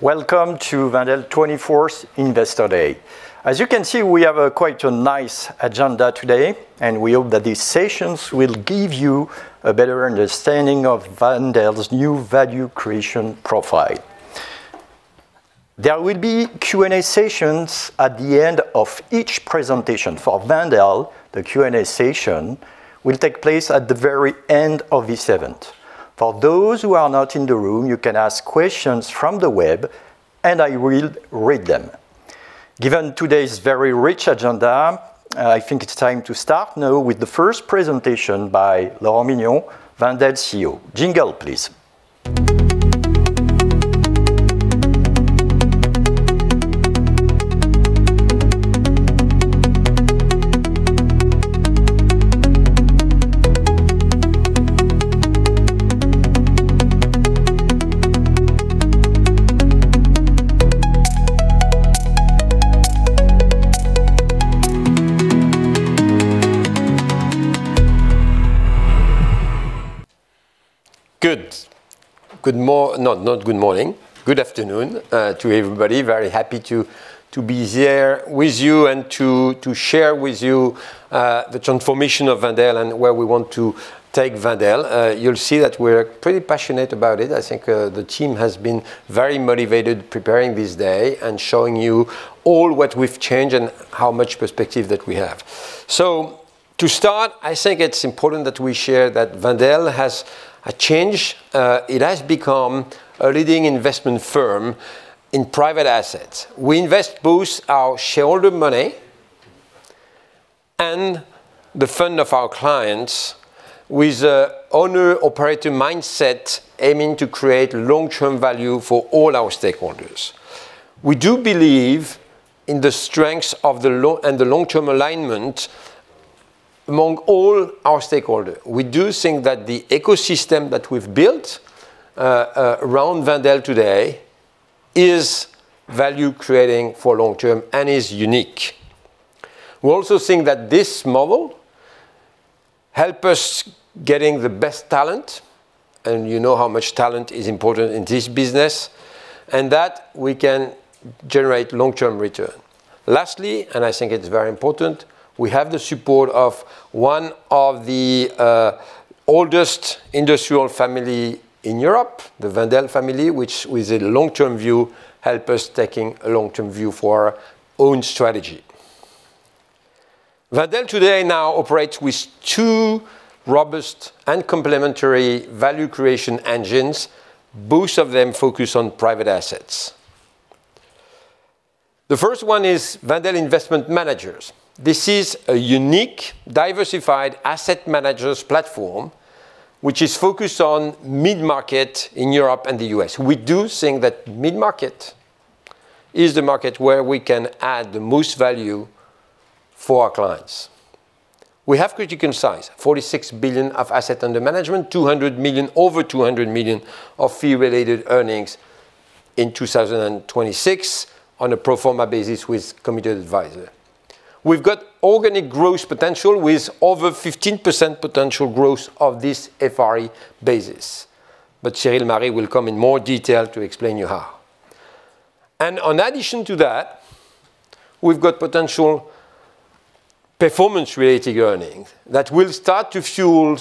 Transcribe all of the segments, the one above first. Welcome to Wendel 24th Investor Day. As you can see, we have quite a nice agenda today, and we hope that these sessions will give you a better understanding of Wendel's new value creation profile. There will be Q&A sessions at the end of each presentation. For Wendel, the Q&A session will take place at the very end of this event. For those who are not in the room, you can ask questions from the web, and I will read them. Given today's very rich agenda, I think it's time to start now with the first presentation by Laurent Mignon, Wendel CEO. Jingle, please. Good. Good morning. Not good morning. Good afternoon to everybody. Very happy to be here with you and to share with you the transformation of Wendel and where we want to take Wendel. You'll see that we're pretty passionate about it. I think the team has been very motivated preparing this day and showing you all what we've changed and how much perspective that we have. To start, I think it's important that we share that Wendel has changed. It has become a leading investment firm in private assets. We invest both our shareholder money and the fund of our clients with an owner-operator mindset aiming to create long-term value for all our stakeholders. We do believe in the strengths and the long-term alignment among all our stakeholders. We do think that the ecosystem that we've built around Wendel today is value-creating for long-term and is unique. We also think that this model helps us get the best talent, and you know how much talent is important in this business, and that we can generate long-term return. Lastly, and I think it's very important, we have the support of one of the oldest industrial families in Europe, the Wendel family, which, with a long-term view, helps us take a long-term view for our own strategy. Wendel today now operates with two robust and complementary value creation engines, both of them focused on private assets. The first one is Wendel Investment Managers. This is a unique, diversified asset managers platform which is focused on mid-market in Europe and the U.S. We do think that mid-market is the market where we can add the most value for our clients. We have critical size: €46 billion of assets under management, over €200 million of fee-related earnings in 2026 on a pro forma basis with Committed Advisors. We've got organic growth potential with over 15% potential growth of this FRE basis. But Cyril Marie will come in more detail to explain you how. And in addition to that, we've got potential performance-related earnings that will start to fuel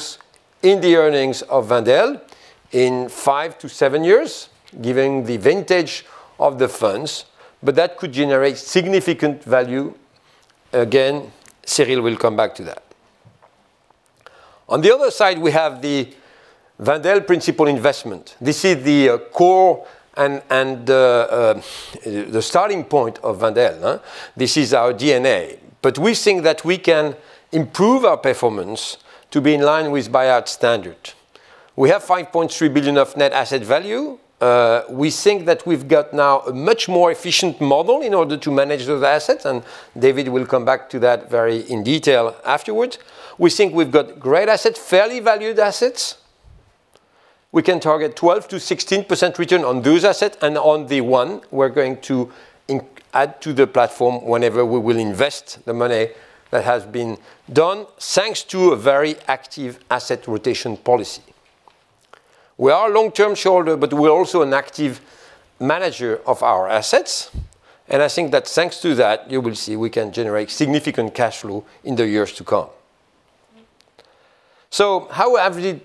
the earnings of Wendel in five to seven years, given the vintage of the funds, but that could generate significant value. Again, Cyril will come back to that. On the other side, we have the Wendel Principal Investment. This is the core and the starting point of Wendel. This is our DNA. But we think that we can improve our performance to be in line with buyout standard. We have €5.3 billion of net asset value. We think that we've got now a much more efficient model in order to manage those assets, and David will come back to that very in detail afterwards. We think we've got great assets, fairly valued assets. We can target 12%-16% return on those assets, and on the one, we're going to add to the platform whenever we will invest the money that has been done, thanks to a very active asset rotation policy. We are a long-term shareholder, but we're also an active manager of our assets. And I think that thanks to that, you will see we can generate significant cash flow in the years to come. So how have we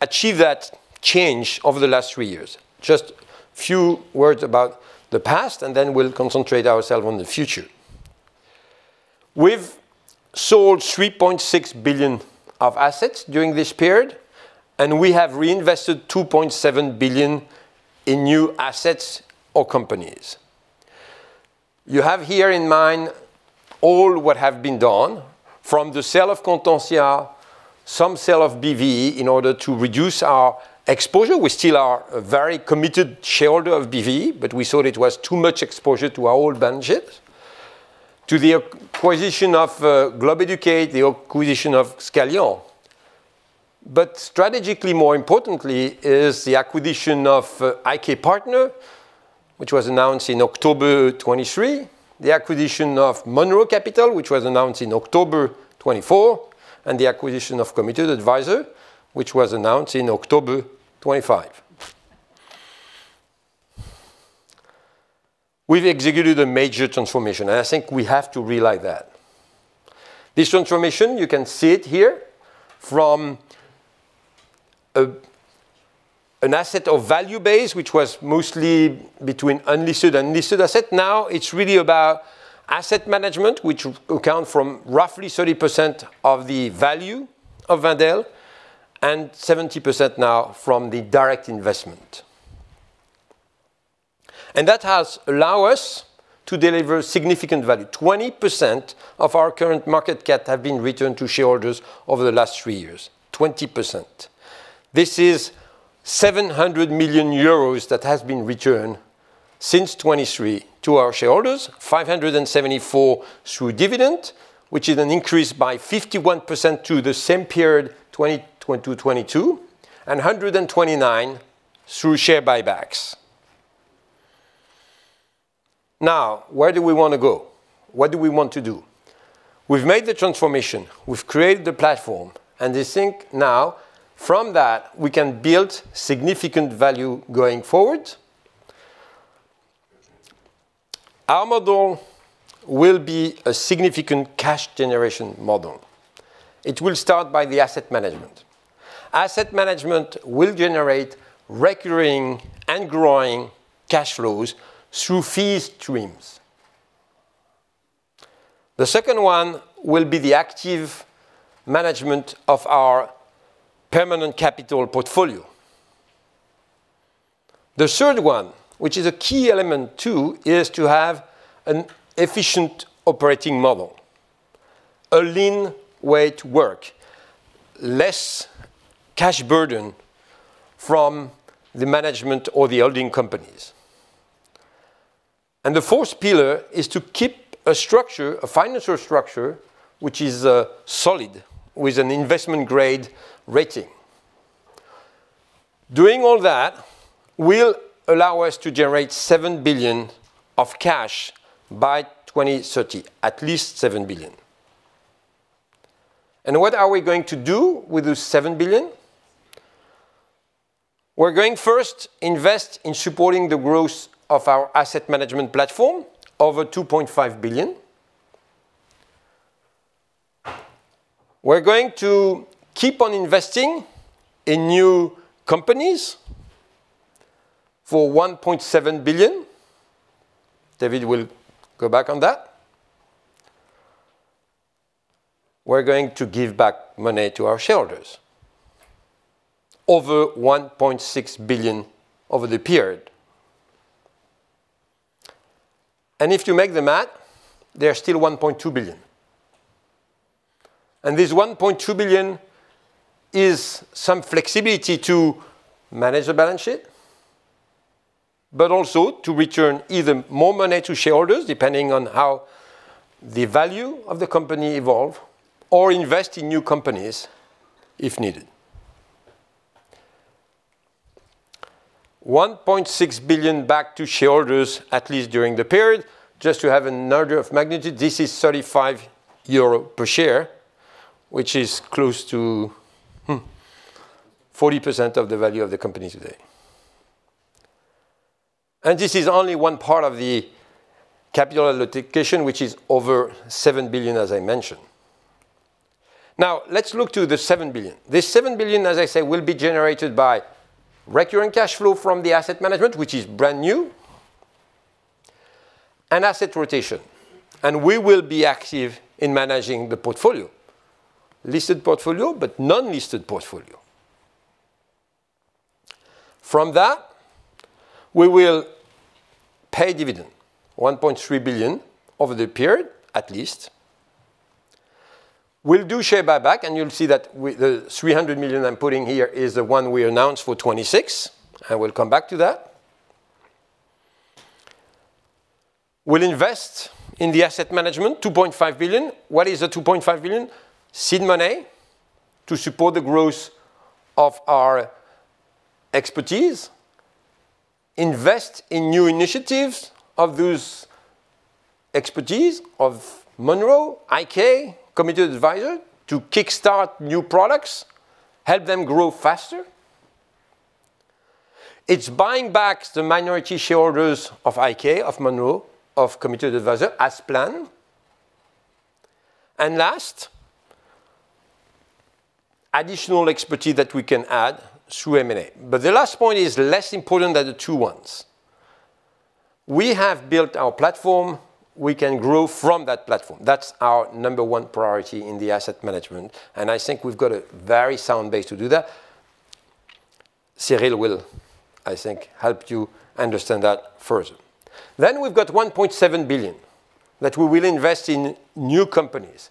achieved that change over the last three years? Just a few words about the past, and then we'll concentrate ourselves on the future. We've sold €3.6 billion of assets during this period, and we have reinvested €2.7 billion in new assets or companies. You have here in mind all what has been done from the sale of Constantia, some sale of BV in order to reduce our exposure. We still are a very committed shareholder of BV, but we thought it was too much exposure to our old balance sheets, to the acquisition of Globeducate, the acquisition of Scalian. But strategically, more importantly, is the acquisition of IK Partners, which was announced in October 2023, the acquisition of Monroe Capital, which was announced in October 2024, and the acquisition of Committed Advisors, which was announced in October 2025. We've executed a major transformation, and I think we have to realize that. This transformation, you can see it here, from an asset value base, which was mostly between unlisted and listed assets. Now it's really about asset management, which accounts for roughly 30% of the value of Wendel and 70% now from the direct investment. And that has allowed us to deliver significant value. 20% of our current market cap has been returned to shareholders over the last three years. 20%. This is €700 million that has been returned since 2023 to our shareholders, €574 through dividends, which is an increase by 51% to the same period, 2022-2022, and €129 through share buybacks. Now, where do we want to go? What do we want to do? We've made the transformation. We've created the platform. And I think now from that, we can build significant value going forward. Our model will be a significant cash generation model. It will start by the asset management. Asset management will generate recurring and growing cash flows through fee streams. The second one will be the active management of our permanent capital portfolio. The third one, which is a key element too, is to have an efficient operating model, a lean way to work, less cash burden from the management or the holding companies. The fourth pillar is to keep a structure, a financial structure, which is solid with an investment-grade rating. Doing all that will allow us to generate 7 billion of cash by 2030, at least 7 billion. What are we going to do with those 7 billion? We're going to first invest in supporting the growth of our asset management platform, over 2.5 billion. We're going to keep on investing in new companies for 1.7 billion. David will go back on that. We're going to give back money to our shareholders, over 1.6 billion over the period. If you make the math, there's still 1.2 billion. This 1.2 billion is some flexibility to manage the balance sheet, but also to return either more money to shareholders, depending on how the value of the company evolves, or invest in new companies if needed. 1.6 billion back to shareholders, at least during the period. Just to have an idea of magnitude, this is 35 euro per share, which is close to 40% of the value of the company today. This is only one part of the capital allocation, which is over 7 billion, as I mentioned. Now, let's look to the 7 billion. This 7 billion, as I say, will be generated by recurring cash flow from the asset management, which is brand new, and asset rotation. We will be active in managing the portfolio, listed portfolio, but non-listed portfolio. From that, we will pay dividend, 1.3 billion over the period, at least. We'll do share buyback, and you'll see that the 300 million I'm putting here is the one we announced for 2026. I will come back to that. We'll invest in the asset management 2.5 billion. What is the 2.5 billion? Seed money to support the growth of our expertise. Invest in new initiatives of those expertise of Monroe, IK, Committed Advisors to kickstart new products, help them grow faster. It's buying back the minority shareholders of IK, of Monroe, of Committed Advisors, as planned, and last, additional expertise that we can add through M&A. But the last point is less important than the two ones. We have built our platform. We can grow from that platform. That's our number one priority in the asset management. And I think we've got a very sound base to do that. Cyril will, I think, help you understand that further. Then we've got 1.7 billion that we will invest in new companies.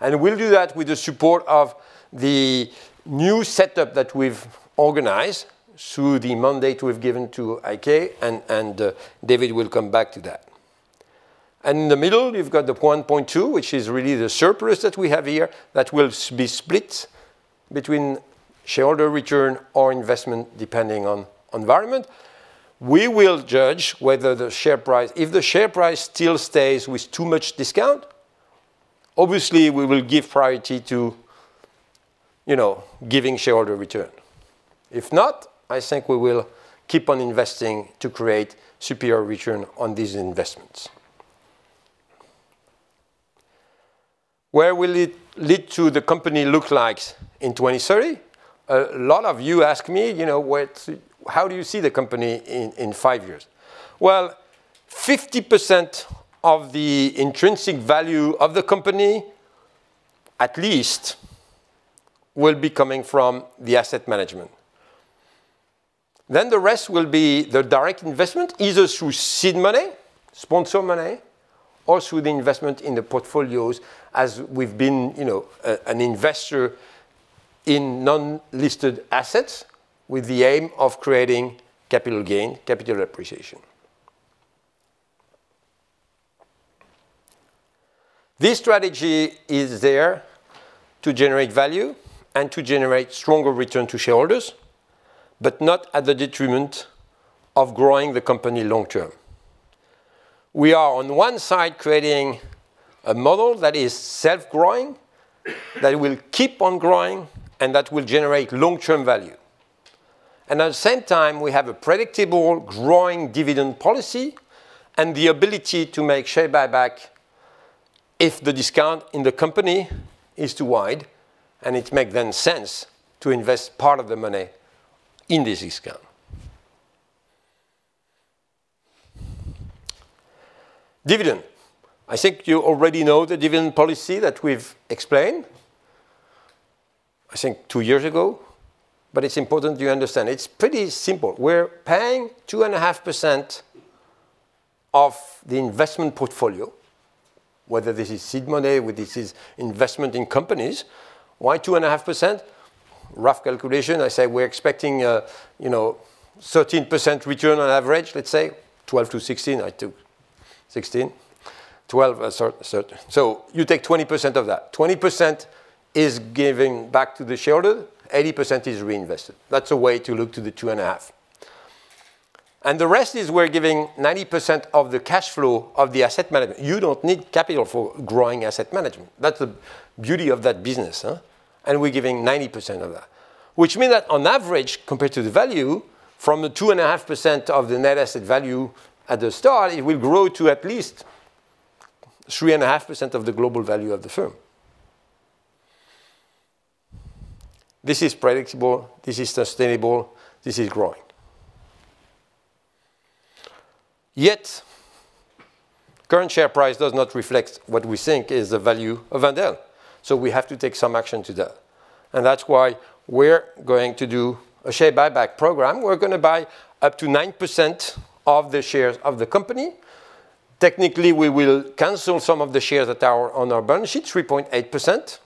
And we'll do that with the support of the new setup that we've organized through the mandate we've given to IK, and David will come back to that. And in the middle, you've got the 1.2 billion, which is really the surplus that we have here that will be split between shareholder return or investment, depending on environment. We will judge whether the share price, if the share price still stays with too much discount, obviously, we will give priority to giving shareholder return. If not, I think we will keep on investing to create superior return on these investments. Where will it lead to the company look like in 2030? A lot of you ask me, how do you see the company in five years? 50% of the intrinsic value of the company, at least, will be coming from the asset management. Then the rest will be the direct investment, either through seed money, sponsor money, or through the investment in the portfolios, as we've been an investor in non-listed assets with the aim of creating capital gain, capital appreciation. This strategy is there to generate value and to generate stronger return to shareholders, but not at the detriment of growing the company long-term. We are, on one side, creating a model that is self-growing, that will keep on growing, and that will generate long-term value. And at the same time, we have a predictable growing dividend policy and the ability to make share buyback if the discount in the company is too wide, and it makes then sense to invest part of the money in this discount. Dividend. I think you already know the dividend policy that we've explained, I think, two years ago, but it's important you understand. It's pretty simple. We're paying 2.5% of the investment portfolio, whether this is seed money or this is investment in companies. Why 2.5%? Rough calculation, I say we're expecting 13% return on average, let's say, 12%-16%. I took 16. 12, sorry. So you take 20% of that. 20% is giving back to the shareholders. 80% is reinvested. That's a way to look to the 2.5, and the rest is we're giving 90% of the cash flow of the asset management. You don't need capital for growing asset management. That's the beauty of that business. And we're giving 90% of that, which means that on average, compared to the value from the 2.5% of the net asset value at the start, it will grow to at least 3.5% of the global value of the firm. This is predictable. This is sustainable. This is growing. Yet current share price does not reflect what we think is the value of Wendel. So we have to take some action to that. And that's why we're going to do a share buyback program. We're going to buy up to 9% of the shares of the company. Technically, we will cancel some of the shares that are on our balance sheet, 3.8%.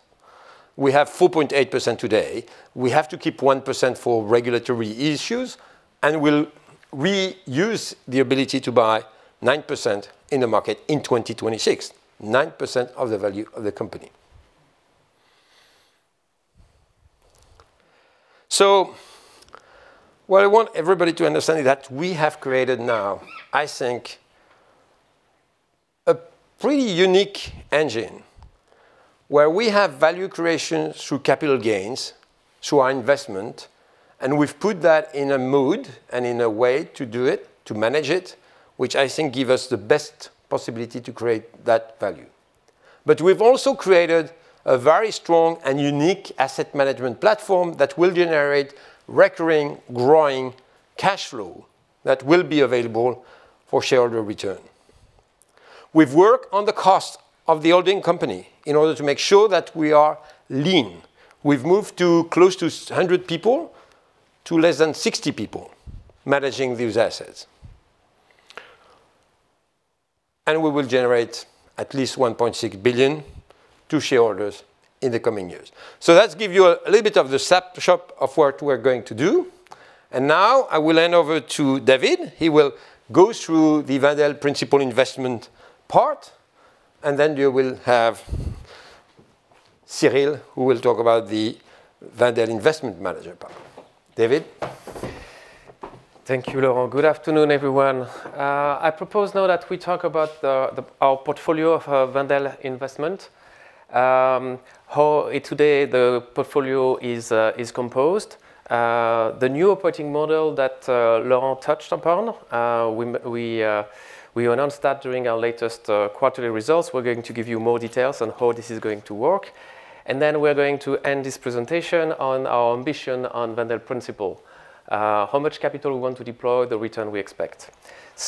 We have 4.8% today. We have to keep 1% for regulatory issues. And we'll reuse the ability to buy 9% in the market in 2026, 9% of the value of the company. So what I want everybody to understand is that we have created now, I think, a pretty unique engine where we have value creation through capital gains, through our investment. And we've put that in a mode and in a way to do it, to manage it, which I think gives us the best possibility to create that value. But we've also created a very strong and unique asset management platform that will generate recurring, growing cash flow that will be available for shareholder return. We've worked on the cost of the holding company in order to make sure that we are lean. We've moved close to 100 people to less than 60 people managing these assets. And we will generate at least €1.6 billion to shareholders in the coming years. So that's gives you a little bit of the snapshot of what we're going to do. Now I will hand over to David. He will go through the Wendel Principal Investment part, and then you will have Cyril, who will talk about the Wendel Investment Managers part. David. Thank you, Laurent. Good afternoon, everyone. I propose now that we talk about our portfolio of Wendel investments, how today the portfolio is composed. The new operating model that Laurent touched upon. We announced that during our latest quarterly results. We're going to give you more details on how this is going to work, and then we're going to end this presentation on our ambition on Wendel Principal Investment, how much capital we want to deploy, the return we expect.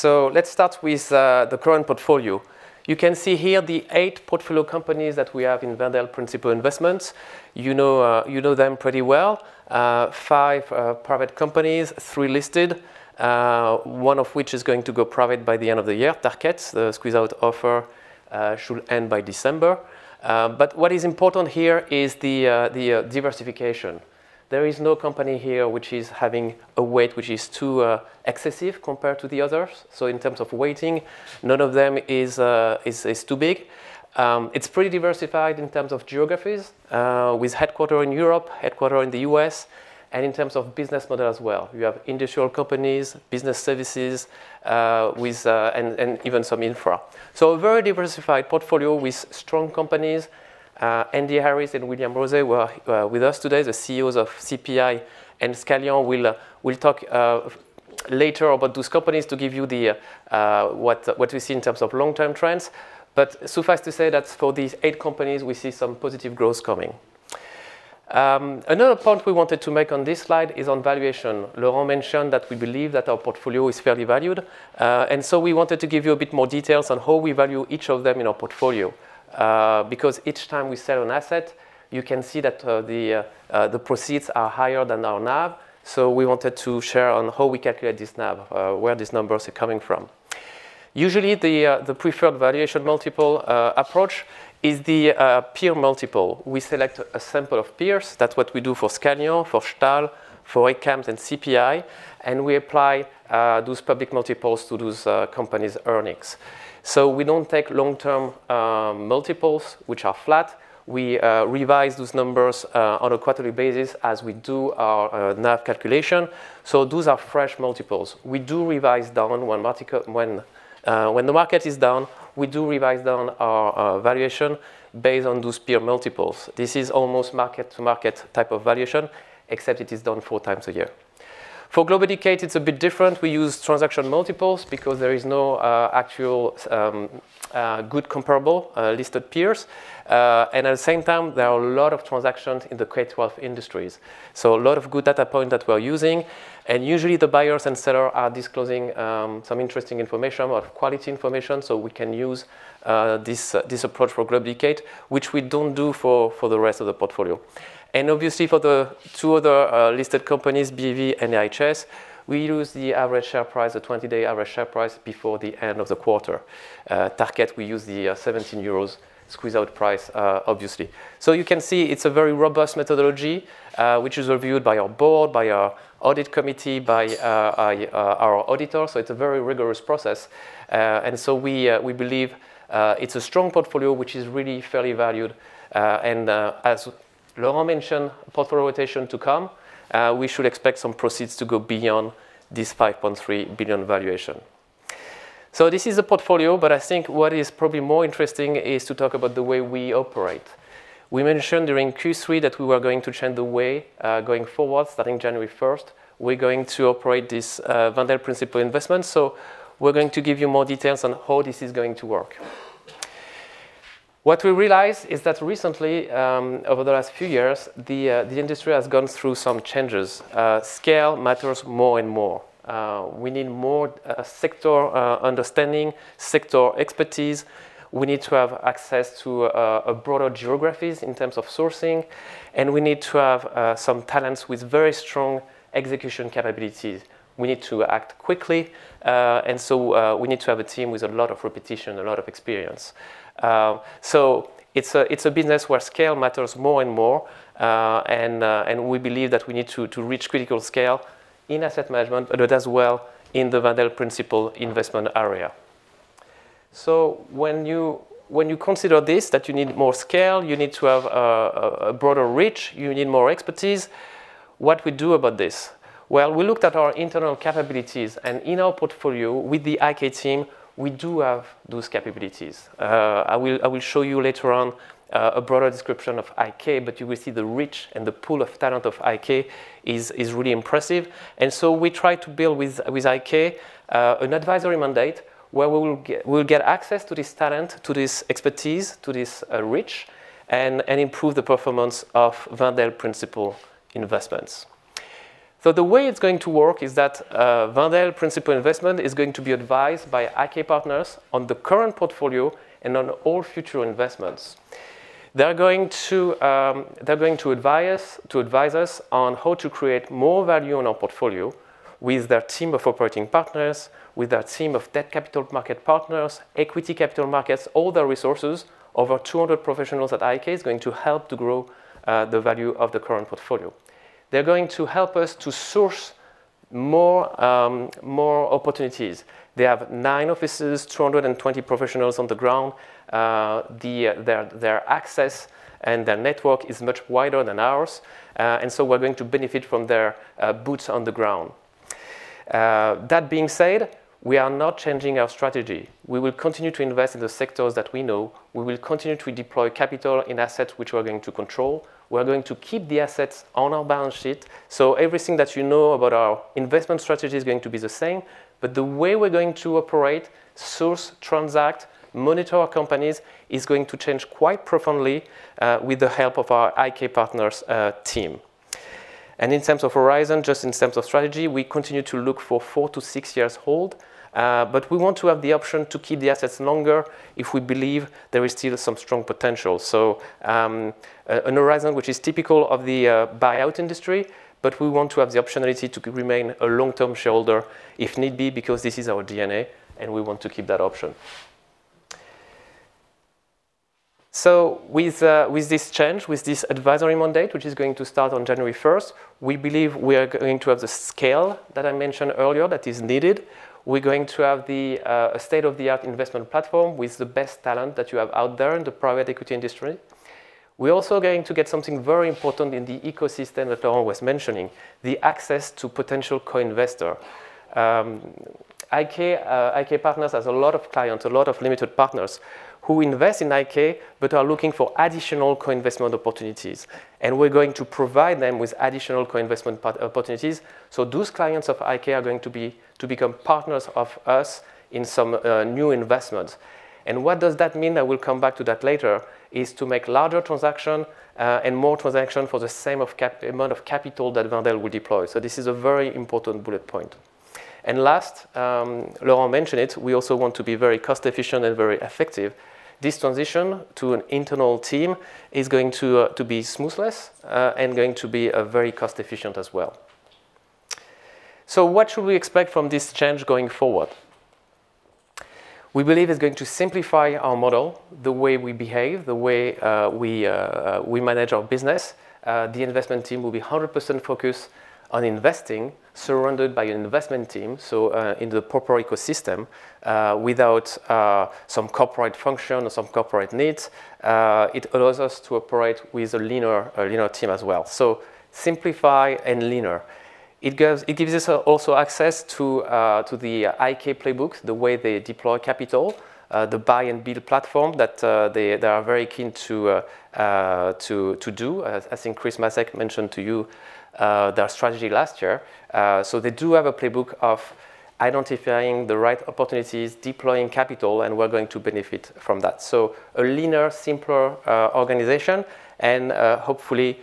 Let's start with the current portfolio. You can see here the eight portfolio companies that we have in Wendel Principal Investments. You know them pretty well. Five private companies, three listed, one of which is going to go private by the end of the year. Tarkett, the squeeze-out offer should end by December. But what is important here is the diversification. There is no company here which is having a weight which is too excessive compared to the others. So in terms of weighting, none of them is too big. It's pretty diversified in terms of geographies, with headquarters in Europe, headquarters in the US, and in terms of business model as well. You have industrial companies, business services, and even some infra. So a very diversified portfolio with strong companies. Andee Harris and William Rozé were with us today, the CEOs of CPI and Scalian. We'll talk later about those companies to give you what we see in terms of long-term trends. Suffice to say that for these eight companies, we see some positive growth coming. Another point we wanted to make on this slide is on valuation. Laurent mentioned that we believe that our portfolio is fairly valued. We wanted to give you a bit more details on how we value each of them in our portfolio. Because each time we sell an asset, you can see that the proceeds are higher than our NAV. We wanted to share on how we calculate this NAV, where these numbers are coming from. Usually, the preferred valuation multiple approach is the peer multiple. We select a sample of peers. That's what we do for Scalian, for Stahl, for ACAMS, and CPI. We apply those public multiples to those companies' earnings. We don't take long-term multiples, which are flat. We revise those numbers on a quarterly basis as we do our NAV calculation. So those are fresh multiples. We do revise down when the market is down. We do revise down our valuation based on those peer multiples. This is almost mark-to-market type of valuation, except it is done four times a year. For Globeducate, it's a bit different. We use transaction multiples because there is no actual good comparable listed peers. And at the same time, there are a lot of transactions in the K-12 industries. So a lot of good data points that we're using. And usually, the buyers and sellers are disclosing some interesting information or quality information. So we can use this approach for Globeducate, which we don't do for the rest of the portfolio. Obviously, for the two other listed companies, BV and IHS, we use the average share price, the 20-day average share price before the end of the quarter. Tarkett, we use the €17 squeeze-out price, obviously. You can see it's a very robust methodology, which is reviewed by our board, by our audit committee, by our auditors. It's a very rigorous process. We believe it's a strong portfolio, which is really fairly valued. As Laurent mentioned, portfolio rotation to come, we should expect some proceeds to go beyond this €5.3 billion valuation. This is the portfolio. I think what is probably more interesting is to talk about the way we operate. We mentioned during Q3 that we were going to change the way going forward. Starting January 1st, we're going to operate this Wendel principal investment. So we're going to give you more details on how this is going to work. What we realized is that recently, over the last few years, the industry has gone through some changes. Scale matters more and more. We need more sector understanding, sector expertise. We need to have access to broader geographies in terms of sourcing. And we need to have some talents with very strong execution capabilities. We need to act quickly. And so we need to have a team with a lot of repetition, a lot of experience. So it's a business where scale matters more and more. And we believe that we need to reach critical scale in asset management, but as well in the Wendel principal investment area. So when you consider this, that you need more scale, you need to have a broader reach, you need more expertise, what we do about this? We looked at our internal capabilities. In our portfolio, with the IK team, we do have those capabilities. I will show you later on a broader description of IK, but you will see the reach and the pool of talent of IK is really impressive. We try to build with IK an advisory mandate where we will get access to this talent, to this expertise, to this reach, and improve the performance of Wendel principal investments. The way it's going to work is that Wendel principal investment is going to be advised by IK Partners on the current portfolio and on all future investments. They're going to advise us on how to create more value on our portfolio with their team of operating partners, with their team of debt capital market partners, equity capital markets, all their resources. Over 200 professionals at IK is going to help to grow the value of the current portfolio. They're going to help us to source more opportunities. They have nine offices, 220 professionals on the ground. Their access and their network is much wider than ours. And so we're going to benefit from their boots on the ground. That being said, we are not changing our strategy. We will continue to invest in the sectors that we know. We will continue to deploy capital in assets which we're going to control. We're going to keep the assets on our balance sheet. So everything that you know about our investment strategy is going to be the same. But the way we're going to operate, source, transact, monitor our companies is going to change quite profoundly with the help of our IK Partners team. And in terms of horizon, just in terms of strategy, we continue to look for four to six years hold. But we want to have the option to keep the assets longer if we believe there is still some strong potential. So an horizon which is typical of the buyout industry. But we want to have the optionality to remain a long-term shareholder if need be because this is our DNA, and we want to keep that option. So with this change, with this advisory mandate, which is going to start on January 1st, we believe we are going to have the scale that I mentioned earlier that is needed. We're going to have the state-of-the-art investment platform with the best talent that you have out there in the private equity industry. We're also going to get something very important in the ecosystem that Laurent was mentioning, the access to potential co-investors. IK Partners has a lot of clients, a lot of limited partners who invest in IK but are looking for additional co-investment opportunities. We're going to provide them with additional co-investment opportunities. Those clients of IK are going to become partners of us in some new investments. What does that mean? I will come back to that later; it is to make larger transactions and more transactions for the same amount of capital that Wendel will deploy. This is a very important bullet point. Last, Laurent mentioned it; we also want to be very cost-efficient and very effective. This transition to an internal team is going to be seamless and going to be very cost-efficient as well. So what should we expect from this change going forward? We believe it's going to simplify our model, the way we behave, the way we manage our business. The investment team will be 100% focused on investing, surrounded by an investment team, so in the proper ecosystem, without some corporate function or some corporate needs. It allows us to operate with a leaner team as well. So simplify and leaner. It gives us also access to the IK playbook, the way they deploy capital, the buy and build platform that they are very keen to do, as I think Chris Masek mentioned to you their strategy last year. So they do have a playbook of identifying the right opportunities, deploying capital, and we're going to benefit from that. So a leaner, simpler organization and hopefully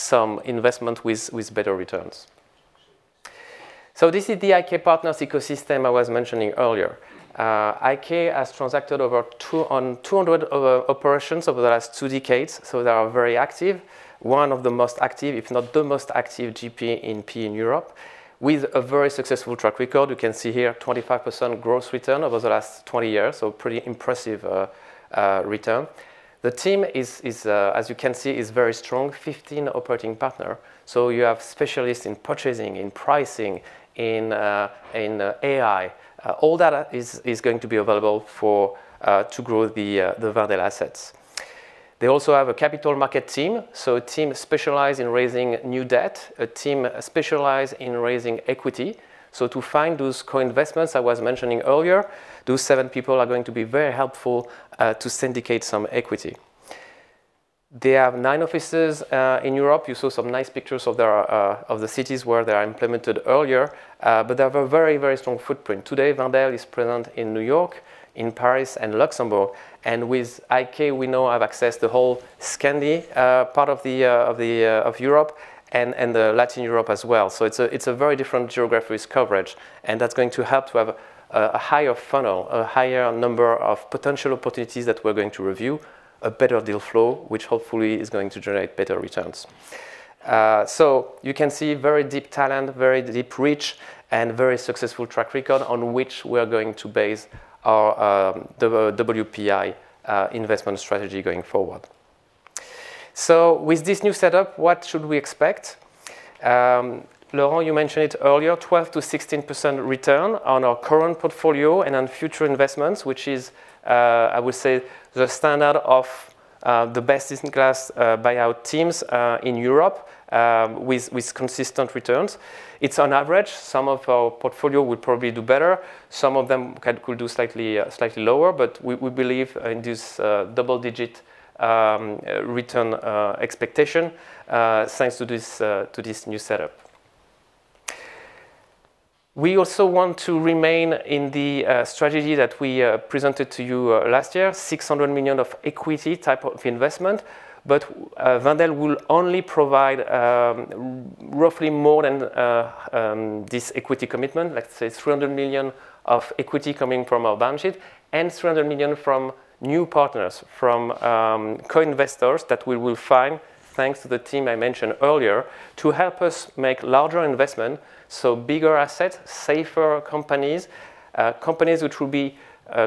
some investment with better returns. This is the IK Partners ecosystem I was mentioning earlier. IK has transacted over 200 operations over the last two decades. They are very active. One of the most active, if not the most active GP in Europe with a very successful track record. You can see here 25% gross return over the last 20 years. Pretty impressive return. The team is, as you can see, very strong, 15 operating partners. You have specialists in purchasing, in pricing, in AI. All that is going to be available to grow the Wendel assets. They also have a capital market team, so a team specialized in raising new debt, a team specialized in raising equity. To find those co-investments I was mentioning earlier, those seven people are going to be very helpful to syndicate some equity. They have nine offices in Europe. You saw some nice pictures of the cities where they are implemented earlier. But they have a very, very strong footprint. Today, Wendel is present in New York, in Paris, and Luxembourg. And with IK, we now have access to the whole Scandi part of Europe and Latin Europe as well. So it's a very different geography's coverage. And that's going to help to have a higher funnel, a higher number of potential opportunities that we're going to review, a better deal flow, which hopefully is going to generate better returns. So you can see very deep talent, very deep reach, and very successful track record on which we're going to base our WPI investment strategy going forward. So with this new setup, what should we expect? Laurent, you mentioned it earlier, 12%-16% return on our current portfolio and on future investments, which is, I would say, the standard of the best-in-class buyout teams in Europe with consistent returns. It's on average. Some of our portfolio will probably do better. Some of them could do slightly lower. But we believe in this double-digit return expectation thanks to this new setup. We also want to remain in the strategy that we presented to you last year, €600 million of equity type of investment. But Wendel will only provide roughly more than this equity commitment, let's say 300 million of equity coming from our balance sheet and 300 million from new partners, from co-investors that we will find thanks to the team I mentioned earlier to help us make larger investments, so bigger assets, safer companies, companies which will be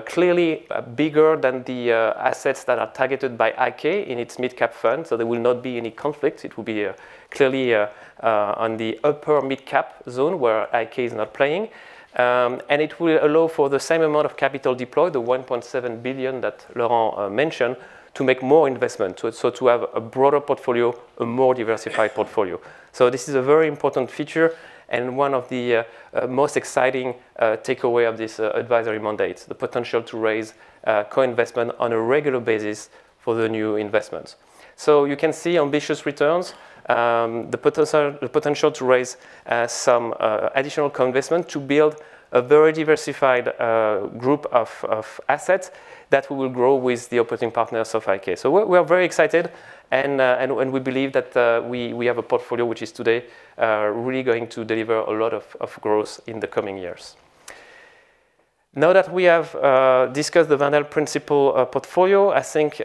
clearly bigger than the assets that are targeted by IK in its mid-cap fund. So there will not be any conflicts. It will be clearly on the upper mid-cap zone where IK is not playing. And it will allow for the same amount of capital deployed, the 1.7 billion that Laurent mentioned, to make more investment, so to have a broader portfolio, a more diversified portfolio. So this is a very important feature and one of the most exciting takeaways of this advisory mandate, the potential to raise co-investment on a regular basis for the new investments. So you can see ambitious returns, the potential to raise some additional co-investment to build a very diversified group of assets that will grow with the operating partners of IK. So we are very excited. And we believe that we have a portfolio which is today really going to deliver a lot of growth in the coming years. Now that we have discussed the Wendel principal portfolio, I think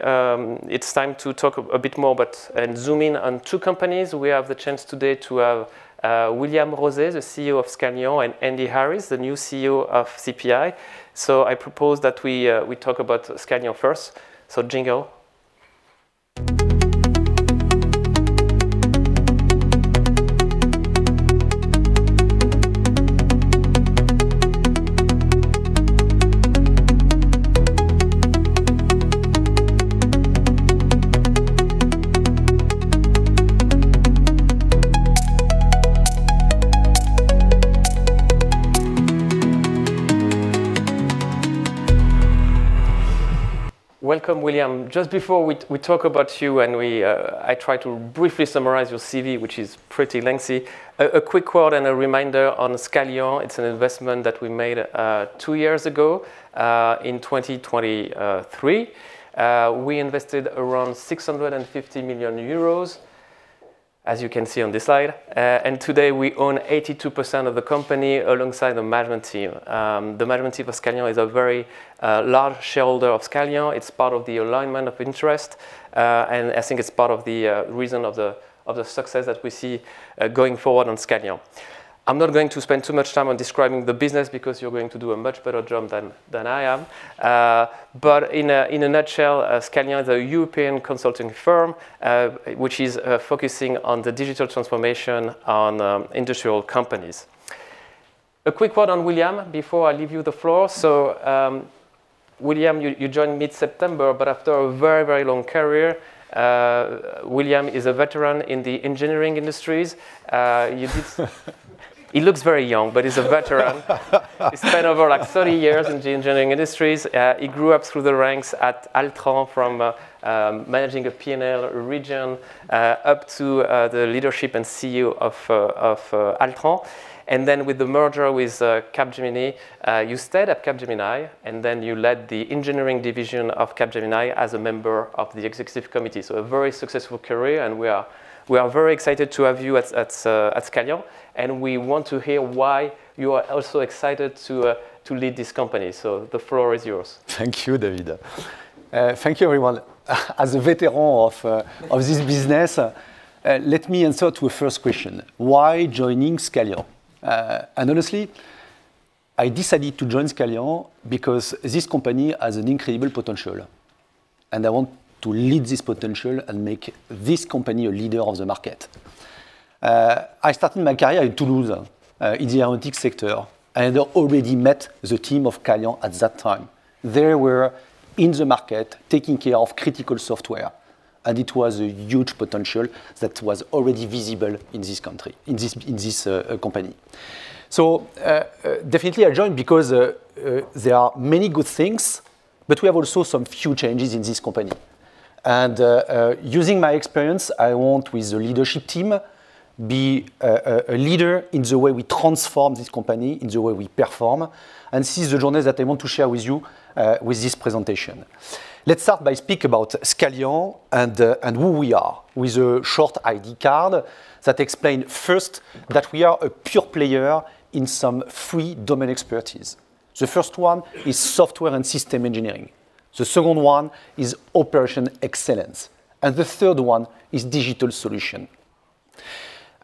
it's time to talk a bit more and zoom in on two companies. We have the chance today to have William Rozé, the CEO of Scalian, and Andee Harris, the new CEO of CPI. So I propose that we talk about Scalian first. So jingle. Welcome, William. Just before we talk about you, I try to briefly summarize your CV, which is pretty lengthy. A quick word and a reminder on Scalian. It's an investment that we made two years ago in 2023. We invested around 650 million euros, as you can see on this slide. And today, we own 82% of the company alongside the management team. The management team of Scalian is a very large shareholder of Scalian. It's part of the alignment of interest. And I think it's part of the reason of the success that we see going forward on Scalian. I'm not going to spend too much time on describing the business because you're going to do a much better job than I am. But in a nutshell, Scalian is a European consulting firm which is focusing on the digital transformation on industrial companies. A quick word on William before I leave you the floor. So William, you joined mid-September. But after a very, very long career, William is a veteran in the engineering industries. He looks very young, but he's a veteran. He spent over 30 years in the engineering industries. He grew up through the ranks at Altran from managing a P&L region up to the leadership and CEO of Altran. And then with the merger with Capgemini, you stayed at Capgemini. And then you led the engineering division of Capgemini as a member of the executive committee. So a very successful career. And we are very excited to have you at Scalian. And we want to hear why you are also excited to lead this company. So the floor is yours. Thank you, David. Thank you, everyone. As a veteran of this business, let me answer to a first question. Why joining Scalian? And honestly, I decided to join Scalian because this company has an incredible potential. And I want to lead this potential and make this company a leader of the market. I started my career in Toulouse, in the aerospace sector. And I already met the team of Scalian at that time. They were in the market taking care of critical software. And it was a huge potential that was already visible in this country, in this company. So definitely, I joined because there are many good things. But we have also some few changes in this company. And using my experience, I want with the leadership team to be a leader in the way we transform this company, in the way we perform. And this is the journey that I want to share with you with this presentation. Let's start by speaking about Scalian and who we are with a short ID card that explains first that we are a pure player in some three domain expertise. The first one is software and system engineering. The second one is operational excellence. And the third one is digital solution.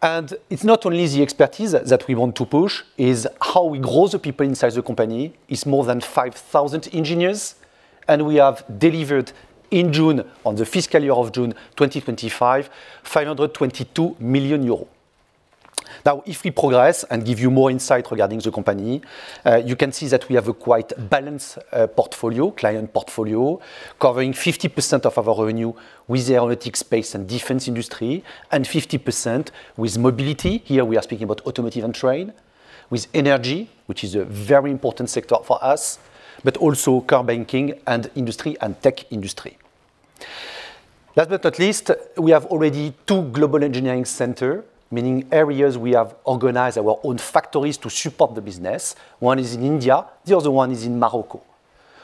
And it's not only the expertise that we want to push. It's how we grow the people inside the company. It's more than 5,000 engineers. And we have delivered in June, on the fiscal year of June 2025, 522 million euros. Now, if we progress and give you more insight regarding the company, you can see that we have a quite balanced portfolio, client portfolio, covering 50% of our revenue with the Aerospace and defense industry and 50% with mobility. Here we are speaking about automotive and train, with energy, which is a very important sector for us, but also Core banking and industry and tech industry. Last but not least, we have already two global engineering centers, meaning areas we have organized our own factories to support the business. One is in India. The other one is in Morocco.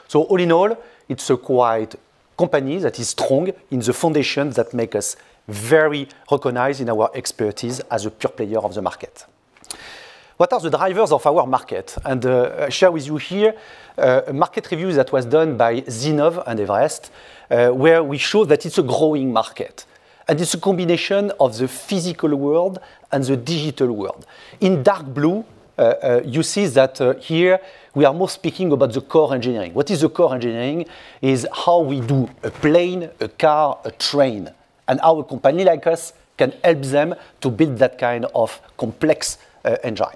So all in all, it's a quite company that is strong in the foundations that make us very recognized in our expertise as a pure player of the market. What are the drivers of our market? And I share with you here a market review that was done by Zinnov and Everest, where we show that it's a growing market. And it's a combination of the physical world and the digital world. In dark blue, you see that here we are more speaking about the core engineering. What is the core engineering? It's how we do a plane, a car, a train, and how a company like us can help them to build that kind of complex engine.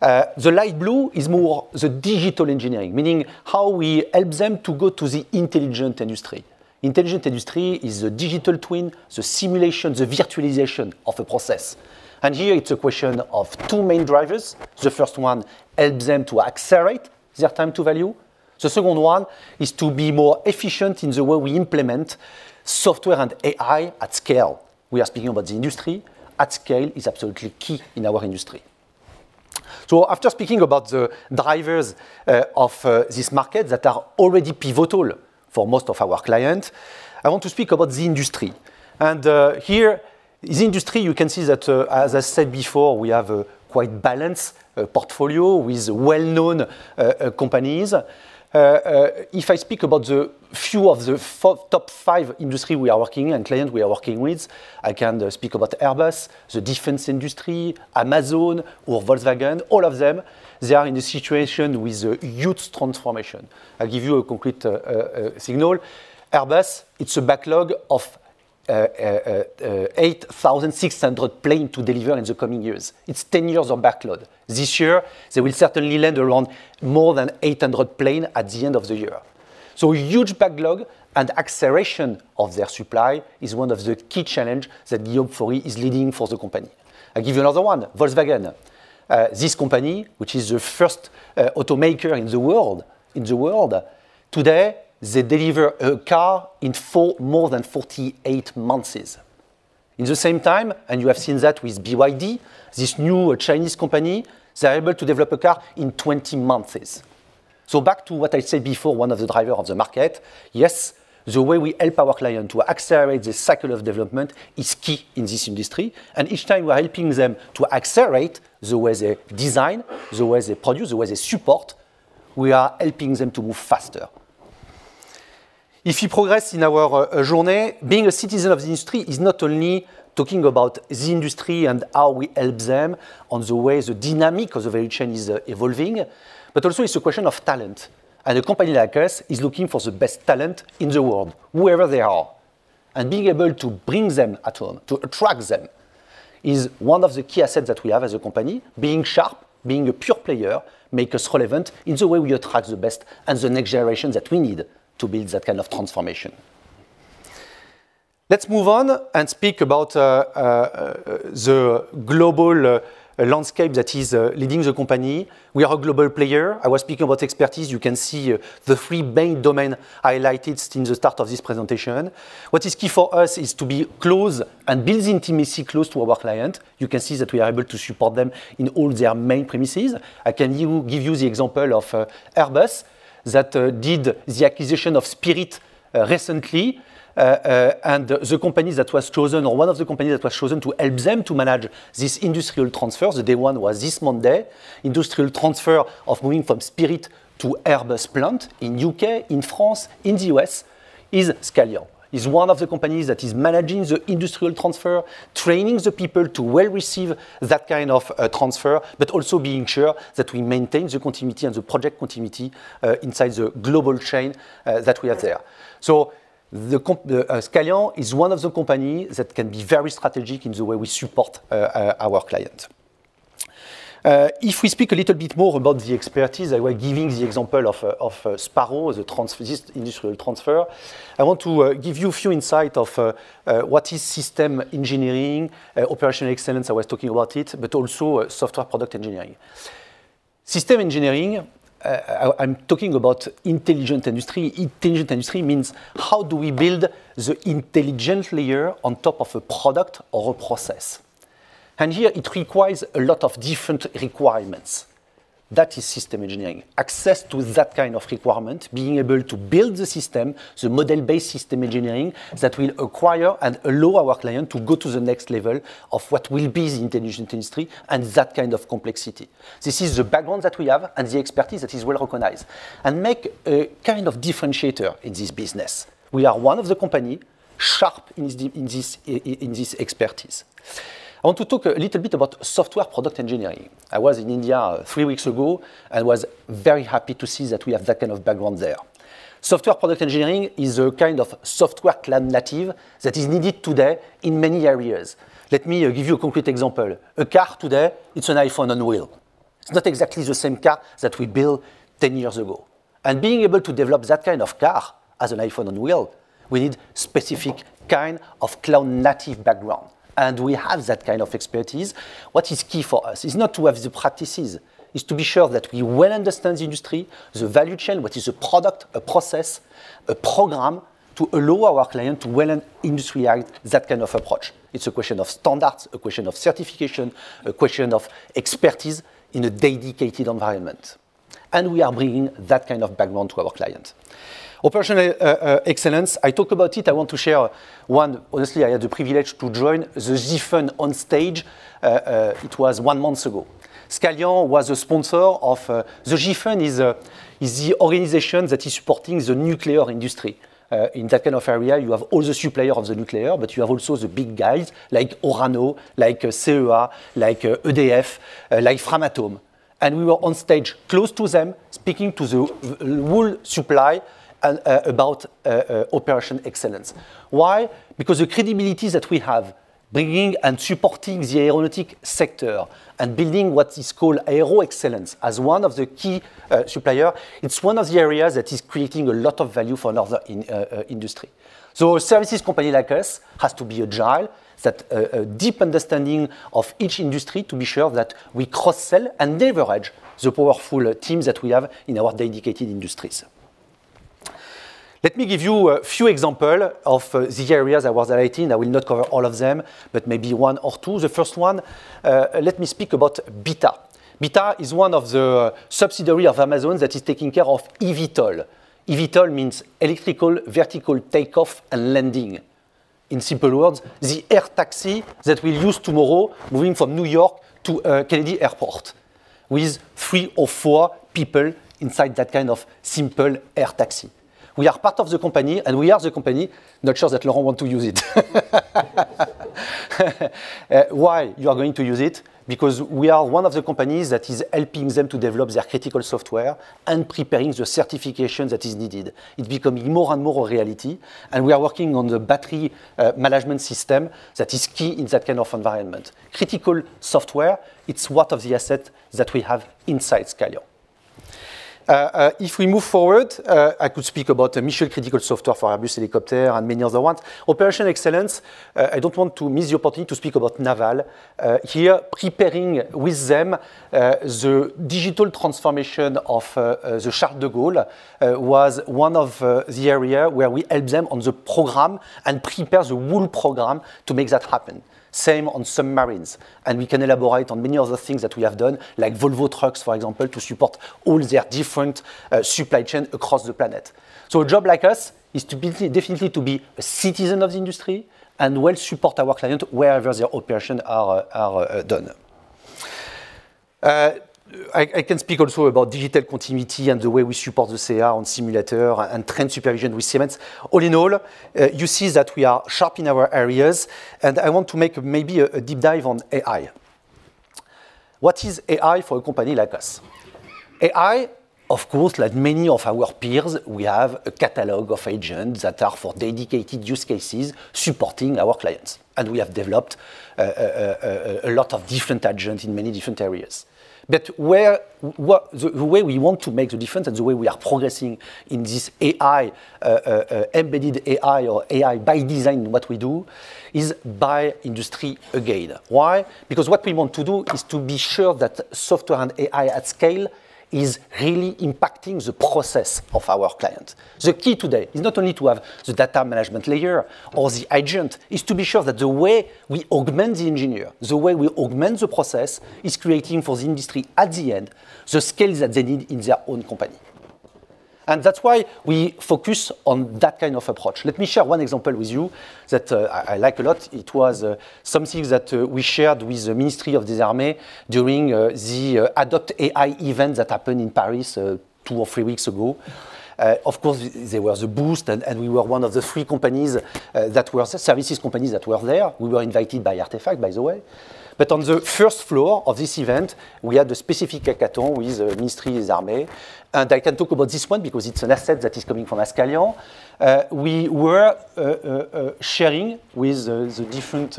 The light blue is more the digital engineering, meaning how we help them to go to the intelligent industry. Intelligent industry is the digital twin, the simulation, the virtualization of a process. And here, it's a question of two main drivers. The first one helps them to accelerate their time to value. The second one is to be more efficient in the way we implement software and AI at scale. We are speaking about the industry. At scale is absolutely key in our industry. So after speaking about the drivers of this market that are already pivotal for most of our clients, I want to speak about the industry. Here, in the industry, you can see that, as I said before, we have a quite balanced portfolio with well-known companies. If I speak about a few of the top five industries we are working and clients we are working with, I can speak about Airbus, the defense industry, Amazon, or Volkswagen. All of them, they are in a situation with a huge transformation. I'll give you a concrete signal. Airbus, it's a backlog of 8,600 planes to deliver in the coming years. It's 10 years of backlog. This year, they will certainly land around more than 800 planes at the end of the year. So a huge backlog and acceleration of their supply is one of the key challenges that Guillaume Faury is leading for the company. I'll give you another one, Volkswagen. This company, which is the first automaker in the world, today they deliver a car in more than 48 months. In the same time, and you have seen that with BYD, this new Chinese company, they're able to develop a car in 20 months. So back to what I said before, one of the drivers of the market, yes, the way we help our clients to accelerate the cycle of development is key in this industry. And each time we are helping them to accelerate the way they design, the way they produce, the way they support, we are helping them to move faster. If you progress in our journey, being a citizen of the industry is not only talking about the industry and how we help them on the way the dynamic of the value chain is evolving, but also it's a question of talent. And a company like us is looking for the best talent in the world, wherever they are. And being able to bring them at home, to attract them, is one of the key assets that we have as a company. Being sharp, being a pure player, makes us relevant in the way we attract the best and the next generation that we need to build that kind of transformation. Let's move on and speak about the global landscape that is leading the company. We are a global player. I was speaking about expertise. You can see the three main domains highlighted in the start of this presentation. What is key for us is to be close and build intimacy close to our clients. You can see that we are able to support them in all their main premises. I can give you the example of Airbus that did the acquisition of Spirit recently. The company that was chosen, or one of the companies that was chosen to help them to manage this industrial transfer, the day one was this Monday, industrial transfer of moving from Spirit to Airbus plant in the U.K., in France, in the U.S., is Scalian. It's one of the companies that is managing the industrial transfer, training the people to well receive that kind of transfer, but also being sure that we maintain the continuity and the project continuity inside the global chain that we have there. Scalian is one of the companies that can be very strategic in the way we support our clients. If we speak a little bit more about the expertise, I was giving the example of Safran, the industrial transfer. I want to give you a few insights of what is system engineering, operational excellence. I was talking about it, but also software product engineering. System engineering, I'm talking about intelligent industry. Intelligent industry means how do we build the intelligent layer on top of a product or a process. And here, it requires a lot of different requirements. That is system engineering. Access to that kind of requirement, being able to build the system, the model-based system engineering that will acquire and allow our client to go to the next level of what will be the intelligent industry and that kind of complexity. This is the background that we have and the expertise that is well recognized and makes a kind of differentiator in this business. We are one of the companies sharp in this expertise. I want to talk a little bit about software product engineering. I was in India three weeks ago and was very happy to see that we have that kind of background there. Software product engineering is a kind of software cloud-native that is needed today in many areas. Let me give you a concrete example. A car today, it's an iPhone on wheel. It's not exactly the same car that we built 10 years ago, and being able to develop that kind of car as an iPhone on wheel, we need a specific kind of cloud-native background, and we have that kind of expertise. What is key for us is not to have the practices. It's to be sure that we well understand the industry, the value chain, what is a product, a process, a program to allow our client to well industrialize that kind of approach. It's a question of standards, a question of certification, a question of expertise in a dedicated environment, and we are bringing that kind of background to our clients. Operational excellence, I talk about it. I want to share one. Honestly, I had the privilege to join the GIFEN on stage. It was one month ago. Scalian was a sponsor of the GIFEN. It's the organization that is supporting the nuclear industry. In that kind of area, you have all the suppliers of the nuclear, but you have also the big guys like Orano, like CEA, like EDF, like Framatome, and we were on stage close to them, speaking to the whole supply about operational excellence. Why? Because the credibility that we have bringing and supporting the aerotech sector and building what is called Aero Excellence as one of the key suppliers, it's one of the areas that is creating a lot of value for another industry. So a services company like us has to be agile, that deep understanding of each industry to be sure that we cross-sell and leverage the powerful teams that we have in our dedicated industries. Let me give you a few examples of the areas I was writing. I will not cover all of them, but maybe one or two. The first one, let me speak about Beta. Beta is one of the subsidiaries of Amazon that is taking care of eVTOL. eVTOL means electrical vertical takeoff and landing. In simple words, the air taxi that we'll use tomorrow moving from New York to Kennedy Airport with three or four people inside that kind of simple air taxi. We are part of the company, and we are the company. Not sure that Laurent wants to use it. Why you are going to use it? Because we are one of the companies that is helping them to develop their critical software and preparing the certification that is needed. It's becoming more and more a reality, and we are working on the battery management system that is key in that kind of environment. Critical software. It's one of the assets that we have inside Scalian. If we move forward, I could speak about the mission critical software for Airbus, helicopter, and many other ones. Operational excellence. I don't want to miss the opportunity to speak about Naval. Here, preparing with them the digital transformation of the Charles de Gaulle was one of the areas where we help them on the program and prepare the whole program to make that happen. Same on submarines. And we can elaborate on many other things that we have done, like Volvo Trucks, for example, to support all their different supply chains across the planet. So our job is definitely to be a citizen of the industry and we'll support our clients wherever their operations are done. I can speak also about digital continuity and the way we support the VR on simulator and train supervision with Siemens. All in all, you see that we are sharp in our areas. And I want to make maybe a deep dive on AI. What is AI for a company like us? AI, of course, like many of our peers, we have a catalog of agents that are for dedicated use cases supporting our clients. And we have developed a lot of different agents in many different areas. But the way we want to make the difference and the way we are progressing in this AI, Embedded AI or AI by design, what we do is by industry again. Why? Because what we want to do is to be sure that software and AI at scale is really impacting the process of our clients. The key today is not only to have the data management layer or the agent, it's to be sure that the way we augment the engineer, the way we augment the process is creating for the industry at the end the skills that they need in their own company. That's why we focus on that kind of approach. Let me share one example with you that I like a lot. It was something that we shared with the Ministry of the Army during the Adopt AI event that happened in Paris two or three weeks ago. Of course, there was a boost, and we were one of the three companies that were services companies that were there. We were invited by Artefact, by the way. On the first floor of this event, we had the specific hackathon with the Ministry of the Army. I can talk about this one because it's an asset that is coming from Scalian. We were sharing with the different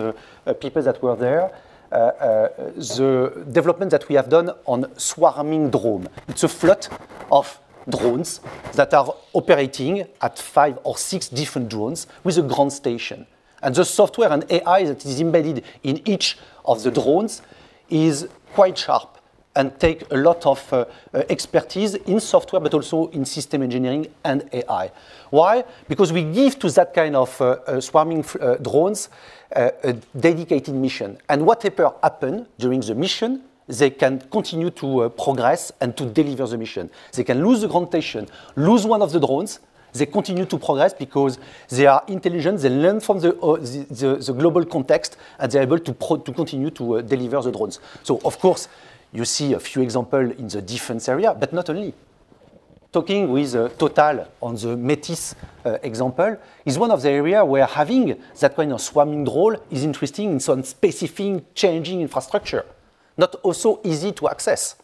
people that were there the development that we have done on swarming drone. It's a swarm of drones that are operating at five or six different drones with a ground station. The software and AI that is embedded in each of the drones is quite sharp and takes a lot of expertise in software, but also in system engineering and AI. Why? Because we give to that kind of swarming drones a dedicated mission. And whatever happened during the mission, they can continue to progress and to deliver the mission. They can lose the ground station, lose one of the drones, they continue to progress because they are intelligent. They learn from the global context, and they're able to continue to deliver the drones. Of course, you see a few examples in the defense area, but not only. Talking with Total on the METIS example is one of the areas where having that kind of swarming drone is interesting in some specific changing infrastructure, not also easy to access,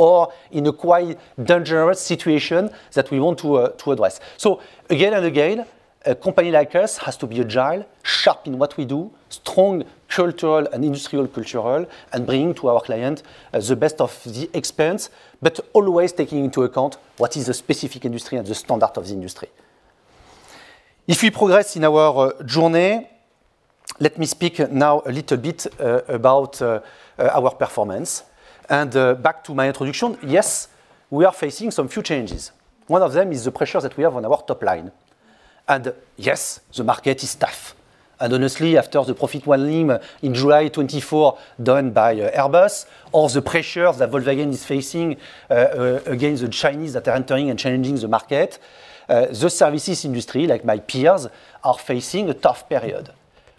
or in a quite dangerous situation that we want to address. So, again and again, a company like us has to be agile, sharp in what we do, strong cultural and industrial culture, and bring to our clients the best of the experience, but always taking into account what is the specific industry and the standard of the industry. If we progress in our journey, let me speak now a little bit about our performance. And back to my introduction, yes, we are facing some few changes. One of them is the pressures that we have on our top line. And yes, the market is tough. And honestly, after the profit warning in July 2024 done by Airbus, or the pressures that Volkswagen is facing against the Chinese that are entering and changing the market, the services industry, like my peers, are facing a tough period.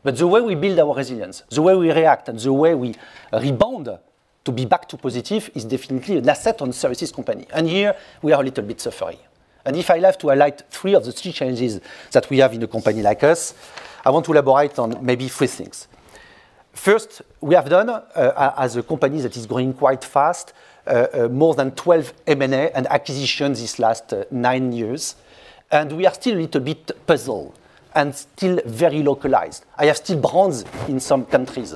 But the way we build our resilience, the way we react, and the way we rebound to be back to positive is definitely an asset on the services company. And here, we are a little bit suffering. And if I have to highlight three of the three changes that we have in a company like us, I want to elaborate on maybe three things. First, we have done, as a company that is growing quite fast, more than 12 M&A and acquisitions these last nine years. And we are still a little bit puzzled and still very localized. I have still brands in some countries.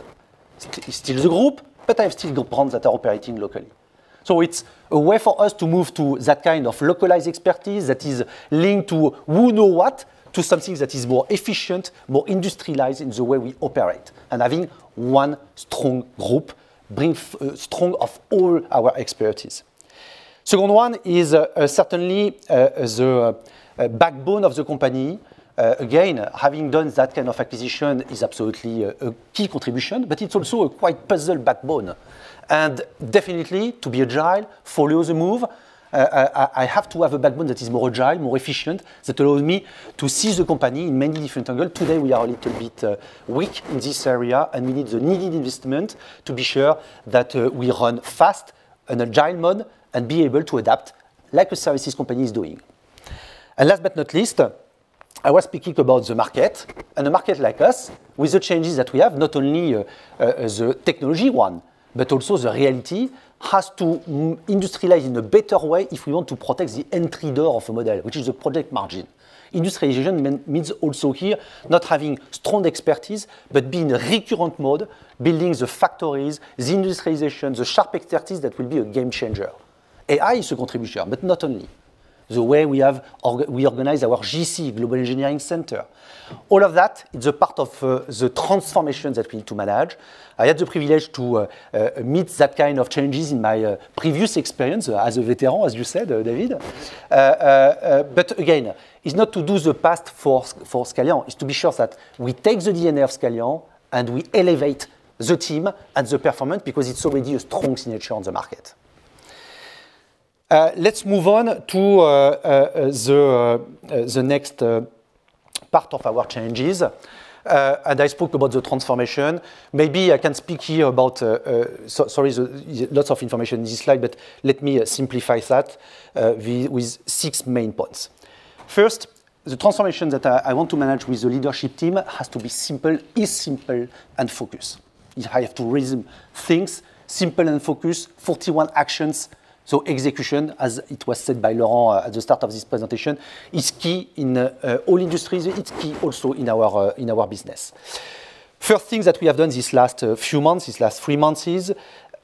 It's still the group, but I have still got brands that are operating locally, so it's a way for us to move to that kind of localized expertise that is linked to who knows what, to something that is more efficient, more industrialized in the way we operate, and having one strong group brings strength of all our expertise. Second one is certainly the backbone of the company. Again, having done that kind of acquisition is absolutely a key contribution, but it's also a quite robust backbone, and definitely, to be agile, follow the move. I have to have a backbone that is more agile, more efficient, that allows me to see the company in many different angles. Today, we are a little bit weak in this area, and we need the needed investment to be sure that we run fast and agile mode and be able to adapt like a services company is doing, and last but not least, I was speaking about the market, and a market like us, with the changes that we have, not only the technology one, but also the reality has to industrialize in a better way if we want to protect the entry door of a model, which is the project margin. Industrialization means also here not having strong expertise, but being a recurrent mode, building the factories, the industrialization, the sharp expertise that will be a game changer. AI is a contributor, but not only. The way we organize our GC, Global Engineering Center. All of that is a part of the transformation that we need to manage. I had the privilege to meet that kind of changes in my previous experience as a veteran, as you said, David. But again, it's not to do the past for Scalian. It's to be sure that we take the DNA of Scalian and we elevate the team and the performance because it's already a strong signature on the market. Let's move on to the next part of our changes. And I spoke about the transformation. Maybe I can speak here about, sorry, lots of information in this slide, but let me simplify that with six main points. First, the transformation that I want to manage with the leadership team has to be simple, is simple, and focused. I have to reason things simple and focused, 41 actions. So execution, as it was said by Laurent at the start of this presentation, is key in all industries. It's key also in our business. First thing that we have done these last few months, these last three months is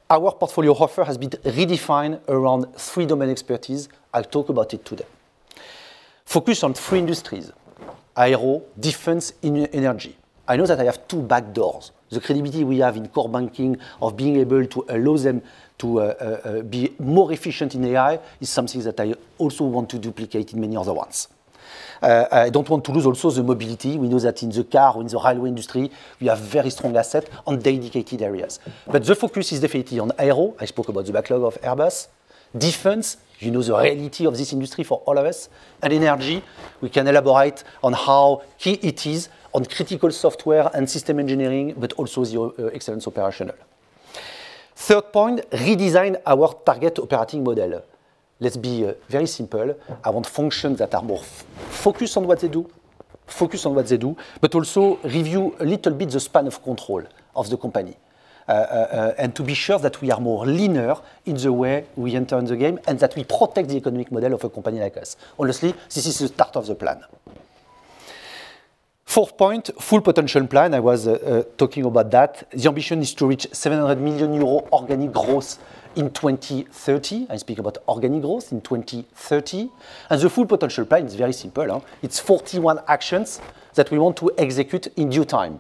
our portfolio offer has been redefined around three domain expertise. I'll talk about it today. Focus on three industries: aero, defense, energy. I know that I have two backdrops. The credibility we have in core banking of being able to allow them to be more efficient in AI is something that I also want to duplicate in many other ones. I don't want to lose also the mobility. We know that in the car or in the highway industry, we have very strong assets on dedicated areas. But the focus is definitely on aero. I spoke about the backlog of Airbus. Defense, you know the reality of this industry for all of us. And energy, we can elaborate on how key it is on critical software and system engineering, but also the operational excellence. Third point, redesign our target operating model. Let's be very simple. I want functions that are more focused on what they do, focused on what they do, but also review a little bit the span of control of the company. And to be sure that we are more leaner in the way we enter in the game and that we protect the economic model of a company like us. Honestly, this is the start of the plan. Fourth point, full potential plan. I was talking about that. The ambition is to reach €700 million organic growth in 2030. I speak about organic growth in 2030. And the full potential plan is very simple. It's 41 actions that we want to execute in due time.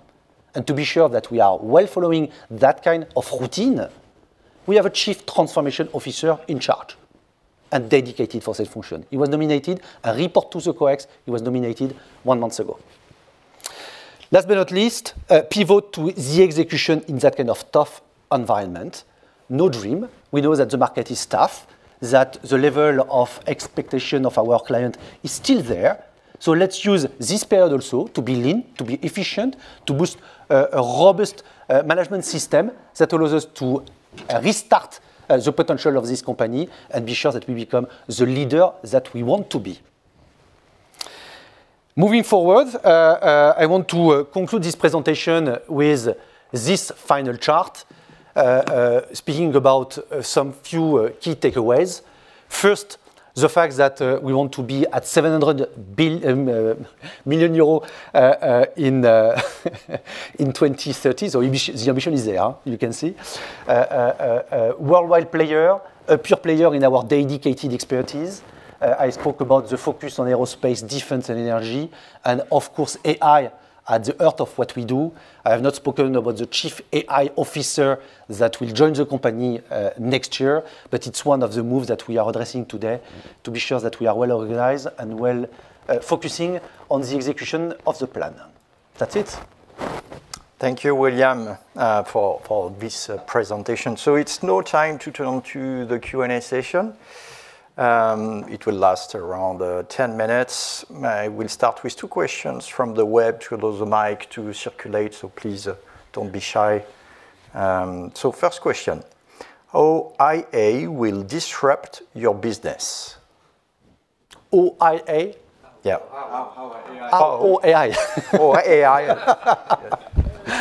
And to be sure that we are well following that kind of routine, we have a Chief Transformation Officer in charge and dedicated for safe function. He was nominated. He reports to the CEO; he was nominated one month ago. Last but not least, pivot to the execution in that kind of tough environment. No dream. We know that the market is tough, that the level of expectation of our client is still there. So let's use this period also to be lean, to be efficient, to boost a robust management system that allows us to restart the potential of this company and be sure that we become the leader that we want to be. Moving forward, I want to conclude this presentation with this final chart, speaking about some few key takeaways. First, the fact that we want to be at €700 million in 2030. So the ambition is there, you can see. Worldwide player, a pure player in our dedicated expertise. I spoke about the focus on aerospace, defense, and energy, and of course, AI at the heart of what we do. I have not spoken about the chief AI officer that will join the company next year, but it's one of the moves that we are addressing today to be sure that we are well organized and well focusing on the execution of the plan. That's it. Thank you, William, for this presentation. So it's no time to turn to the Q&A session. It will last around 10 minutes. I will start with two questions from the web to the mic to circulate, so please don't be shy. So first question, how AI will disrupt your business? Oh, AI? Yeah. How AI? Oh, AI.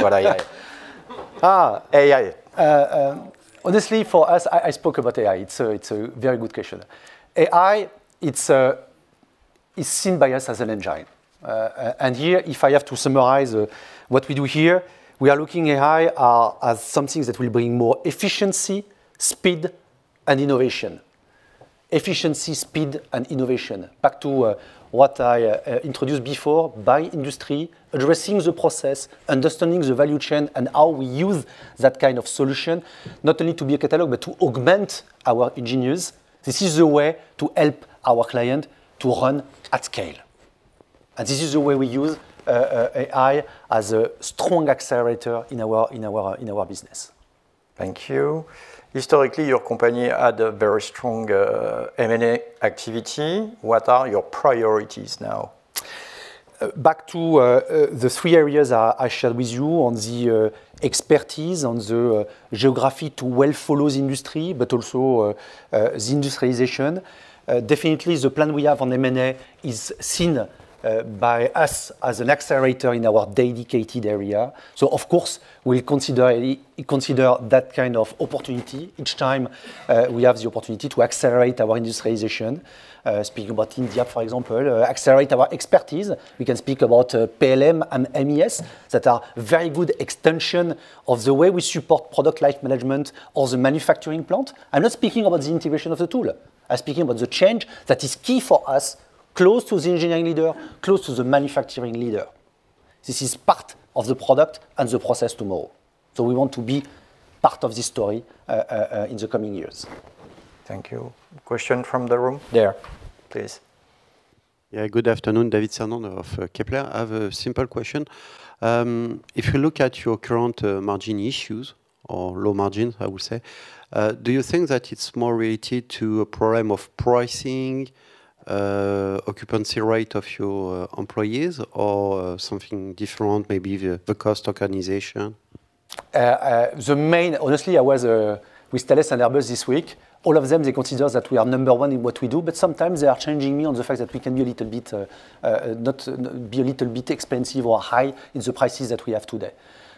What AI? AI. Honestly, for us, I spoke about AI. It's a very good question. AI is seen by us as an engine. And here, if I have to summarize what we do here, we are looking at AI as something that will bring more efficiency, speed, and innovation. Efficiency, speed, and innovation. Back to what I introduced before, by industry, addressing the process, understanding the value chain, and how we use that kind of solution, not only to be a catalog, but to augment our engineers. This is the way to help our client to run at scale. And this is the way we use AI as a strong accelerator in our business. Thank you. Historically, your company had a very strong M&A activity. What are your priorities now? Back to the three areas I shared with you on the expertise, on the geography to well follow the industry, but also the industrialization. Definitely, the plan we have on M&A is seen by us as an accelerator in our dedicated area. So, of course, we consider that kind of opportunity each time we have the opportunity to accelerate our industrialization. Speaking about India, for example, accelerate our expertise. We can speak about PLM and MES that are very good extensions of the way we support product life management or the manufacturing plant. I'm not speaking about the integration of the tool. I'm speaking about the change that is key for us, close to the engineering leader, close to the manufacturing leader. This is part of the product and the process tomorrow. So we want to be part of this story in the coming years. Thank you. Question from the room? There, please. Yeah, good afternoon, David Cerdan of Kepler Cheuvreux. I have a simple question. If you look at your current margin issues or low margins, I will say, do you think that it's more related to a problem of pricing, occupancy rate of your employees, or something different, maybe the cost organization? The main, honestly, I was with Thales and Airbus this week. All of them, they consider that we are number one in what we do, but sometimes they are challenging me on the fact that we can be a little bit expensive or high in the prices that we have today.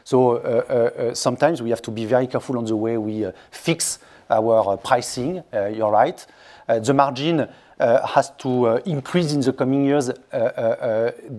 So sometimes we have to be very careful on the way we fix our pricing, you're right. The margin has to increase in the coming years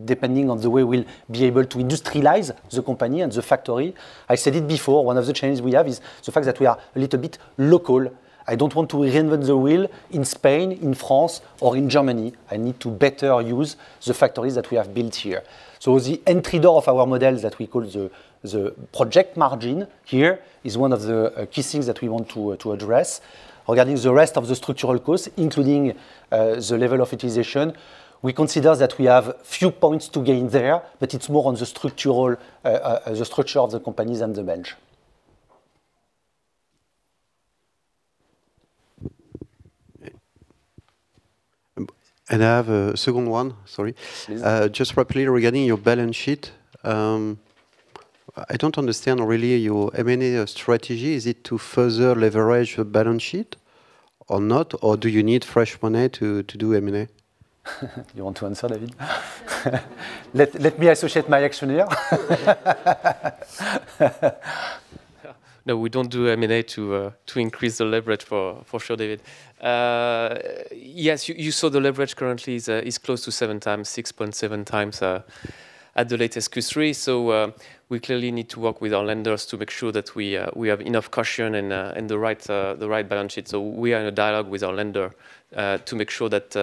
depending on the way we'll be able to industrialize the company and the factory. I said it before, one of the changes we have is the fact that we are a little bit local. I don't want to reinvent the wheel in Spain, in France, or in Germany. I need to better use the factories that we have built here. So the entry door of our model that we call the project margin here is one of the key things that we want to address. Regarding the rest of the structural costs, including the level of utilization, we consider that we have few points to gain there, but it's more on the structure of the companies and the bench. And I have a second one, sorry. Just rapidly regarding your balance sheet, I don't understand really your M&A strategy. Is it to further leverage the balance sheet or not, or do you need fresh money to do M&A? You want to answer, David? Let me associate my action here. No, we don't do M&A to increase the leverage for sure, David. Yes, you saw the leverage currently is close to seven times, 6.7 times at the latest Q3. So we clearly need to work with our lenders to make sure that we have enough cushion and the right balance sheet. So we are in a dialogue with our lender to make sure that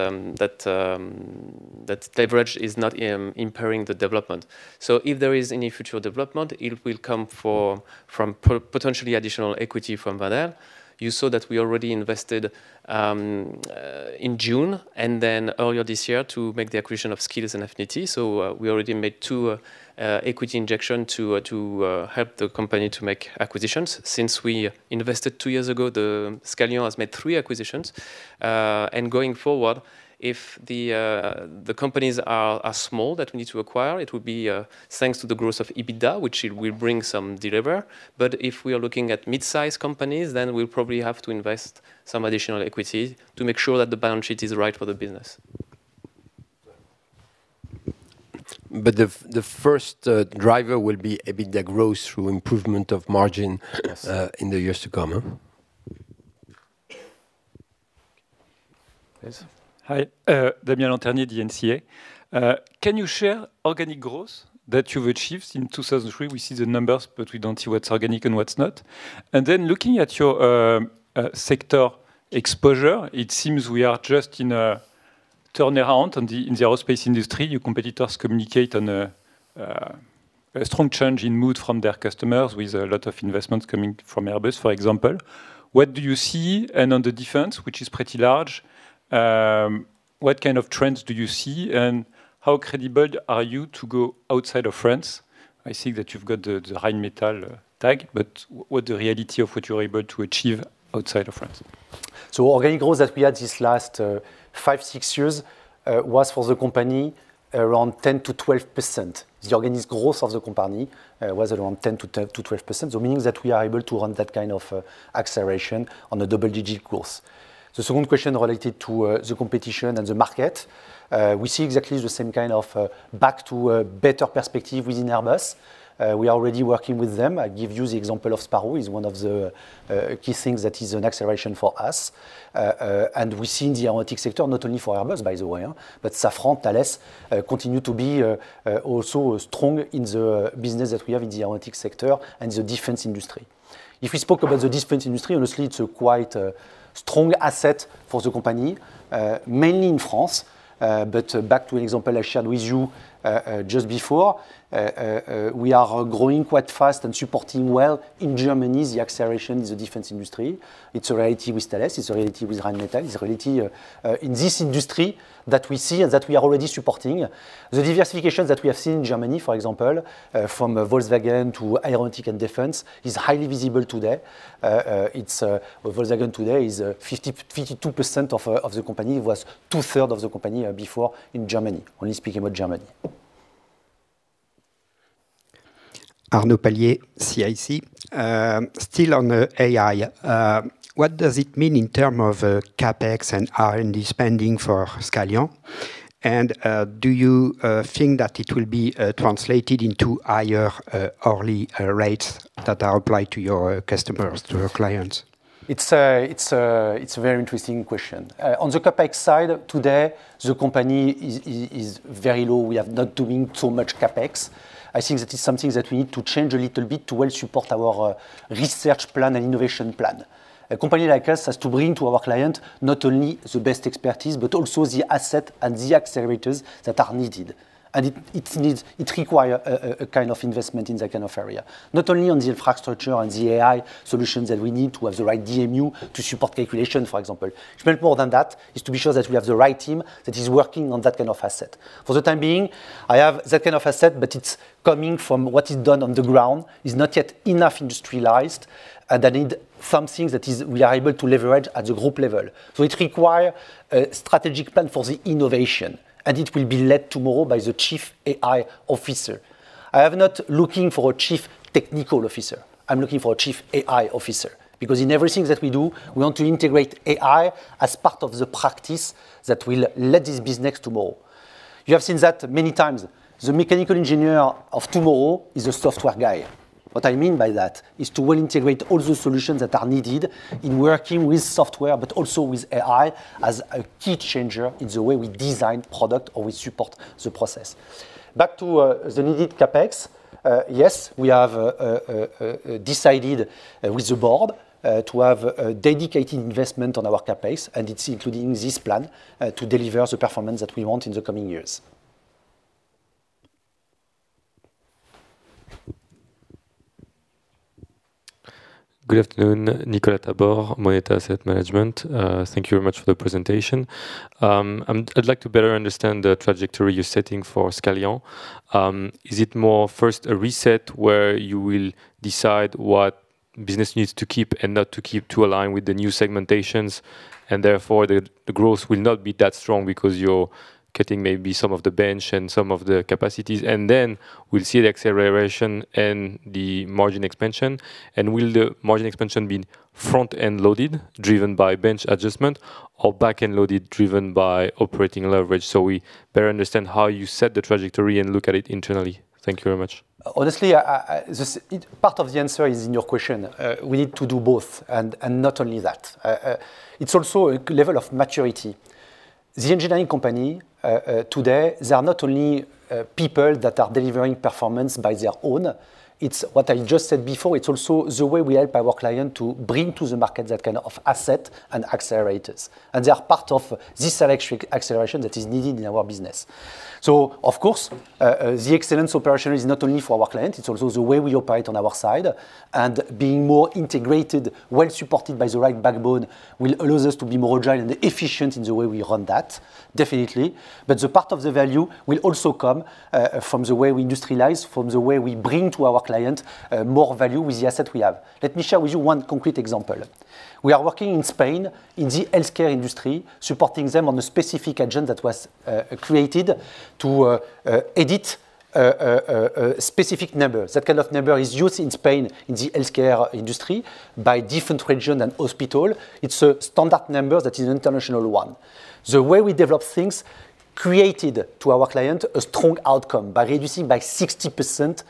leverage is not impairing the development. So if there is any future development, it will come from potentially additional equity from Wendel. You saw that we already invested in June and then earlier this year to make the acquisition of skills and affinity. So we already made two equity injections to help the company to make acquisitions. Since we invested two years ago, Scalian has made three acquisitions. And going forward, if the companies are small that we need to acquire, it will be thanks to the growth of EBITDA, which will bring some delivery. But if we are looking at mid-size companies, then we'll probably have to invest some additional equity to make sure that the balance sheet is right for the business. But the first driver will be EBITDA growth through improvement of margin in the years to come? Hi, Damien Lanternier, DNCA. Can you share organic growth that you've achieved in 2023? We see the numbers, but we don't see what's organic and what's not. And then looking at your sector exposure, it seems we are just in a turnaround in the aerospace industry. Your competitors communicate on a strong change in mood from their customers with a lot of investments coming from Airbus, for example. What do you see? And on the defense, which is pretty large, what kind of trends do you see? And how credible are you to go outside of France? I see that you've got the Rheinmetall tag, but what's the reality of what you're able to achieve outside of France? So organic growth that we had these last five, six years was for the company around 10%-12%. The organic growth of the company was around 10%-12%, so meaning that we are able to run that kind of acceleration on a double-digit growth. The second question related to the competition and the market, we see exactly the same kind of back to a better perspective within Airbus. We are already working with them. I give you the example of Sparrow is one of the key things that is an acceleration for us, and we see in the aeronautics sector, not only for Airbus, by the way, but Safran, Thales, continue to be also strong in the business that we have in the aeronautics sector and the defense industry. If we spoke about the defense industry, honestly, it's a quite strong asset for the company, mainly in France, but back to the example I shared with you just before, we are growing quite fast and supporting well. In Germany, the acceleration is the defense industry. It's a reality with Thales. It's a reality with Rheinmetall. It's a reality in this industry that we see and that we are already supporting. The diversification that we have seen in Germany, for example, from Volkswagen to aeronautics and defense, is highly visible today. Volkswagen today is 52% of the company. It was two-thirds of the company before in Germany, only speaking about Germany. Arnaud Palliez, CIC. Still on AI, what does it mean in terms of CAPEX and R&D spending for Scalian? And do you think that it will be translated into higher hourly rates that are applied to your customers, to your clients? It's a very interesting question. On the CAPEX side, today, the company is very low. We are not doing too much CAPEX. I think that it's something that we need to change a little bit to well support our research plan and innovation plan. A company like us has to bring to our client not only the best expertise, but also the asset and the accelerators that are needed. And it requires a kind of investment in that kind of area, not only on the infrastructure and the AI solutions that we need to have the right DMU to support calculations, for example. It's much more than that. It's to be sure that we have the right team that is working on that kind of asset. For the time being, I have that kind of asset, but it's coming from what is done on the ground. It's not yet enough industrialized, and I need something that we are able to leverage at the group level. So it requires a strategic plan for the innovation, and it will be led tomorrow by the Chief AI Officer. I am not looking for a Chief Technical Officer. I'm looking for a chief AI officer because in everything that we do, we want to integrate AI as part of the practice that will lead this business tomorrow. You have seen that many times. The mechanical engineer of tomorrow is a software guy. What I mean by that is to well integrate all the solutions that are needed in working with software, but also with AI as a key changer in the way we design product or we support the process. Back to the needed CAPEX, yes, we have decided with the board to have a dedicated investment on our CAPEX, and it's including this plan to deliver the performance that we want in the coming years. Good afternoon, Nicolas Tabor, Moneta Asset Management. Thank you very much for the presentation. I'd like to better understand the trajectory you're setting for Scalian. Is it more first a reset where you will decide what business needs to keep and not to keep to align with the new segmentations, and therefore the growth will not be that strong because you're cutting maybe some of the bench and some of the capacities? And then we'll see the acceleration and the margin expansion. And will the margin expansion be front-end loaded, driven by bench adjustment, or back-end loaded, driven by operating leverage? So we better understand how you set the trajectory and look at it internally. Thank you very much. Honestly, part of the answer is in your question. We need to do both, and not only that. It's also a level of maturity. The engineering company today, there are not only people that are delivering performance by their own. It's what I just said before. It's also the way we help our client to bring to the market that kind of asset and accelerators, and they are part of this acceleration that is needed in our business, so of course, the excellence operation is not only for our client. It's also the way we operate on our side, and being more integrated, well supported by the right backbone will allow us to be more agile and efficient in the way we run that, definitely, but the part of the value will also come from the way we industrialize, from the way we bring to our client more value with the asset we have. Let me share with you one concrete example. We are working in Spain in the healthcare industry, supporting them on a specific agent that was created to edit specific numbers. That kind of number is used in Spain in the healthcare industry by different regions and hospitals. It's a standard number that is an international one. The way we develop things created to our client a strong outcome by reducing by 60%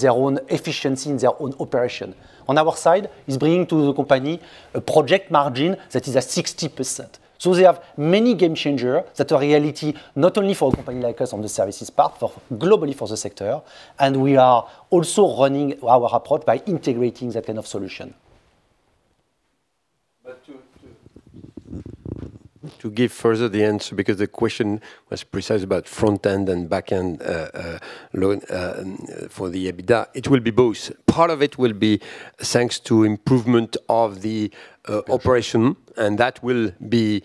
their own efficiency in their own operation. On our side, it's bringing to the company a project margin that is at 60%. So they have many game changers that are a reality not only for a company like us on the services part, but globally for the sector. And we are also running our approach by integrating that kind of solution. To give further the answer, because the question was precise about front-end and back-end load for the EBITDA, it will be both. Part of it will be thanks to improvement of the operation, and that will be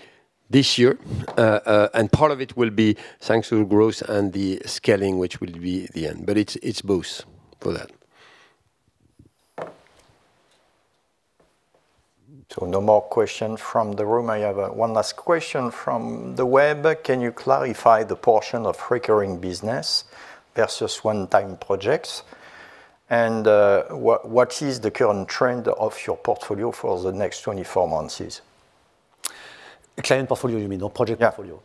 this year. Part of it will be thanks to the growth and the scaling, which will be the end. But it's both for that. No more questions from the room. I have one last question from the web. Can you clarify the portion of recurring business versus one-time projects? And what is the current trend of your portfolio for the next 24 months? Client portfolio, you mean, or project portfolio?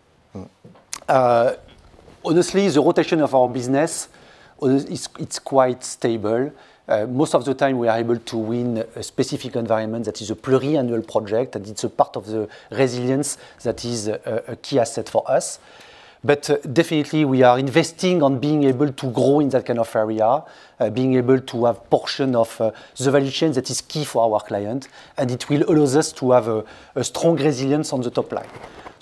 Yeah. Honestly, the rotation of our business; it's quite stable. Most of the time, we are able to win a specific environment that is a pluriannual project. And it's a part of the resilience that is a key asset for us. But definitely, we are investing on being able to grow in that kind of area, being able to have a portion of the value chain that is key for our client. It will allow us to have a strong resilience on the top line.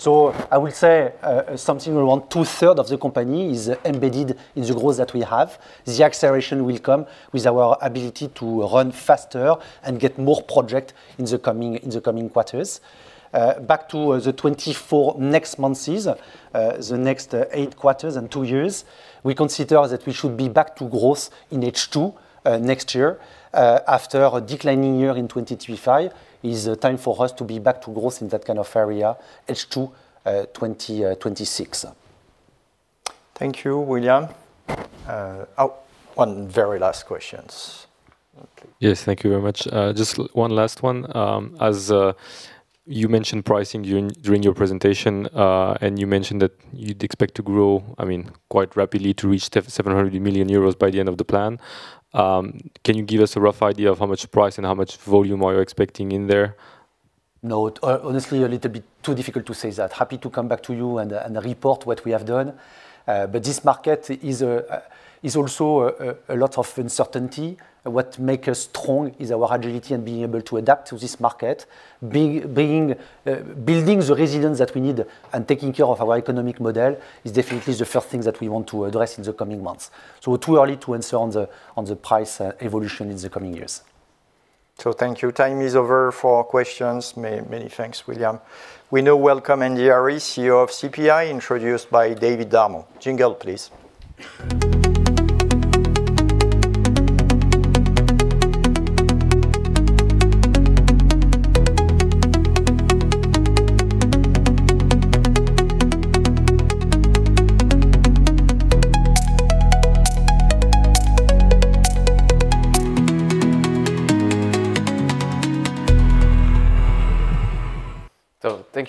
I will say something around two-thirds of the company is embedded in the growth that we have. The acceleration will come with our ability to run faster and get more projects in the coming quarters. Back to the next 24 months, the next eight quarters and two years, we consider that we should be back to growth in H2 next year. After a declining year in 2025, it is time for us to be back to growth in that kind of area, H2 2026. Thank you, William. One very last question. Yes, thank you very much. Just one last one. As you mentioned pricing during your presentation, and you mentioned that you'd expect to grow, I mean, quite rapidly to reach €700 million by the end of the plan. Can you give us a rough idea of how much price and how much volume are you expecting in there? No, honestly, a little bit too difficult to say that. Happy to come back to you and report what we have done. But this market is also a lot of uncertainty. What makes us strong is our agility and being able to adapt to this market. Building the resilience that we need and taking care of our economic model is definitely the first thing that we want to address in the coming months. So too early to answer on the price evolution in the coming years. So thank you. Time is over for questions. Many thanks, William. We now welcome Andee Harris, CEO of CPI, introduced by David Darmon. Jingle, please.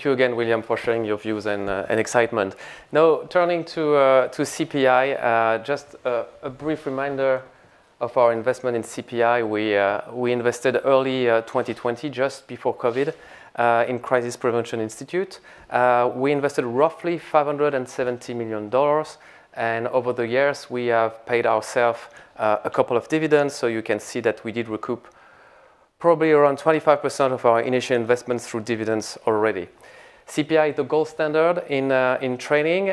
So thank you again, William, for sharing your views and excitement. Now, turning to CPI, just a brief reminder of our investment in CPI. We invested early 2020, just before COVID, in Crisis Prevention Institute. We invested roughly $570 million, and over the years, we have paid ourselves a couple of dividends, so you can see that we did recoup probably around 25% of our initial investment through dividends already. CPI is the gold standard in training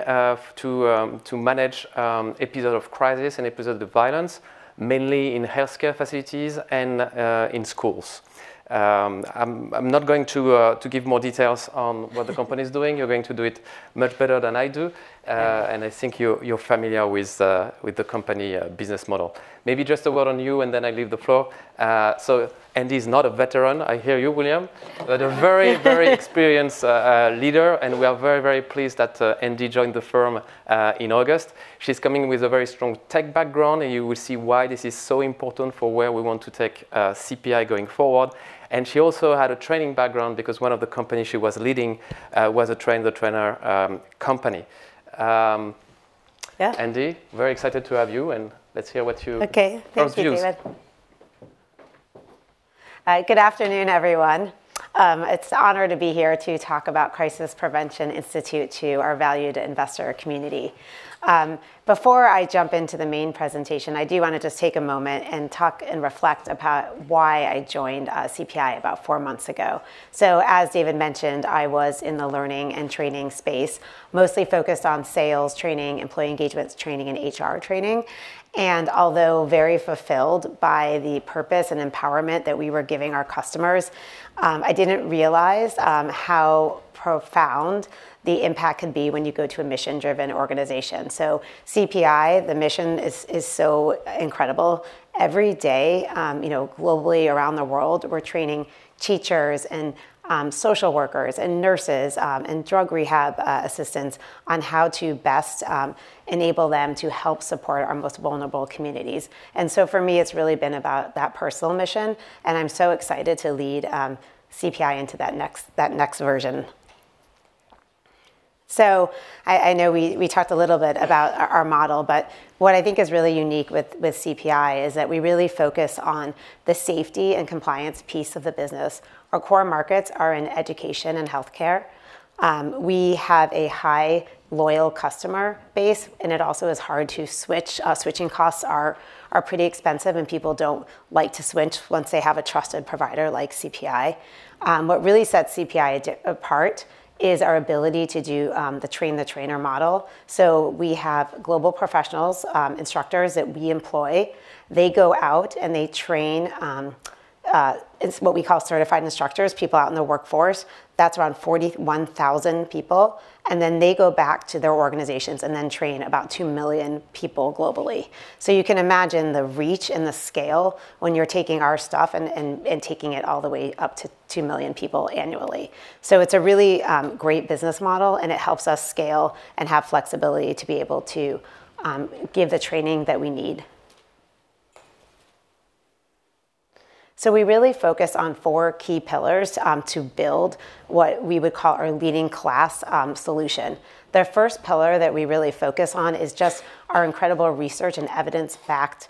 to manage episodes of crisis and episodes of violence, mainly in healthcare facilities and in schools. I'm not going to give more details on what the company is doing. You're going to do it much better than I do, and I think you're familiar with the company business model. Maybe just a word on you, and then I leave the floor, so Andy is not a veteran. I hear you, William, but a very, very experienced leader. We are very, very pleased that Andy joined the firm in August. She's coming with a very strong tech background. You will see why this is so important for where we want to take CPI going forward. She also had a training background because one of the companies she was leading was a train-the-trainer company. Andy, very excited to have you. Let's hear what your views are. Okay. Thank you very much. Good afternoon, everyone. It's an honor to be here to talk about Crisis Prevention Institute to our valued investor community. Before I jump into the main presentation, I do want to just take a moment and talk and reflect about why I joined CPI about four months ago. As David mentioned, I was in the learning and training space, mostly focused on sales training, employee engagement training, and HR training. Although very fulfilled by the purpose and empowerment that we were giving our customers, I didn't realize how profound the impact can be when you go to a mission-driven organization. CPI, the mission is so incredible. Every day, globally, around the world, we're training teachers and social workers and nurses and drug rehab assistants on how to best enable them to help support our most vulnerable communities. For me, it's really been about that personal mission. I'm so excited to lead CPI into that next version. I know we talked a little bit about our model, but what I think is really unique with CPI is that we really focus on the safety and compliance piece of the business. Our core markets are in education and healthcare. We have a high, loyal customer base, and it also is hard to switch. Switching costs are pretty expensive, and people don't like to switch once they have a trusted provider like CPI. What really sets CPI apart is our ability to do the train-the-trainer model. So we have global professionals, instructors that we employ. They go out and they train what we call certified instructors, people out in the workforce. That's around 41,000 people. And then they go back to their organizations and then train about 2 million people globally. So you can imagine the reach and the scale when you're taking our stuff and taking it all the way up to 2 million people annually. So it's a really great business model, and it helps us scale and have flexibility to be able to give the training that we need. So we really focus on four key pillars to build what we would call our leading-class solution. The first pillar that we really focus on is just our incredible research and evidence-backed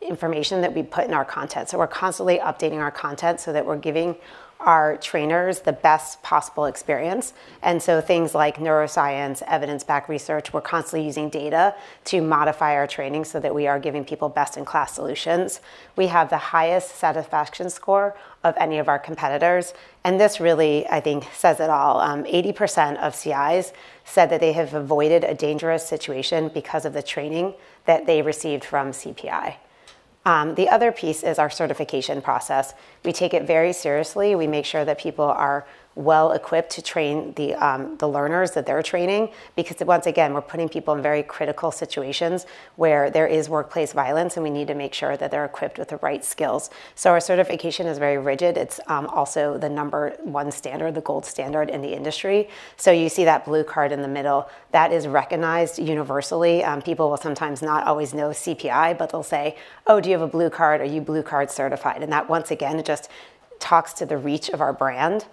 information that we put in our content, so we're constantly updating our content so that we're giving our trainers the best possible experience, and so things like neuroscience, evidence-backed research, we're constantly using data to modify our training so that we are giving people best-in-class solutions. We have the highest satisfaction score of any of our competitors, and this really, I think, says it all. 80% of CIs said that they have avoided a dangerous situation because of the training that they received from CPI. The other piece is our certification process. We take it very seriously. We make sure that people are well-equipped to train the learners that they're training because, once again, we're putting people in very critical situations where there is workplace violence, and we need to make sure that they're equipped with the right skills. So our certification is very rigid. It's also the number one standard, the gold standard in the industry. So you see that Blue Card in the middle. That is recognized universally. People will sometimes not always know CPI, but they'll say, "Oh, do you have a Blue Card? Are you Blue Card certified?" And that, once again, just talks to the reach of our brand.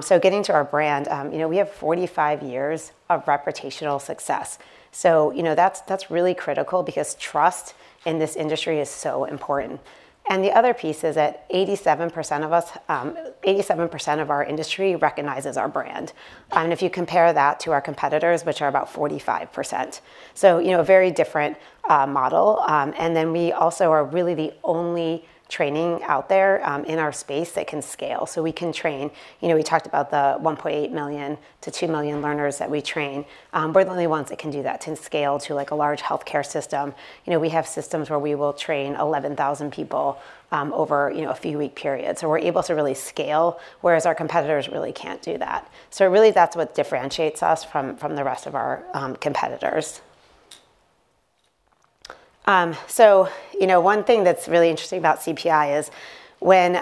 So getting to our brand, we have 45 years of reputational success. So that's really critical because trust in this industry is so important. And the other piece is that 87% of our industry recognizes our brand. And if you compare that to our competitors, which are about 45%. So a very different model. And then we also are really the only training out there in our space that can scale. So we can train we talked about the 1.8-2 million learners that we train. We're the only ones that can do that to scale to a large healthcare system. We have systems where we will train 11,000 people over a few-week period. So we're able to really scale, whereas our competitors really can't do that. So really, that's what differentiates us from the rest of our competitors. So one thing that's really interesting about CPI is when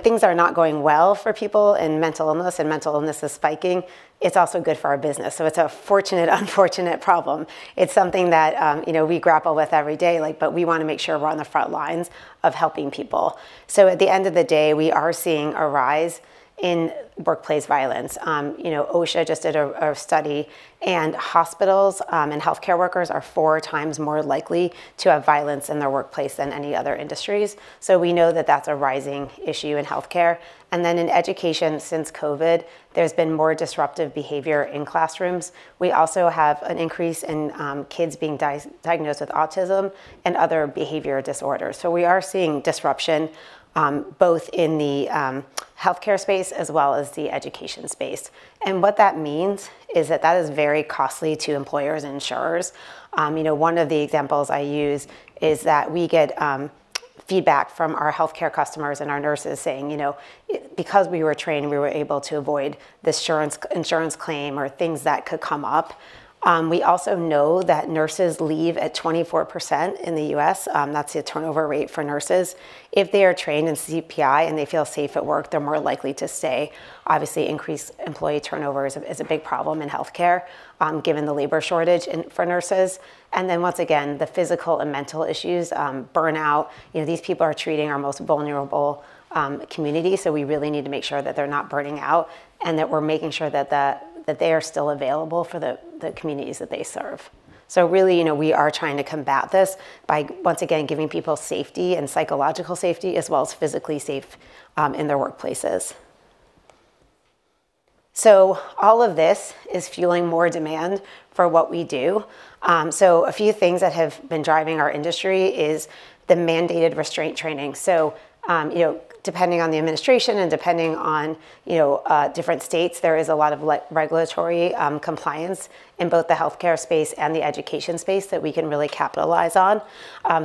things are not going well for people in mental illness and mental illness is spiking, it's also good for our business. So it's a fortunate, unfortunate problem. It's something that we grapple with every day. But we want to make sure we're on the front lines of helping people. So at the end of the day, we are seeing a rise in workplace violence. OSHA just did a study. And hospitals and healthcare workers are four times more likely to have violence in their workplace than any other industries. So we know that that's a rising issue in healthcare. And then in education, since COVID, there's been more disruptive behavior in classrooms. We also have an increase in kids being diagnosed with autism and other behavior disorders. So we are seeing disruption both in the healthcare space as well as the education space. And what that means is that that is very costly to employers and insurers. One of the examples I use is that we get feedback from our healthcare customers and our nurses saying, "Because we were trained, we were able to avoid the insurance claim or things that could come up." We also know that nurses leave at 24% in the U.S. That's the turnover rate for nurses. If they are trained in CPI and they feel safe at work, they're more likely to stay. Obviously, increased employee turnover is a big problem in healthcare given the labor shortage for nurses. And then, once again, the physical and mental issues, burnout. These people are treating our most vulnerable community. So we really need to make sure that they're not burning out and that we're making sure that they are still available for the communities that they serve. Really, we are trying to combat this by, once again, giving people safety and psychological safety as well as physically safe in their workplaces. All of this is fueling more demand for what we do. A few things that have been driving our industry is the mandated restraint training. Depending on the administration and depending on different states, there is a lot of regulatory compliance in both the healthcare space and the education space that we can really capitalize on.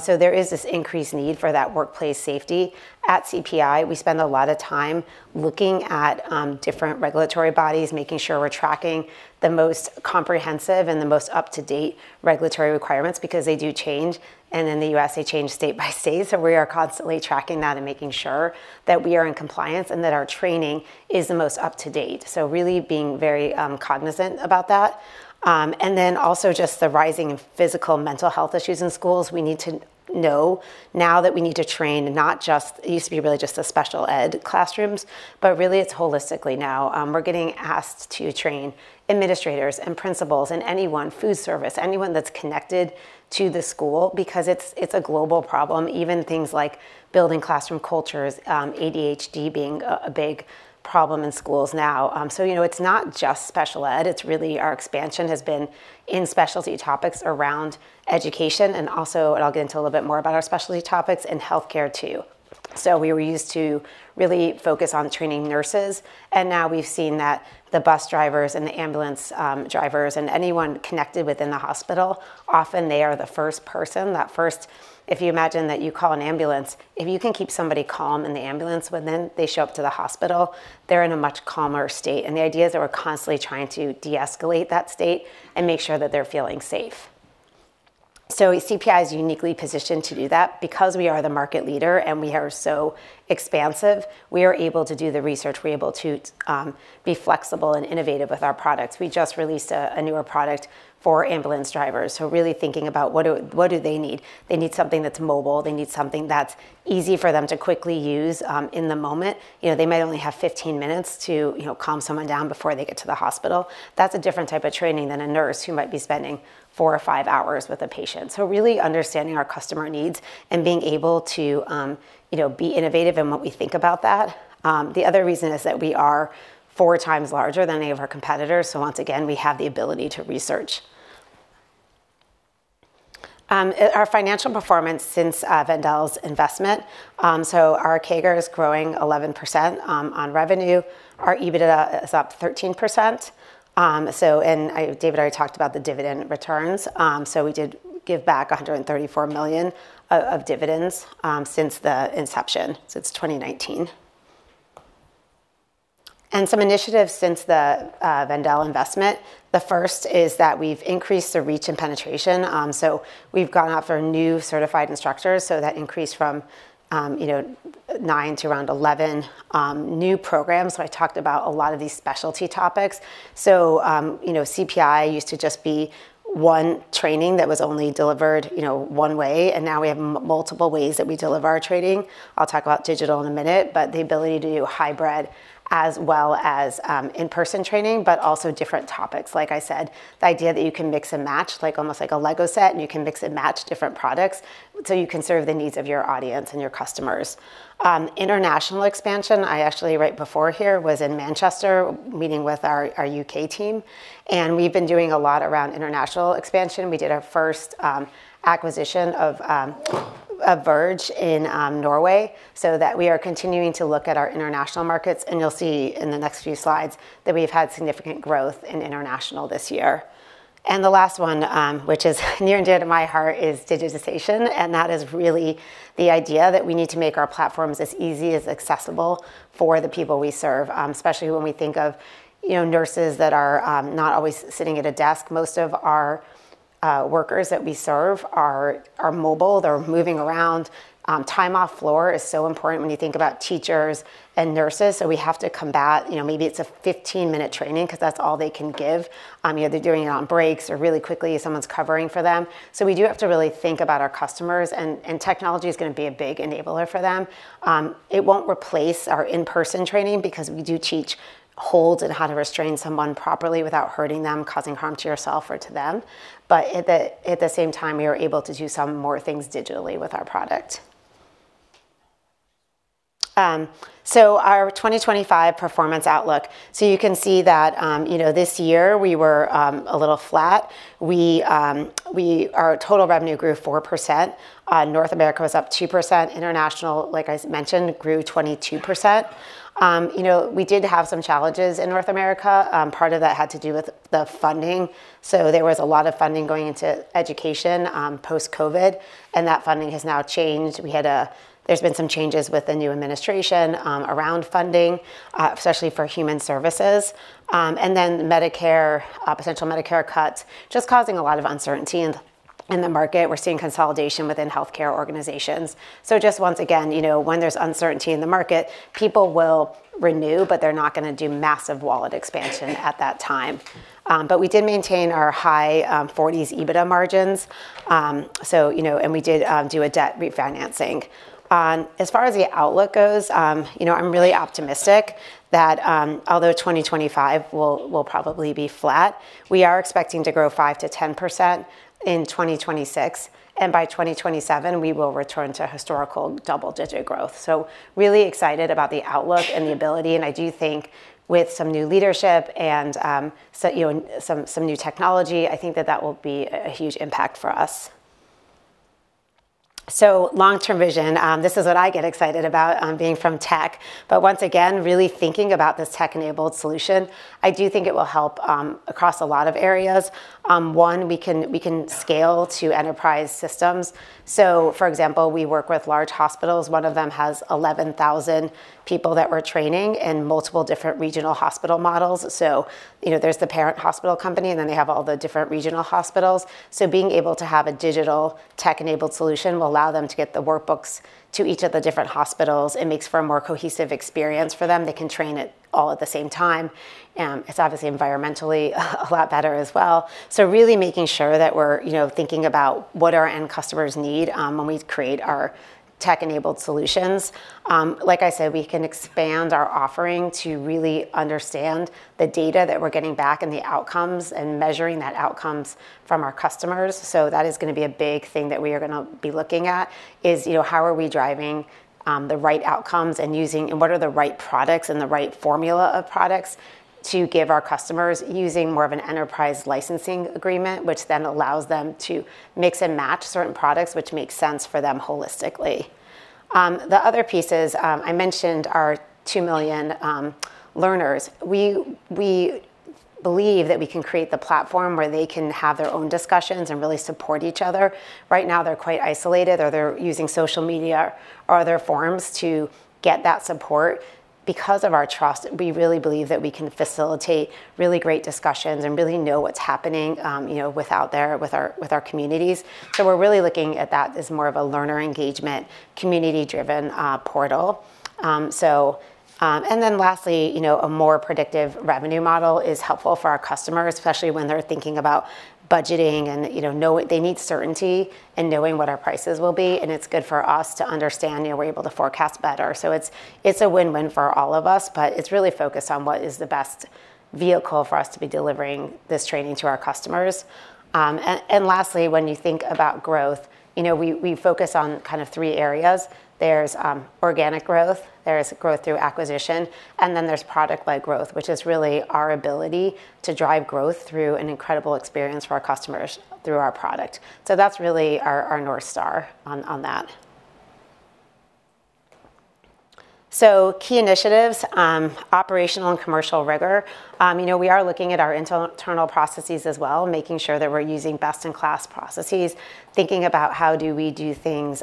There is this increased need for that workplace safety. At CPI, we spend a lot of time looking at different regulatory bodies, making sure we're tracking the most comprehensive and the most up-to-date regulatory requirements because they do change. In the U.S., they change state by state. So we are constantly tracking that and making sure that we are in compliance and that our training is the most up-to-date. So really being very cognizant about that. And then also just the rising physical and mental health issues in schools. We need to know now that we need to train not just it used to be really just the special ed classrooms, but really, it's holistically now. We're getting asked to train administrators and principals and anyone, food service, anyone that's connected to the school because it's a global problem, even things like building classroom cultures, ADHD being a big problem in schools now. So it's not just special ed. It's really our expansion has been in specialty topics around education. And also, and I'll get into a little bit more about our specialty topics in healthcare too. So we were used to really focus on training nurses. And now we've seen that the bus drivers and the ambulance drivers and anyone connected within the hospital often are the first person. That first, if you imagine that you call an ambulance, if you can keep somebody calm in the ambulance, then they show up to the hospital. They're in a much calmer state. And the idea is that we're constantly trying to de-escalate that state and make sure that they're feeling safe. So CPI is uniquely positioned to do that because we are the market leader and we are so expansive. We are able to do the research. We're able to be flexible and innovative with our products. We just released a newer product for ambulance drivers. So really thinking about what do they need. They need something that's mobile. They need something that's easy for them to quickly use in the moment. They might only have 15 minutes to calm someone down before they get to the hospital. That's a different type of training than a nurse who might be spending four or five hours with a patient, so really understanding our customer needs and being able to be innovative in what we think about that. The other reason is that we are four times larger than any of our competitors, so once again, we have the ability to research. Our financial performance since Wendel's investment, so our CAGR is growing 11% on revenue. Our EBITDA is up 13%, and David already talked about the dividend returns, so we did give back €134 million of dividends since the inception, since 2019. And some initiatives since the Wendel's investment. The first is that we've increased the reach and penetration, so we've gone out for new certified instructors. That increased from nine to around 11 new programs. So I talked about a lot of these specialty topics. So CPI used to just be one training that was only delivered one way. And now we have multiple ways that we deliver our training. I'll talk about digital in a minute, but the ability to do hybrid as well as in-person training, but also different topics. Like I said, the idea that you can mix and match, almost like a Lego set, and you can mix and match different products so you can serve the needs of your audience and your customers. International expansion, I actually right before here was in Manchester meeting with our UK team. And we've been doing a lot around international expansion. We did our first acquisition of Verge in Norway. So that we are continuing to look at our international markets. You'll see in the next few slides that we've had significant growth in international this year. The last one, which is near and dear to my heart, is digitization. That is really the idea that we need to make our platforms as easy and accessible for the people we serve, especially when we think of nurses that are not always sitting at a desk. Most of our workers that we serve are mobile. They're moving around. Time off the floor is so important when you think about teachers and nurses. We have to combat maybe it's a 15-minute training because that's all they can give. They're doing it on breaks or really quickly someone's covering for them. We do have to really think about our customers. Technology is going to be a big enabler for them. It won't replace our in-person training because we do teach holds and how to restrain someone properly without hurting them, causing harm to yourself or to them. But at the same time, we are able to do some more things digitally with our product. So our 2025 performance outlook. So you can see that this year we were a little flat. Our total revenue grew 4%. North America was up 2%. International, like I mentioned, grew 22%. We did have some challenges in North America. Part of that had to do with the funding. So there was a lot of funding going into education post-COVID. And that funding has now changed. There's been some changes with the new administration around funding, especially for human services. And then potential Medicare cuts just causing a lot of uncertainty in the market. We're seeing consolidation within healthcare organizations. Just once again, when there's uncertainty in the market, people will renew, but they're not going to do massive wallet expansion at that time. But we did maintain our high 40s EBITDA margins. And we did do a debt refinancing. As far as the outlook goes, I'm really optimistic that although 2025 will probably be flat, we are expecting to grow 5%-10% in 2026. And by 2027, we will return to historical double-digit growth. So really excited about the outlook and the ability. And I do think with some new leadership and some new technology, I think that that will be a huge impact for us. So long-term vision. This is what I get excited about being from tech. But once again, really thinking about this tech-enabled solution, I do think it will help across a lot of areas. One, we can scale to enterprise systems. So for example, we work with large hospitals. One of them has 11,000 people that we're training in multiple different regional hospital models. So there's the parent hospital company, and then they have all the different regional hospitals. So being able to have a digital tech-enabled solution will allow them to get the workbooks to each of the different hospitals. It makes for a more cohesive experience for them. They can train it all at the same time. It's obviously environmentally a lot better as well. So really making sure that we're thinking about what our end customers need when we create our tech-enabled solutions. Like I said, we can expand our offering to really understand the data that we're getting back and the outcomes and measuring that outcomes from our customers. That is going to be a big thing that we are going to be looking at is how are we driving the right outcomes and what are the right products and the right formula of products to give our customers using more of an enterprise licensing agreement, which then allows them to mix and match certain products, which makes sense for them holistically. The other pieces I mentioned are two million learners. We believe that we can create the platform where they can have their own discussions and really support each other. Right now, they're quite isolated or they're using social media or other forms to get that support. Because of our trust, we really believe that we can facilitate really great discussions and really know what's happening with our communities. We're really looking at that as more of a learner engagement community-driven portal. And then lastly, a more predictive revenue model is helpful for our customers, especially when they're thinking about budgeting and they need certainty and knowing what our prices will be. And it's good for us to understand we're able to forecast better. So it's a win-win for all of us, but it's really focused on what is the best vehicle for us to be delivering this training to our customers. And lastly, when you think about growth, we focus on kind of three areas. There's organic growth. There's growth through acquisition. And then there's product-led growth, which is really our ability to drive growth through an incredible experience for our customers through our product. So that's really our North Star on that. So key initiatives, operational and commercial rigor. We are looking at our internal processes as well, making sure that we're using best-in-class processes, thinking about how do we do things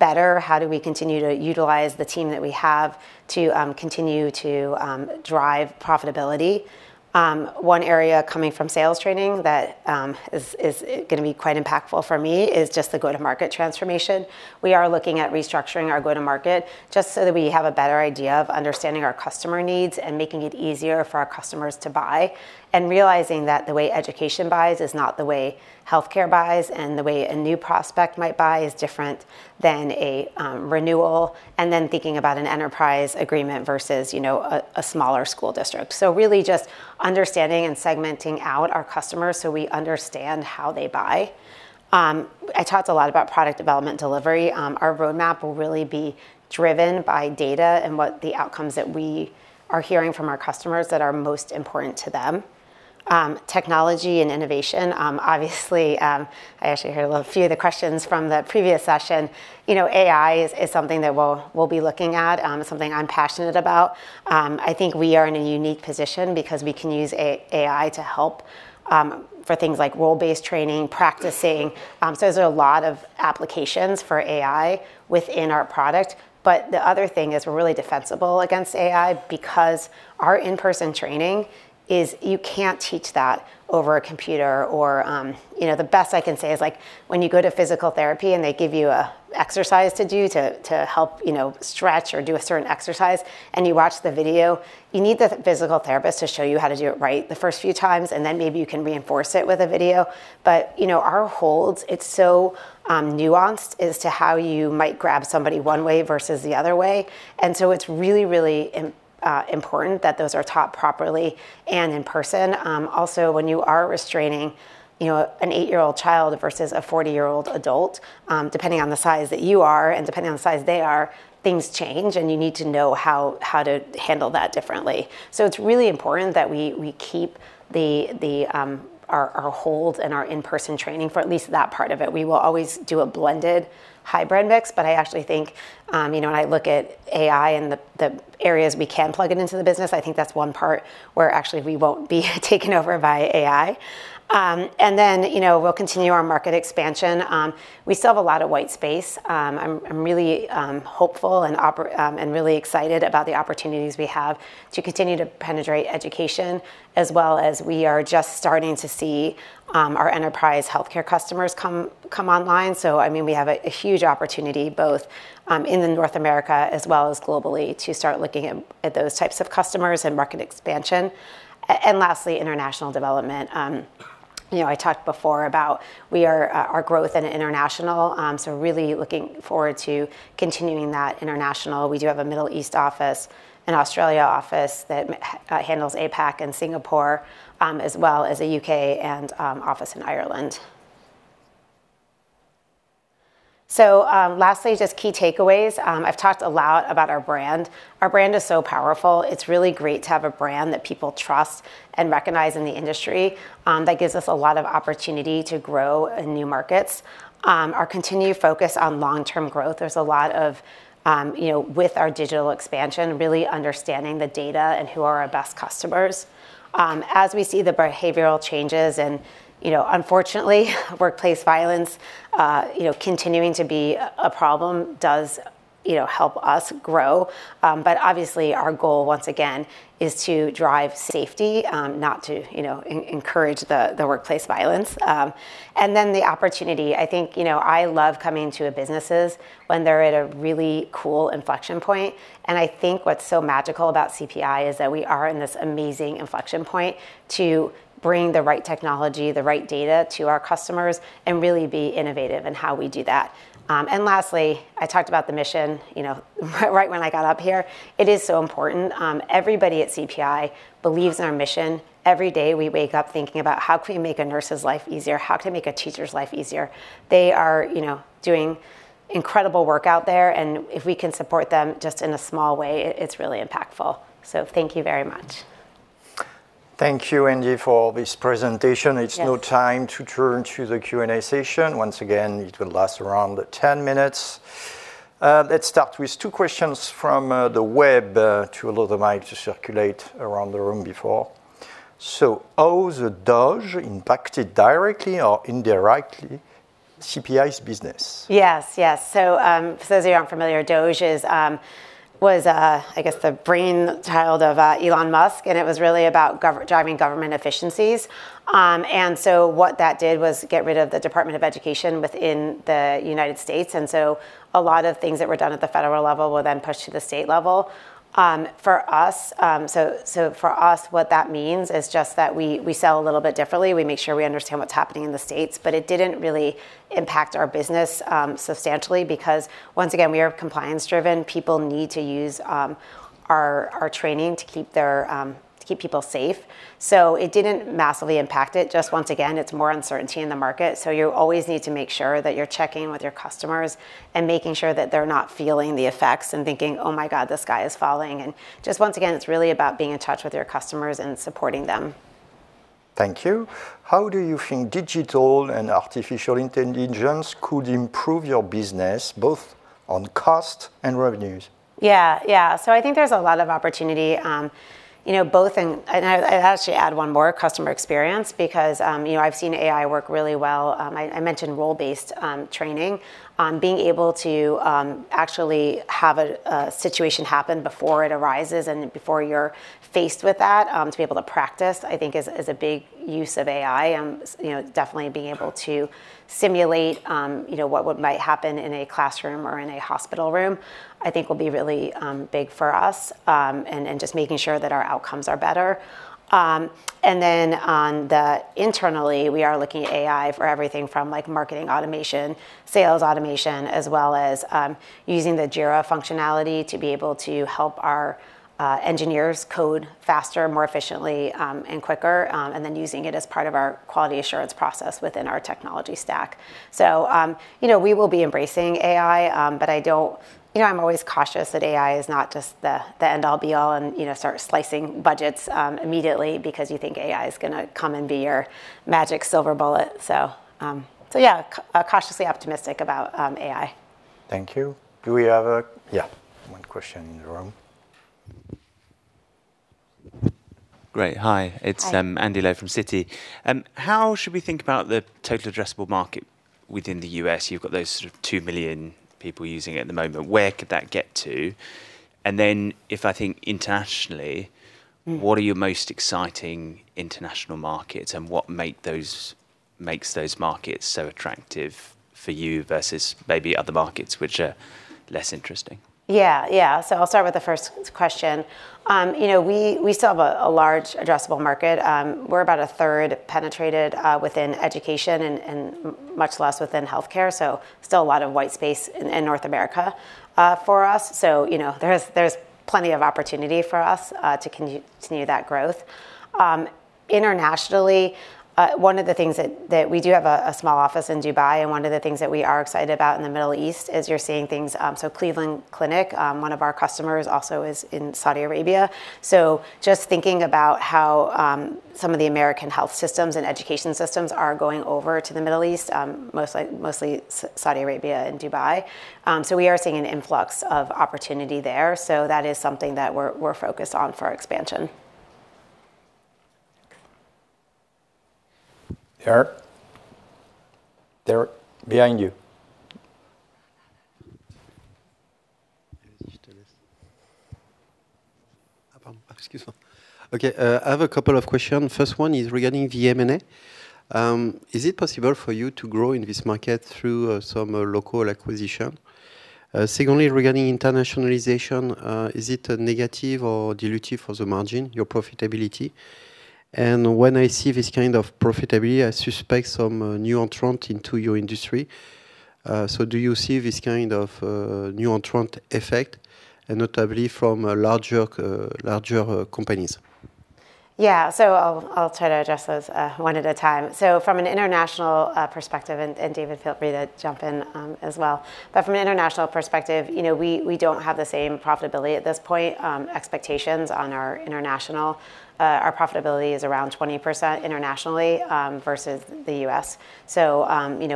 better, how do we continue to utilize the team that we have to continue to drive profitability. One area coming from sales training that is going to be quite impactful for me is just the go-to-market transformation. We are looking at restructuring our go-to-market just so that we have a better idea of understanding our customer needs and making it easier for our customers to buy, realizing that the way education buys is not the way healthcare buys and the way a new prospect might buy is different than a renewal, then thinking about an enterprise agreement versus a smaller school district, really just understanding and segmenting out our customers so we understand how they buy. I talked a lot about product development delivery. Our roadmap will really be driven by data and what the outcomes that we are hearing from our customers that are most important to them. Technology and innovation, obviously, I actually heard a few of the questions from the previous session. AI is something that we'll be looking at, something I'm passionate about. I think we are in a unique position because we can use AI to help for things like role-based training, practicing. So there's a lot of applications for AI within our product. But the other thing is we're really defensible against AI because our in-person training is you can't teach that over a computer. Or the best I can say is, when you go to physical therapy and they give you an exercise to do to help stretch or do a certain exercise and you watch the video, you need the physical therapist to show you how to do it right the first few times, and then maybe you can reinforce it with a video. But our holds, it's so nuanced as to how you might grab somebody one way versus the other way, and so it's really, really important that those are taught properly and in person. Also, when you are restraining an eight-year-old child versus a 40-year-old adult, depending on the size that you are and depending on the size they are, things change, and you need to know how to handle that differently. So it's really important that we keep our hold and our in-person training for at least that part of it. We will always do a blended hybrid mix, but I actually think when I look at AI and the areas we can plug it into the business, I think that's one part where actually we won't be taken over by AI. And then we'll continue our market expansion. We still have a lot of white space. I'm really hopeful and really excited about the opportunities we have to continue to penetrate education, as well as we are just starting to see our enterprise healthcare customers come online. So I mean, we have a huge opportunity both in North America as well as globally to start looking at those types of customers and market expansion. And lastly, international development. I talked before about our growth in international. So really looking forward to continuing that international. We do have a Middle East office and Australia office that handles APAC and Singapore, as well as a UK office in Ireland. So lastly, just key takeaways. I've talked a lot about our brand. Our brand is so powerful. It's really great to have a brand that people trust and recognize in the industry. That gives us a lot of opportunity to grow in new markets. Our continued focus on long-term growth. There's a lot with our digital expansion, really understanding the data and who are our best customers. As we see the behavioral changes and unfortunately, workplace violence continuing to be a problem does help us grow. But obviously, our goal once again is to drive safety, not to encourage the workplace violence. Then the opportunity, I think I love coming to businesses when they're at a really cool inflection point. I think what's so magical about CPI is that we are in this amazing inflection point to bring the right technology, the right data to our customers and really be innovative in how we do that. Lastly, I talked about the mission right when I got up here. It is so important. Everybody at CPI believes in our mission. Every day we wake up thinking about how can we make a nurse's life easier, how can we make a teacher's life easier. They are doing incredible work out there. If we can support them just in a small way, it's really impactful. So thank you very much. Thank you, Andy, for this presentation. It's now time to turn to the Q&A session. Once again, it will last around 10 minutes. Let's start with two questions from the web to allow the mic to circulate around the room before. So how's DOGE impacted directly or indirectly CPI's business? Yes, yes. So for those of you who aren't familiar, DOGE was, I guess, the brainchild of Elon Musk, and it was really about driving government efficiencies. What that did was get rid of the Department of Education within the United States. A lot of things that were done at the federal level were then pushed to the state level. For us, what that means is just that we sell a little bit differently. We make sure we understand what's happening in the states, but it didn't really impact our business substantially because once again, we are compliance-driven. People need to use our training to keep people safe. So it didn't massively impact it. Just once again, it's more uncertainty in the market. So you always need to make sure that you're checking with your customers and making sure that they're not feeling the effects and thinking, "Oh my God, this guy is falling." And just once again, it's really about being in touch with your customers and supporting them. Thank you. How do you think digital and artificial intelligence could improve your business both on cost and revenues? Yeah, yeah. So I think there's a lot of opportunity both in, and I'll actually add one more, customer experience because I've seen AI work really well. I mentioned role-based training. Being able to actually have a situation happen before it arises and before you're faced with that, to be able to practice, I think, is a big use of AI. Definitely being able to simulate what might happen in a classroom or in a hospital room, I think, will be really big for us and just making sure that our outcomes are better, and then internally, we are looking at AI for everything from marketing automation, sales automation, as well as using the Jira functionality to be able to help our engineers code faster, more efficiently, and quicker, and then using it as part of our quality assurance process within our technology stack. So we will be embracing AI, but I'm always cautious that AI is not just the end-all, be-all and start slicing budgets immediately because you think AI is going to come and be your magic silver bullet, so yeah, cautiously optimistic about AI. Thank you. Do we have a, yeah, one question in the room? Great. Hi, it's Andy Lowe from Citi. How should we think about the total addressable market within the U.S.? You've got those sort of 2 million people using it at the moment. Where could that get to? And then if I think internationally, what are your most exciting international markets and what makes those markets so attractive for you versus maybe other markets which are less interesting? Yeah, yeah. So I'll start with the first question. We still have a large addressable market. We're about a third penetrated within education and much less within healthcare. So still a lot of white space in North America for us. So there's plenty of opportunity for us to continue that growth. Internationally, one of the things that we do have a small office in Dubai and one of the things that we are excited about in the Middle East is you're seeing things. So Cleveland Clinic, one of our customers, also is in Saudi Arabia. So just thinking about how some of the American health systems and education systems are going over to the Middle East, mostly Saudi Arabia and Dubai. So we are seeing an influx of opportunity there. So that is something that we're focused on for our expansion. I have a couple of questions. First one is regarding the M&A. Is it possible for you to grow in this market through some local acquisition? Secondly, regarding internationalization, is it negative or dilutive for the margin, your profitability? And when I see this kind of profitability, I suspect some new entrants into your industry. So do you see this kind of new entrant effect, notably from larger companies? Yeah. So I'll try to address those one at a time. So from an international perspective, and David, feel free to jump in as well. But from an international perspective, we don't have the same profitability at this point. Expectations on our international, our profitability is around 20% internationally versus the US. So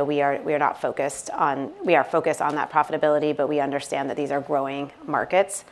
we are not focused on, we are focused on that profitability, but we understand that these are growing markets.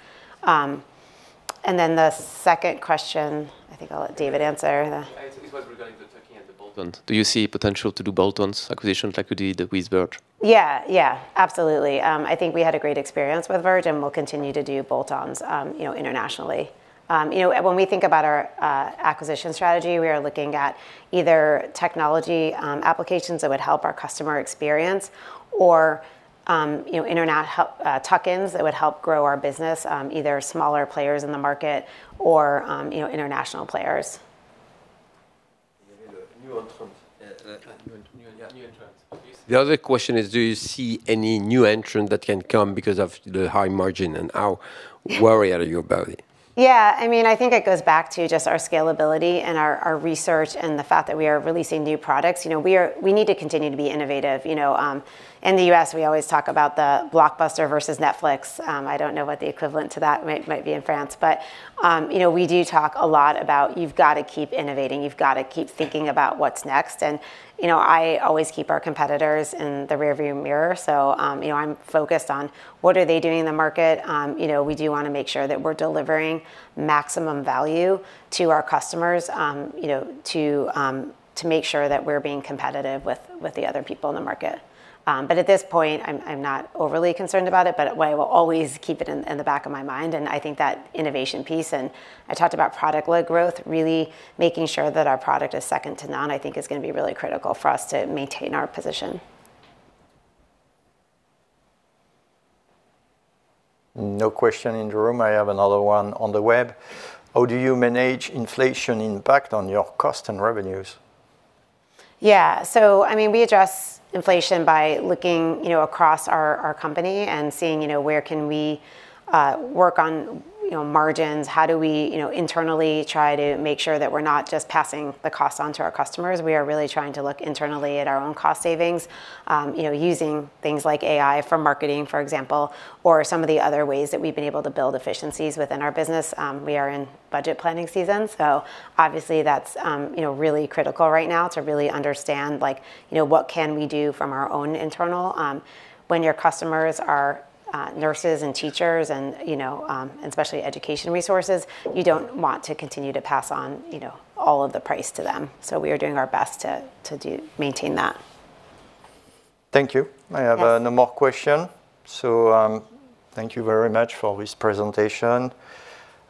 And then the second question, I think I'll let David answer. It was regarding the tuck-in and the bolt-on. Do you see potential to do bolt-on acquisition like we did with Verge? Yeah, yeah, absolutely. I think we had a great experience with Verge and we'll continue to do bolt-ons internationally. When we think about our acquisition strategy, we are looking at either technology applications that would help our customer experience or tuck-ins that would help grow our business, either smaller players in the market or international players. The other question is, do you see any new entrant that can come because of the high margin and how worried are you about it? Yeah. I mean, I think it goes back to just our scalability and our research and the fact that we are releasing new products. We need to continue to be innovative. In the US, we always talk about the Blockbuster versus Netflix. I don't know what the equivalent to that might be in France, but we do talk a lot about you've got to keep innovating. You've got to keep thinking about what's next. And I always keep our competitors in the rearview mirror. So I'm focused on what are they doing in the market. We do want to make sure that we're delivering maximum value to our customers to make sure that we're being competitive with the other people in the market. But at this point, I'm not overly concerned about it, but I will always keep it in the back of my mind. And I think that innovation piece and I talked about product-led growth, really making sure that our product is second to none, I think is going to be really critical for us to maintain our position. No question in the room. I have another one on the web. How do you manage inflation impact on your cost and revenues? Yeah. So I mean, we address inflation by looking across our company and seeing where can we work on margins. How do we internally try to make sure that we're not just passing the cost onto our customers? We are really trying to look internally at our own cost savings using things like AI for marketing, for example, or some of the other ways that we've been able to build efficiencies within our business. We are in budget planning season. So obviously, that's really critical right now to really understand what can we do from our own internal. When your customers are nurses and teachers and especially education resources, you don't want to continue to pass on all of the price to them. So we are doing our best to maintain that. Thank you. I have no more questions. So thank you very much for this presentation.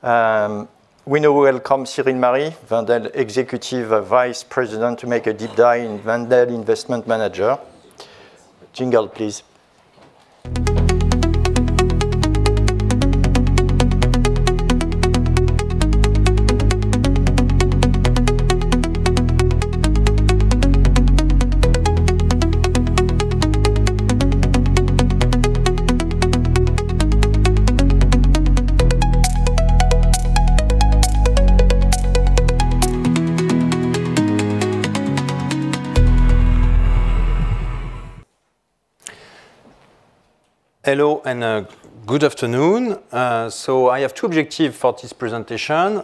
Now we'll come to Cyril Marie, Wendel Executive Vice President, to make a deep dive in Wendel Investment Managers. Jingle, please. Hello and good afternoon. So I have two objectives for this presentation.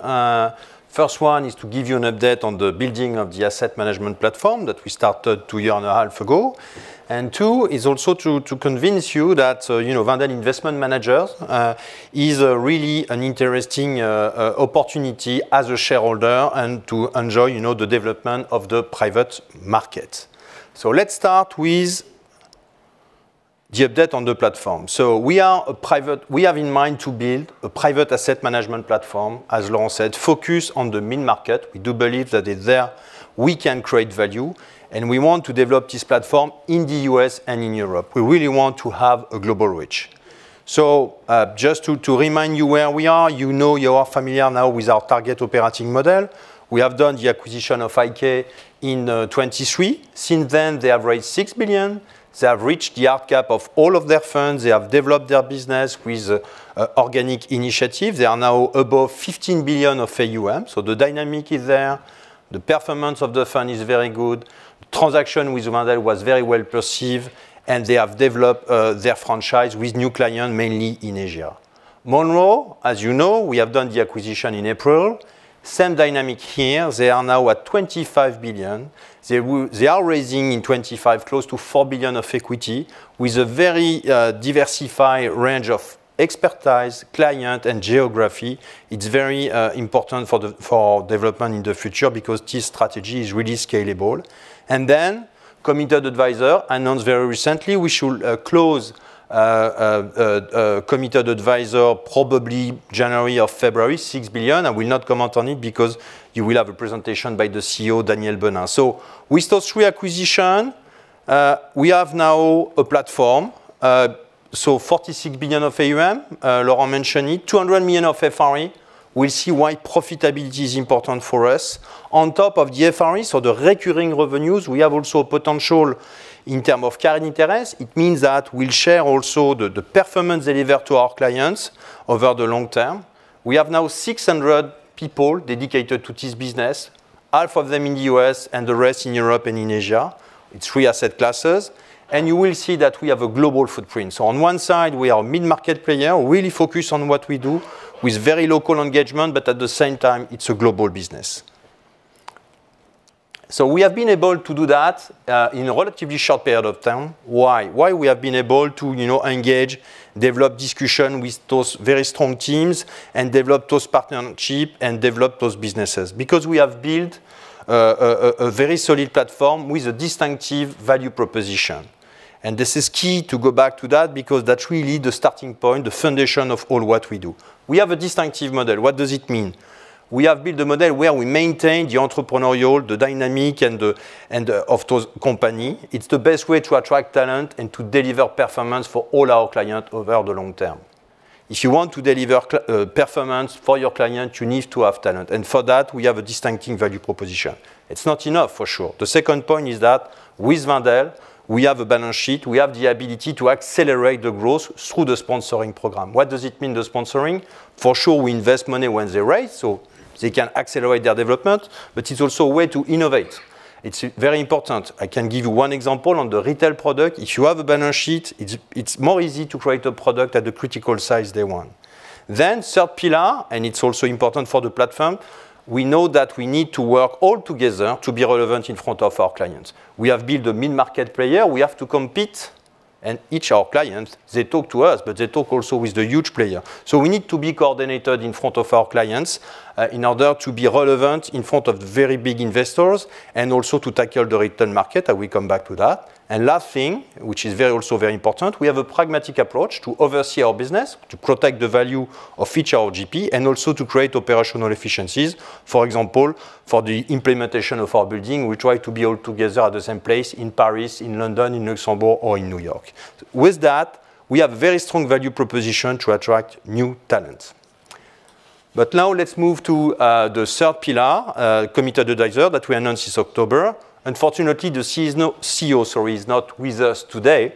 First one is to give you an update on the building of the asset management platform that we started two years and a half ago. Two is also to convince you that Wendel Investment Managers is really an interesting opportunity as a shareholder and to enjoy the development of the private market. Let's start with the update on the platform. We have in mind to build a private asset management platform, as Laurent said, focused on the mid-market. We do believe that there we can create value. We want to develop this platform in the U.S. and in Europe. We really want to have a global reach. Just to remind you where we are, you know you are familiar now with our target operating model. We have done the acquisition of IK in 2023. Since then, they have raised €6 billion. They have reached the hard cap of all of their funds. They have developed their business with organic initiatives. They are now above €15 billion of AUM. So the dynamic is there. The performance of the fund is very good. Transaction with Wendel was very well perceived. And they have developed their franchise with new clients, mainly in Asia. Monroe, as you know, we have done the acquisition in April. Same dynamic here. They are now at $25 billion. They are raising in 2025 close to $4 billion of equity with a very diversified range of expertise, client, and geography. It's very important for development in the future because this strategy is really scalable. And then Committed Advisors, announced very recently, we should close Committed Advisors probably January or February, €6 billion. I will not comment on it because you will have a presentation by the CEO, Daniel Benin. So we start three acquisitions. We have now a platform. So €46 billion of AUM, Laurent mentioned it, €200 million of FRE. We'll see why profitability is important for us. On top of the FRE, so the recurring revenues, we have also potential in terms of carried interest. It means that we'll share also the performance delivered to our clients over the long term. We have now 600 people dedicated to this business, half of them in the U.S. and the rest in Europe and in Asia. It's three asset classes. And you will see that we have a global footprint. So on one side, we are a mid-market player, really focused on what we do with very local engagement, but at the same time, it's a global business. So we have been able to do that in a relatively short period of time. Why? Why we have been able to engage, develop discussion with those very strong teams and develop those partnerships and develop those businesses? Because we have built a very solid platform with a distinctive value proposition. And this is key to go back to that because that's really the starting point, the foundation of all what we do. We have a distinctive model. What does it mean? We have built a model where we maintain the entrepreneurial, the dynamic, and of those companies. It's the best way to attract talent and to deliver performance for all our clients over the long term. If you want to deliver performance for your client, you need to have talent. And for that, we have a distinctive value proposition. It's not enough, for sure. The second point is that with Wendel, we have a balance sheet. We have the ability to accelerate the growth through the sponsoring program. What does it mean, the sponsoring? For sure, we invest money when they raise so they can accelerate their development, but it's also a way to innovate. It's very important. I can give you one example on the retail product. If you have a balance sheet, it's more easy to create a product at the critical size they want, then third pillar, and it's also important for the platform, we know that we need to work all together to be relevant in front of our clients. We have built a mid-market player. We have to compete, and each of our clients, they talk to us, but they talk also with the huge players. We need to be coordinated in front of our clients in order to be relevant in front of very big investors and also to tackle the retail market. We come back to that. And last thing, which is also very important, we have a pragmatic approach to oversee our business, to protect the value of each ROGP, and also to create operational efficiencies. For example, for the implementation of our building, we try to be all together at the same place in Paris, in London, in Luxembourg, or in New York. With that, we have a very strong value proposition to attract new talent. But now let's move to the third pillar, Committed Advisors, that we announced this October. Unfortunately, the CEO, sorry, is not with us today,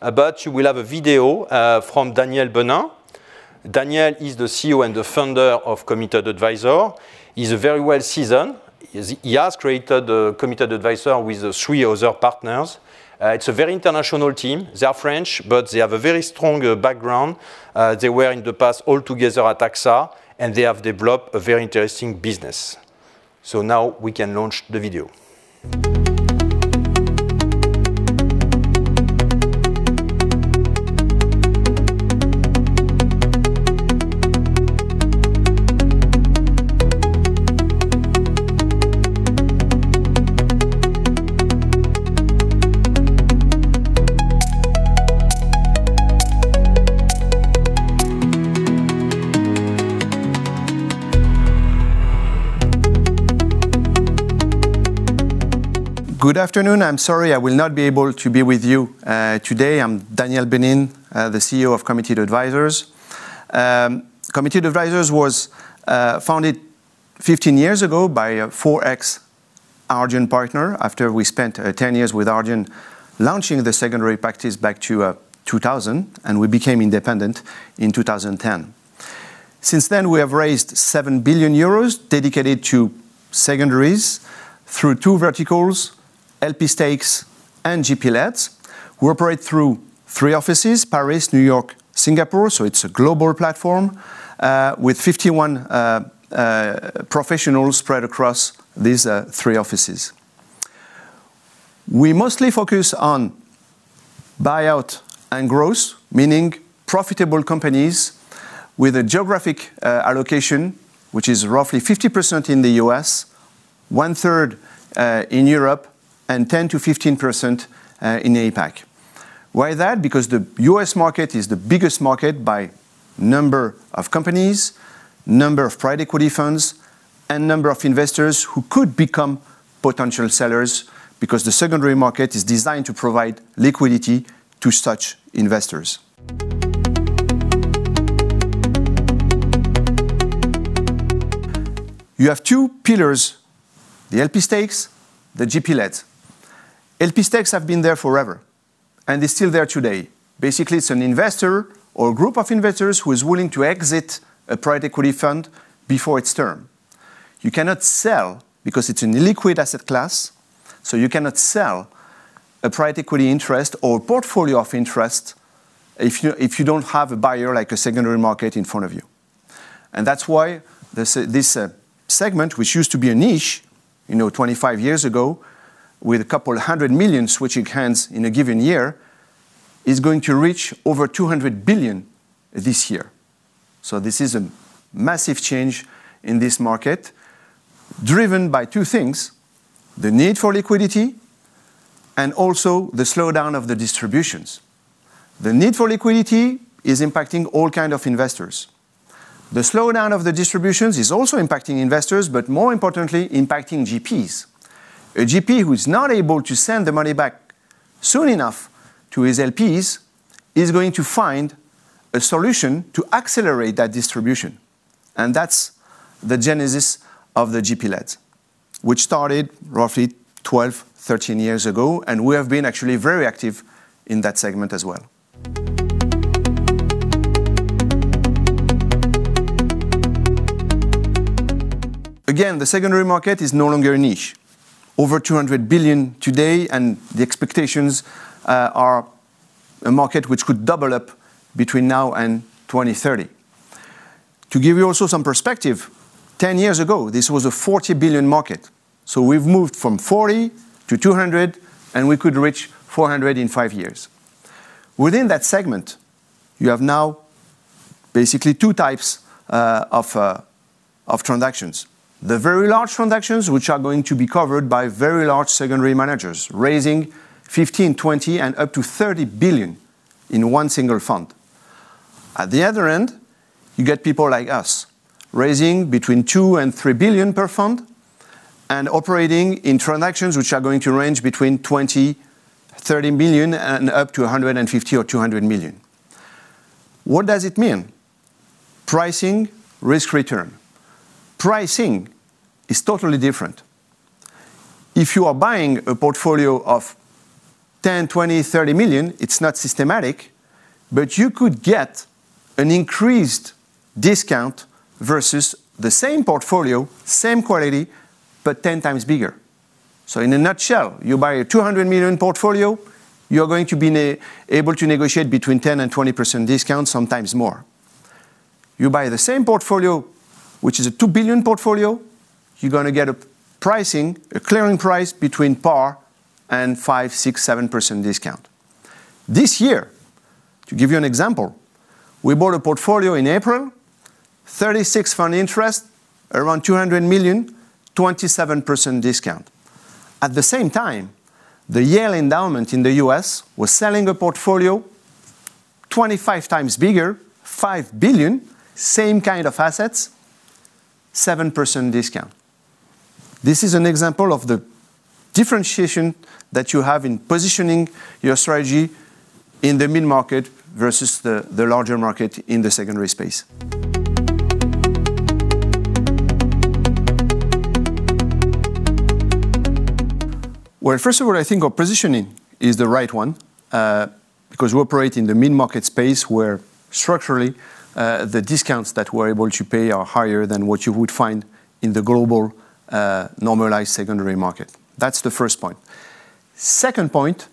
but we'll have a video from Daniel Benin. Daniel is the CEO and the founder of Committed Advisors. He's very well seasoned. He has created the Committed Advisors with three other partners. It's a very international team. They're French, but they have a very strong background. They were in the past all together at AXA, and they have developed a very interesting business. So now we can launch the video. Good afternoon. I'm sorry I will not be able to be with you today. I'm Daniel Benin, the CEO of Committed Advisors. Committed Advisors was founded 15 years ago by an ex-Ardian partner after we spent 10 years with Ardian launching the secondary practice back in 2000, and we became independent in 2010. Since then, we have raised 7 billion euros dedicated to secondaries through two verticals, LP stakes and GP-leds. We operate through three offices: Paris, New York, Singapore. So it's a global platform with 51 professionals spread across these three offices. We mostly focus on buyout and growth, meaning profitable companies with a geographic allocation, which is roughly 50% in the U.S., one-third in Europe, and 10%-15% in APAC. Why that? Because the U.S. market is the biggest market by number of companies, number of private equity funds, and number of investors who could become potential sellers because the secondary market is designed to provide liquidity to such investors. You have two pillars: the LP stakes and the GP-leds. LP stakes have been there forever, and they're still there today. Basically, it's an investor or a group of investors who is willing to exit a private equity fund before its term. You cannot sell because it's an illiquid asset class. So you cannot sell a private equity interest or portfolio of interest if you don't have a buyer like a secondary market in front of you. That's why this segment, which used to be a niche 25 years ago with a couple of hundred million changing hands in a given year, is going to reach over $200 billion this year. This is a massive change in this market driven by two things: the need for liquidity and also the slowdown of the distributions. The need for liquidity is impacting all kinds of investors. The slowdown of the distributions is also impacting investors, but more importantly, impacting GPs. A GP who is not able to send the money back soon enough to his LPs is going to find a solution to accelerate that distribution. That's the genesis of the GP-leds, which started roughly 12, 13 years ago. We have been actually very active in that segment as well. Again, the secondary market is no longer a niche. Over $200 billion today, and the expectations are a market which could double up between now and 2030. To give you also some perspective, 10 years ago, this was a $40 billion market. So we've moved from 40 to 200, and we could reach $400 billion in five years. Within that segment, you have now basically two types of transactions: the very large transactions, which are going to be covered by very large secondary managers raising $15, $20, and up to $30 billion in one single fund. At the other end, you get people like us raising between $2 and $3 billion per fund and operating in transactions which are going to range between $20-30 million, and up to $150 or 200 million. What does it mean? Pricing, risk, return. Pricing is totally different. If you are buying a portfolio of 10 million, 20 million, 30 million, it's not systematic, but you could get an increased discount versus the same portfolio, same quality, but 10 times bigger. So in a nutshell, you buy a 200 million portfolio, you're going to be able to negotiate between 10% and 20% discount, sometimes more. You buy the same portfolio, which is a 2 billion portfolio, you're going to get a pricing, a clearing price between par and 5%, 6%, 7% discount. This year, to give you an example, we bought a portfolio in April, 36 fund interest, around 200 million, 27% discount. At the same time, the Yale Endowment in the U.S. was selling a portfolio 25 times bigger, 5 billion, same kind of assets, 7% discount. This is an example of the differentiation that you have in positioning your strategy in the mid-market versus the larger market in the secondary space. First of all, I think our positioning is the right one because we operate in the mid-market space where structurally the discounts that we're able to pay are higher than what you would find in the global normalized secondary market. That's the first point. Second point,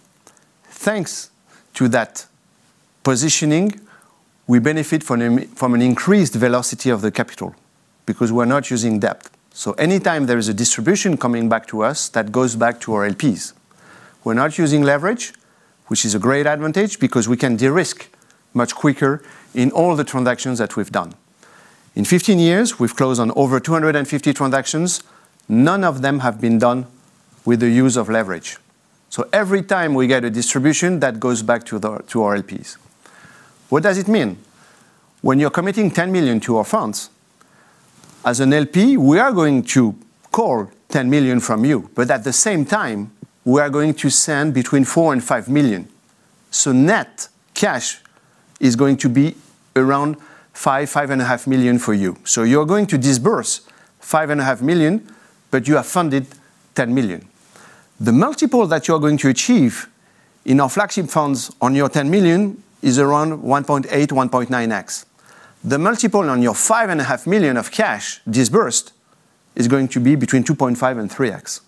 thanks to that positioning, we benefit from an increased velocity of the capital because we're not using debt. So anytime there is a distribution coming back to us that goes back to our LPs, we're not using leverage, which is a great advantage because we can de-risk much quicker in all the transactions that we've done. In 15 years, we've closed on over 250 transactions. None of them have been done with the use of leverage. Every time we get a distribution, that goes back to our LPs. What does it mean? When you're committing €10 million to our funds, as an LP, we are going to call €10 million from you, but at the same time, we are going to send between €4 and €5 million. Net cash is going to be around €5-€5.5 million for you. You're going to disburse €5.5 million, but you have funded €10 million. The multiple that you're going to achieve in our flagship funds on your €10 million is around 1.8-1.9x. The multiple on your €5.5 million of cash disbursed is going to be between 2.5 and 3x.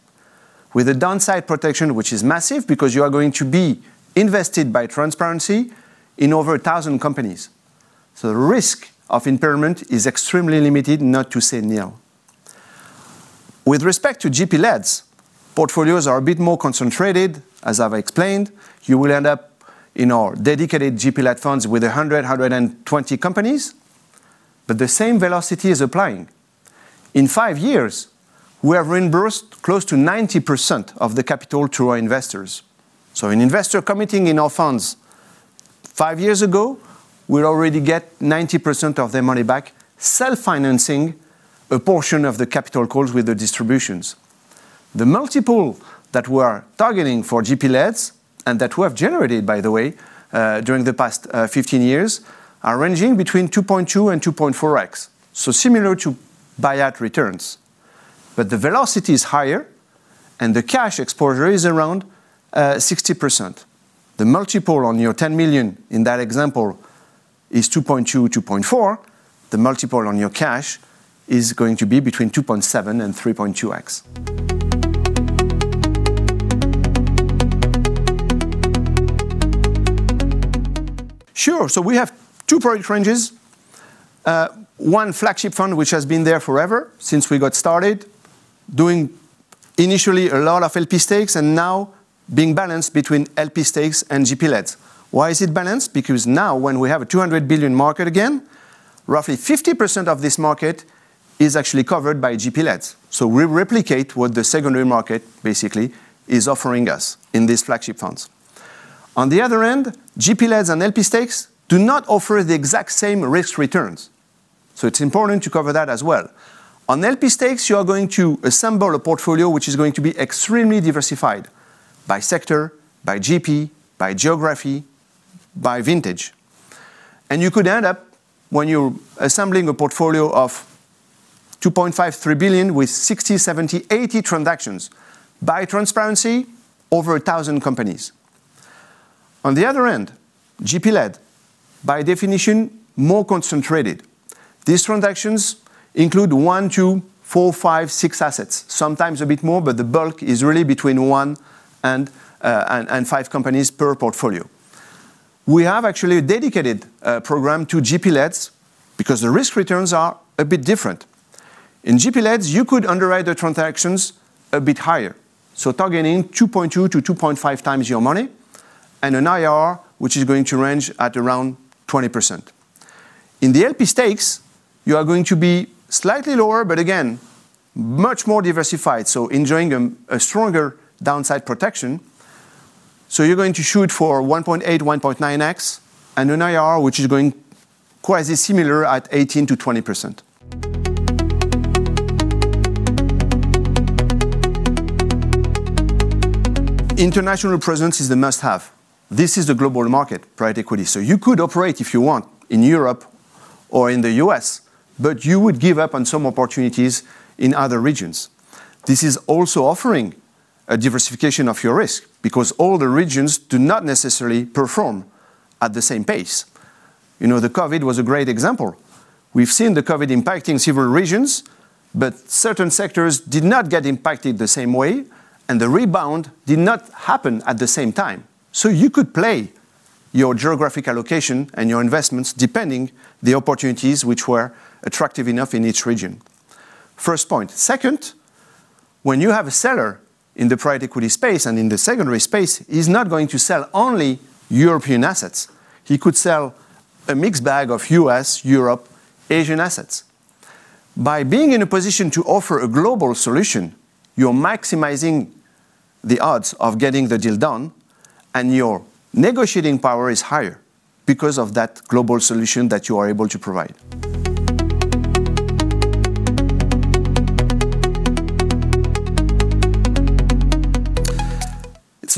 With a downside protection, which is massive because you are going to be invested by transparency in over 1,000 companies. So the risk of impairment is extremely limited, not to say nil. With respect to GP-leds, portfolios are a bit more concentrated, as I've explained. You will end up in our dedicated GP-led funds with 100, 120 companies, but the same velocity is applying. In five years, we have reimbursed close to 90% of the capital to our investors. So an investor committing in our funds five years ago, we'll already get 90% of their money back, self-financing a portion of the capital calls with the distributions. The multiple that we are targeting for GP-leds and that we have generated, by the way, during the past 15 years are ranging between 2.2 and 2.4x. So similar to buyout returns, but the velocity is higher and the cash exposure is around 60%. The multiple on your €10 million in that example is 2.2, 2.4. The multiple on your cash is going to be between 2.7 and 3.2x. Sure. So we have two product ranges: one flagship fund, which has been there forever since we got started, doing initially a lot of LP stakes and now being balanced between LP stakes and GP-leds. Why is it balanced? Because now when we have a 200 billion market again, roughly 50% of this market is actually covered by GP-leds. So we replicate what the secondary market basically is offering us in these flagship funds. On the other end, GP-leds and LP stakes do not offer the exact same risk returns. So it's important to cover that as well. On LP stakes, you are going to assemble a portfolio which is going to be extremely diversified by sector, by GP, by geography, by vintage. You could end up, when you're assembling a portfolio of €2.5-3 billion with 60, 70, 80 transactions by transparency, over 1,000 companies. On the other end, GP-led, by definition, more concentrated. These transactions include one, two, four, five, six assets, sometimes a bit more, but the bulk is really between one and five companies per portfolio. We have actually a dedicated program to GP-leds because the risk returns are a bit different. In GP-leds, you could underwrite the transactions a bit higher, so targeting 2.2-2.5 times your money and an IRR which is going to range at around 20%. In the LP stakes, you are going to be slightly lower, but again, much more diversified, so enjoying a stronger downside protection, so you're going to shoot for 1.8-1.9x and an IRR which is going quite similar at 18%-20%. International presence is a must-have. This is the global market, private equity. So you could operate if you want in Europe or in the U.S., but you would give up on some opportunities in other regions. This is also offering a diversification of your risk because all the regions do not necessarily perform at the same pace. The COVID was a great example. We've seen the COVID impacting several regions, but certain sectors did not get impacted the same way, and the rebound did not happen at the same time. So you could play your geographical location and your investments depending on the opportunities which were attractive enough in each region. First point. Second, when you have a seller in the private equity space and in the secondary space, he's not going to sell only European assets. He could sell a mixed bag of U.S., Europe, Asian assets. By being in a position to offer a global solution, you're maximizing the odds of getting the deal done, and your negotiating power is higher because of that global solution that you are able to provide.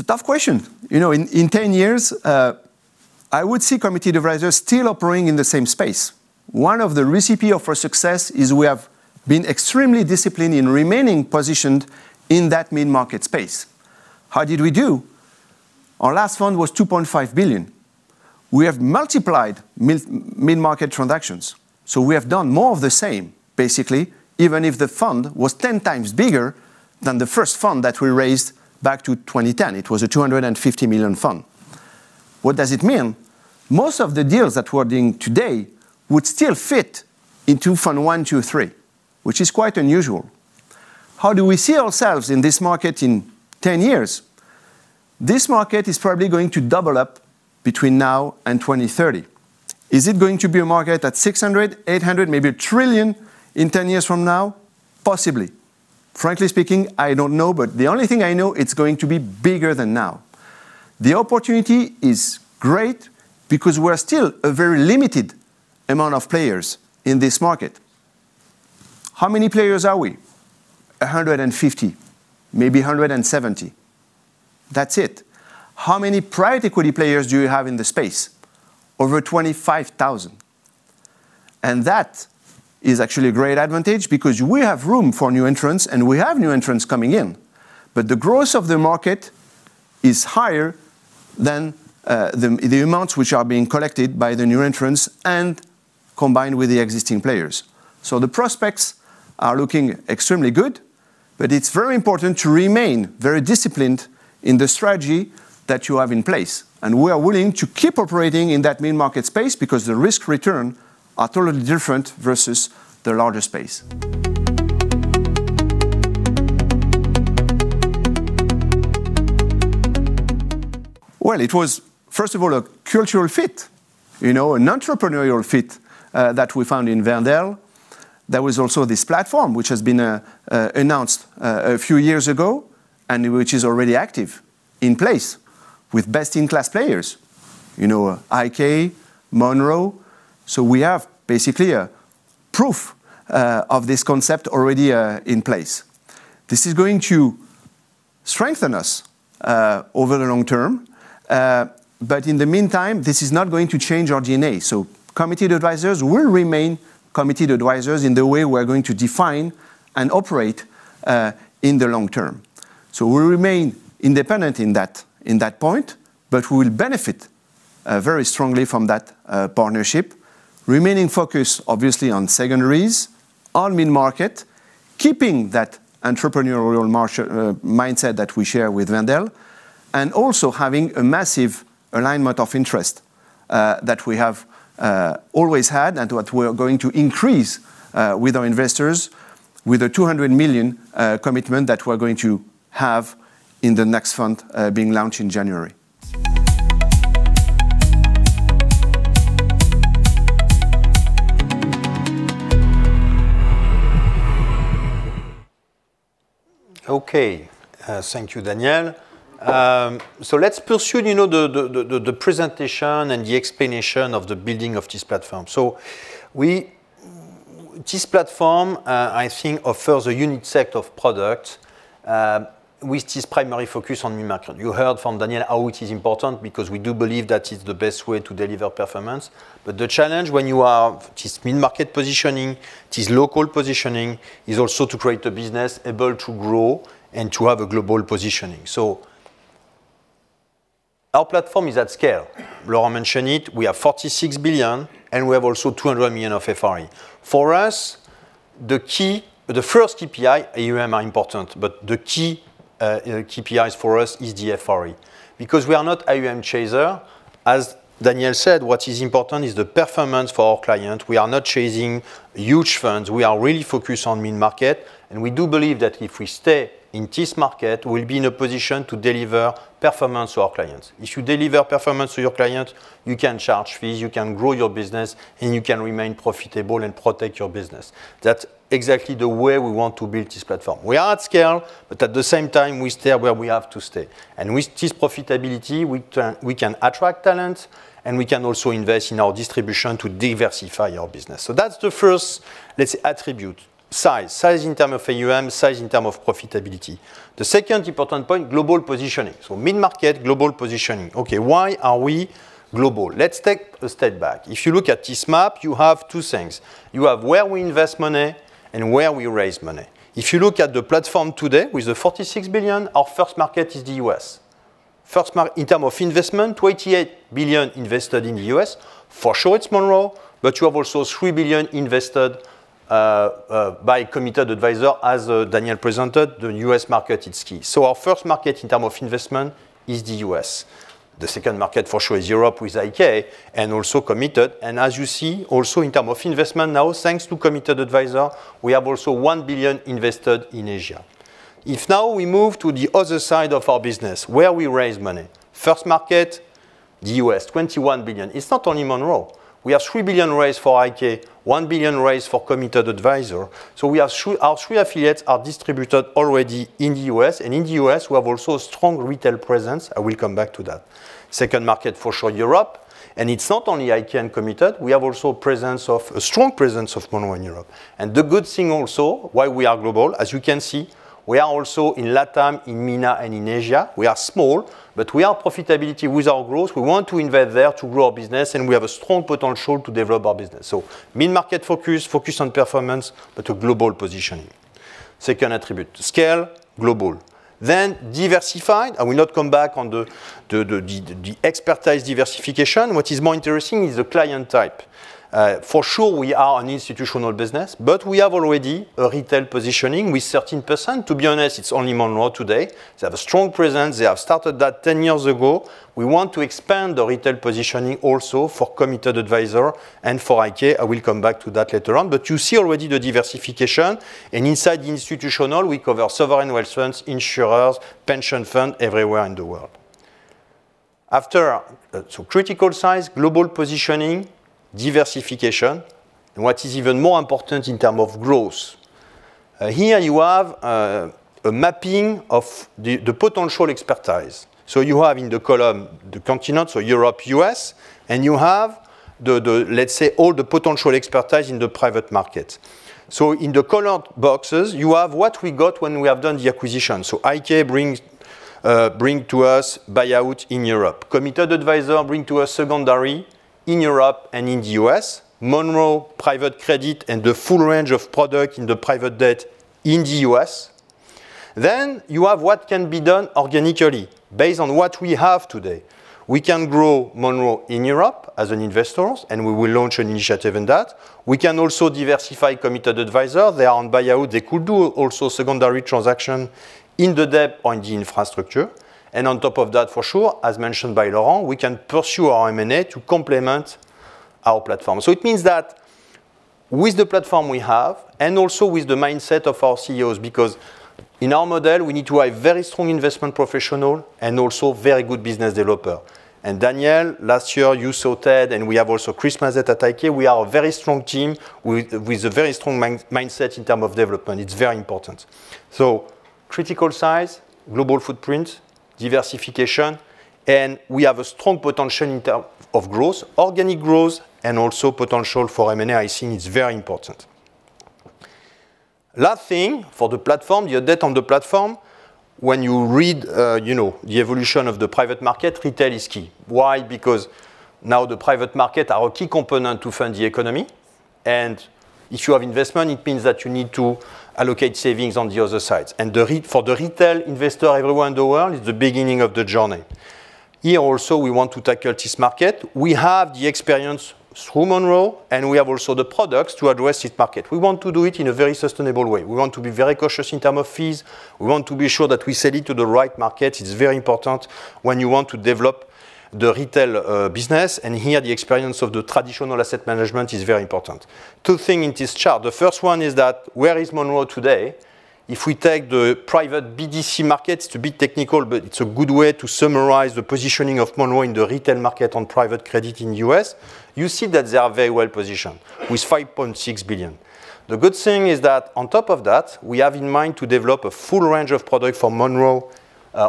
It's a tough question. In 10 years, I would see Committed Advisors still operating in the same space. One of the recipes of our success is we have been extremely disciplined in remaining positioned in that mid-market space. How did we do? Our last fund was €2.5 billion. We have multiplied mid-market transactions. So we have done more of the same, basically, even if the fund was 10 times bigger than the first fund that we raised back to 2010. It was a €250 million fund. What does it mean? Most of the deals that we're doing today would still fit into fund one, two, three, which is quite unusual. How do we see ourselves in this market in 10 years? This market is probably going to double up between now and 2030. Is it going to be a market at 600, 800, maybe a trillion in 10 years from now? Possibly. Frankly speaking, I don't know, but the only thing I know is it's going to be bigger than now. The opportunity is great because we're still a very limited amount of players in this market. How many players are we? 150, maybe 170. That's it. How many private equity players do you have in the space? Over 25,000. And that is actually a great advantage because we have room for new entrants, and we have new entrants coming in, but the growth of the market is higher than the amounts which are being collected by the new entrants and combined with the existing players. The prospects are looking extremely good, but it's very important to remain very disciplined in the strategy that you have in place. We are willing to keep operating in that mid-market space because the risk returns are totally different versus the larger space. It was, first of all, a cultural fit, an entrepreneurial fit that we found in Wendel. There was also this platform which has been announced a few years ago and which is already active in place with best-in-class players, IK, Monroe. We have basically proof of this concept already in place. This is going to strengthen us over the long term, but in the meantime, this is not going to change our DNA. Committed Advisors will remain Committed Advisors in the way we're going to define and operate in the long term. We'll remain independent in that point, but we will benefit very strongly from that partnership, remaining focused, obviously, on secondaries, on mid-market, keeping that entrepreneurial mindset that we share with Wendel, and also having a massive alignment of interest that we have always had and that we're going to increase with our investors, with a 200 million commitment that we're going to have in the next fund being launched in January. Okay. Thank you, Daniel. Let's pursue the presentation and the explanation of the building of this platform. This platform, I think, offers a unique set of products with this primary focus on mid-market. You heard from Daniel how it is important because we do believe that it's the best way to deliver performance. But the challenge when you are mid-market positioning, this local positioning is also to create a business able to grow and to have a global positioning. So our platform is at scale. Laura mentioned it. We have 46 billion, and we have also 200 million of FRE. For us, the first KPI, AUM, are important, but the key KPIs for us is the FRE because we are not AUM chaser. As Daniel said, what is important is the performance for our clients. We are not chasing huge funds. We are really focused on mid-market, and we do believe that if we stay in this market, we'll be in a position to deliver performance to our clients. If you deliver performance to your clients, you can charge fees, you can grow your business, and you can remain profitable and protect your business. That's exactly the way we want to build this platform. We are at scale, but at the same time, we stay where we have to stay, and with this profitability, we can attract talent, and we can also invest in our distribution to diversify our business, so that's the first, let's say, attribute: size, size in terms of AUM, size in terms of profitability. The second important point, global positioning, so mid-market, global positioning. Okay. Why are we global? Let's take a step back. If you look at this map, you have two things. You have where we invest money and where we raise money. If you look at the platform today with the 46 billion, our first market is the U.S. In terms of investment, 28 billion invested in the U.S. For sure, it's Monroe, but you have also 3 billion invested by Committed Advisors, as Daniel presented. The U.S. market, it's key. So our first market in terms of investment is the U.S. The second market, for sure, is Europe with IK and also Committed Advisors. And as you see, also in terms of investment now, thanks to Committed Advisors, we have also 1 billion invested in Asia. If now we move to the other side of our business, where we raise money, first market, the U.S., 21 billion. It's not only Monroe. We have 3 billion raised for IK, 1 billion raised for Committed Advisors. So our three affiliates are distributed already in the U.S., and in the U.S., we have also a strong retail presence. I will come back to that. Second market, for sure, Europe. And it's not only IK and Committed Advisors. We have also a strong presence of Monroe in Europe. The good thing also, why we are global, as you can see, we are also in LatAm, in MENA, and in Asia. We are small, but we are profitable with our growth. We want to invest there to grow our business, and we have a strong potential to develop our business. Mid-market focus, focus on performance, but a global positioning. Second attribute, scale, global. Then diversified. I will not come back on the expertise diversification. What is more interesting is the client type. For sure, we are an institutional business, but we have already a retail positioning with 13%. To be honest, it's only Monroe today. They have a strong presence. They have started that 10 years ago. We want to expand the retail positioning also for Committed Advisors and for IK. I will come back to that later on. But you see already the diversification. Inside the institutional, we cover sovereign wealth funds, insurers, pension funds, everywhere in the world. Critical size, global positioning, diversification, and what is even more important in terms of growth. Here you have a mapping of the potential expertise. You have in the column the continent, so Europe, U.S., and you have, let's say, all the potential expertise in the private market. In the colored boxes, you have what we got when we have done the acquisition. IK brings to us buyout in Europe. Committed Advisors brings to us secondary in Europe and in the U.S., Monroe private credit and the full range of product in the private debt in the U.S. You have what can be done organically based on what we have today. We can grow Monroe in Europe as an investor, and we will launch an initiative in that. We can also diversify Committed Advisors. They are on buyout. They could do also secondary transaction in the debt or in the infrastructure. And on top of that, for sure, as mentioned by Laurent, we can pursue our M&A to complement our platform. So it means that with the platform we have and also with the mindset of our CEOs, because in our model, we need to have very strong investment professionals and also very good business developers. And Daniel, last year, you saw Ted, and we have also Chris Masek at IK. We are a very strong team with a very strong mindset in terms of development. It's very important. So critical size, global footprint, diversification, and we have a strong potential in terms of growth, organic growth, and also potential for M&A, I think it's very important. Last thing for the platform, the debt on the platform, when you read the evolution of the private market, retail is key. Why? Because now the private market has a key component to fund the economy. And if you have investment, it means that you need to allocate savings on the other side. And for the retail investor, everywhere in the world, it's the beginning of the journey. Here also, we want to tackle this market. We have the experience through Monroe, and we have also the products to address this market. We want to do it in a very sustainable way. We want to be very cautious in terms of fees. We want to be sure that we sell it to the right market. It's very important when you want to develop the retail business. And here, the experience of the traditional asset management is very important. Two things in this chart. The first one is that where is Monroe today? If we take the private BDC market, it's a bit technical, but it's a good way to summarize the positioning of Monroe in the retail market on private credit in the US, you see that they are very well positioned with $5.6 billion. The good thing is that on top of that, we have in mind to develop a full range of products for Monroe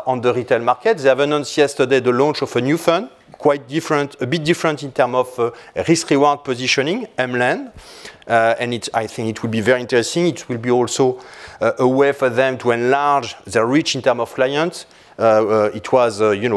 on the retail market. They have announced yesterday the launch of a new fund, quite different, a bit different in terms of risk-reward positioning, M-LEND. And I think it will be very interesting. It will be also a way for them to enlarge their reach in terms of clients. It was they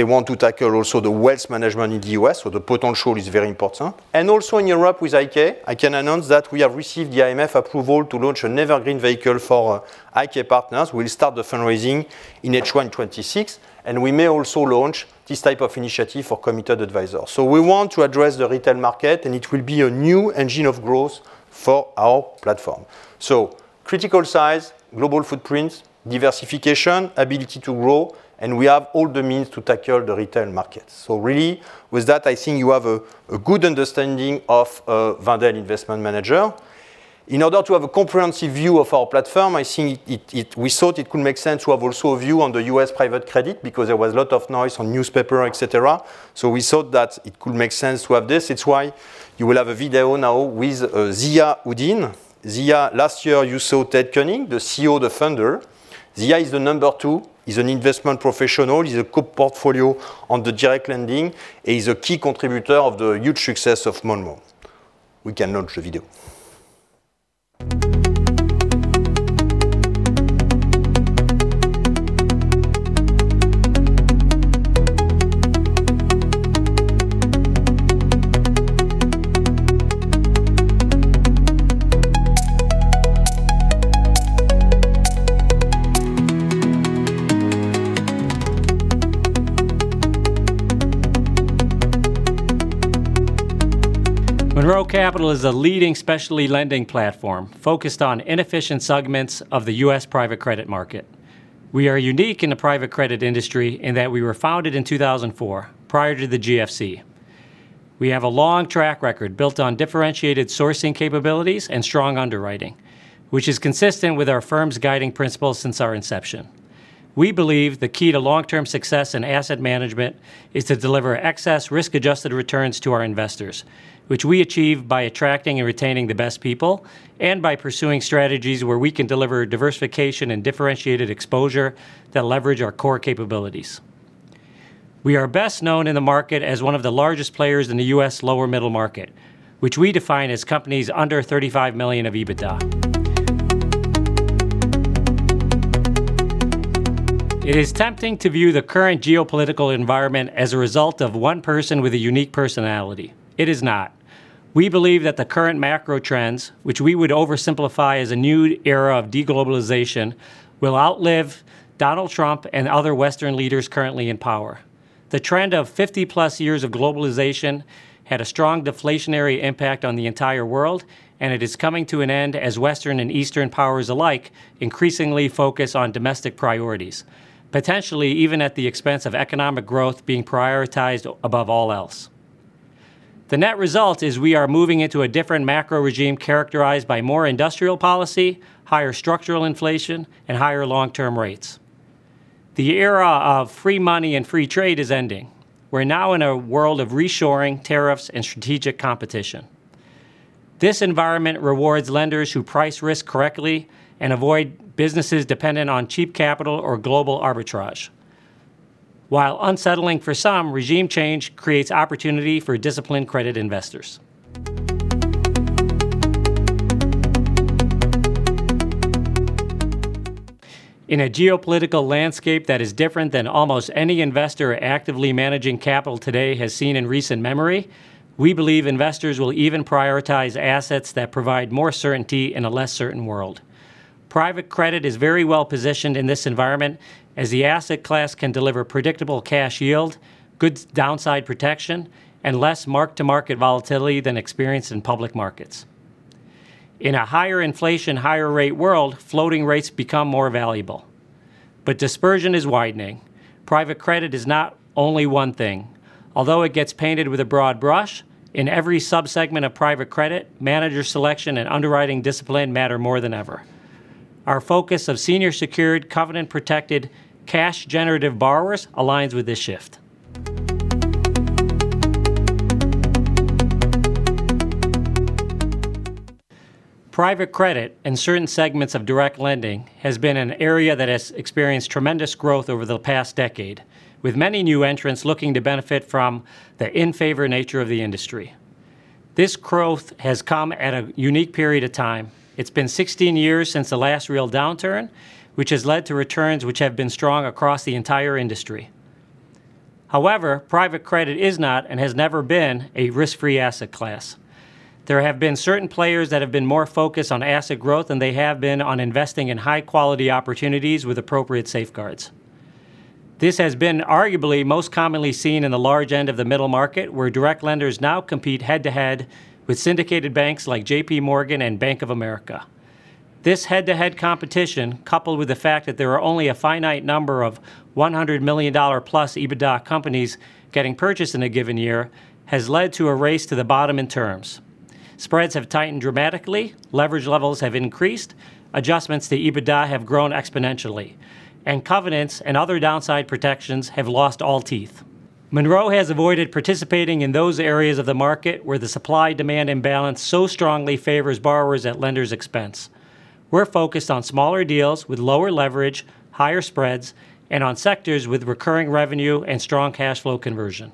want to tackle also the wealth management in the US, so the potential is very important. And also in Europe with IK Partners, I can announce that we have received the AMF approval to launch an evergreen vehicle for IK Partners. We'll start the fundraising in H1 2026, and we may also launch this type of initiative for Committed Advisors. So we want to address the retail market, and it will be a new engine of growth for our platform. So critical size, global footprint, diversification, ability to grow, and we have all the means to tackle the retail market. So really, with that, I think you have a good understanding of Wendel Investment Managers. In order to have a comprehensive view of our platform, I think we thought it could make sense to have also a view on the U.S. private credit because there was a lot of noise in newspapers, etc. So we thought that it could make sense to have this. It's why you will have a video now with Zia Uddin. Zia, last year, you saw Ted Koenig, the CEO, the founder. Zia is the number two. He's an investment professional. He's a co-portfolio on the direct lending, and he's a key contributor of the huge success of Monroe. We can launch the video. Monroe Capital is a leading specialty lending platform focused on inefficient segments of the U.S. private credit market. We are unique in the private credit industry in that we were founded in 2004, prior to the GFC. We have a long track record built on differentiated sourcing capabilities and strong underwriting, which is consistent with our firm's guiding principles since our inception. We believe the key to long-term success in asset management is to deliver excess risk-adjusted returns to our investors, which we achieve by attracting and retaining the best people and by pursuing strategies where we can deliver diversification and differentiated exposure that leverage our core capabilities. We are best known in the market as one of the largest players in the U.S. lower-middle market, which we define as companies under $35 million of EBITDA. It is tempting to view the current geopolitical environment as a result of one person with a unique personality. It is not. We believe that the current macro trends, which we would oversimplify as a new era of deglobalization, will outlive Donald Trump and other Western leaders currently in power. The trend of 50-plus years of globalization had a strong deflationary impact on the entire world, and it is coming to an end as Western and Eastern powers alike increasingly focus on domestic priorities, potentially even at the expense of economic growth being prioritized above all else. The net result is we are moving into a different macro regime characterized by more industrial policy, higher structural inflation, and higher long-term rates. The era of free money and free trade is ending. We're now in a world of reshoring, tariffs, and strategic competition. This environment rewards lenders who price risk correctly and avoid businesses dependent on cheap capital or global arbitrage. While unsettling for some, regime change creates opportunity for disciplined credit investors. In a geopolitical landscape that is different than almost any investor actively managing capital today has seen in recent memory, we believe investors will even prioritize assets that provide more certainty in a less certain world. Private credit is very well positioned in this environment as the asset class can deliver predictable cash yield, good downside protection, and less mark-to-market volatility than experienced in public markets. In a higher inflation, higher rate world, floating rates become more valuable. But dispersion is widening. Private credit is not only one thing. Although it gets painted with a broad brush, in every subsegment of private credit, manager selection and underwriting discipline matter more than ever. Our focus of senior secured, covenant-protected, cash-generative borrowers aligns with this shift. Private credit in certain segments of direct lending has been an area that has experienced tremendous growth over the past decade, with many new entrants looking to benefit from the in favor nature of the industry. This growth has come at a unique period of time. It's been 16 years since the last real downturn, which has led to returns which have been strong across the entire industry. However, private credit is not and has never been a risk-free asset class. There have been certain players that have been more focused on asset growth than they have been on investing in high-quality opportunities with appropriate safeguards. This has been arguably most commonly seen in the large end of the middle market, where direct lenders now compete head-to-head with syndicated banks like J.P. Morgan and Bank of America. This head-to-head competition, coupled with the fact that there are only a finite number of $100 million-plus EBITDA companies getting purchased in a given year, has led to a race to the bottom in terms. Spreads have tightened dramatically, leverage levels have increased, adjustments to EBITDA have grown exponentially, and covenants and other downside protections have lost all teeth. Monroe has avoided participating in those areas of the market where the supply-demand imbalance so strongly favors borrowers at lenders' expense. We're focused on smaller deals with lower leverage, higher spreads, and on sectors with recurring revenue and strong cash flow conversion.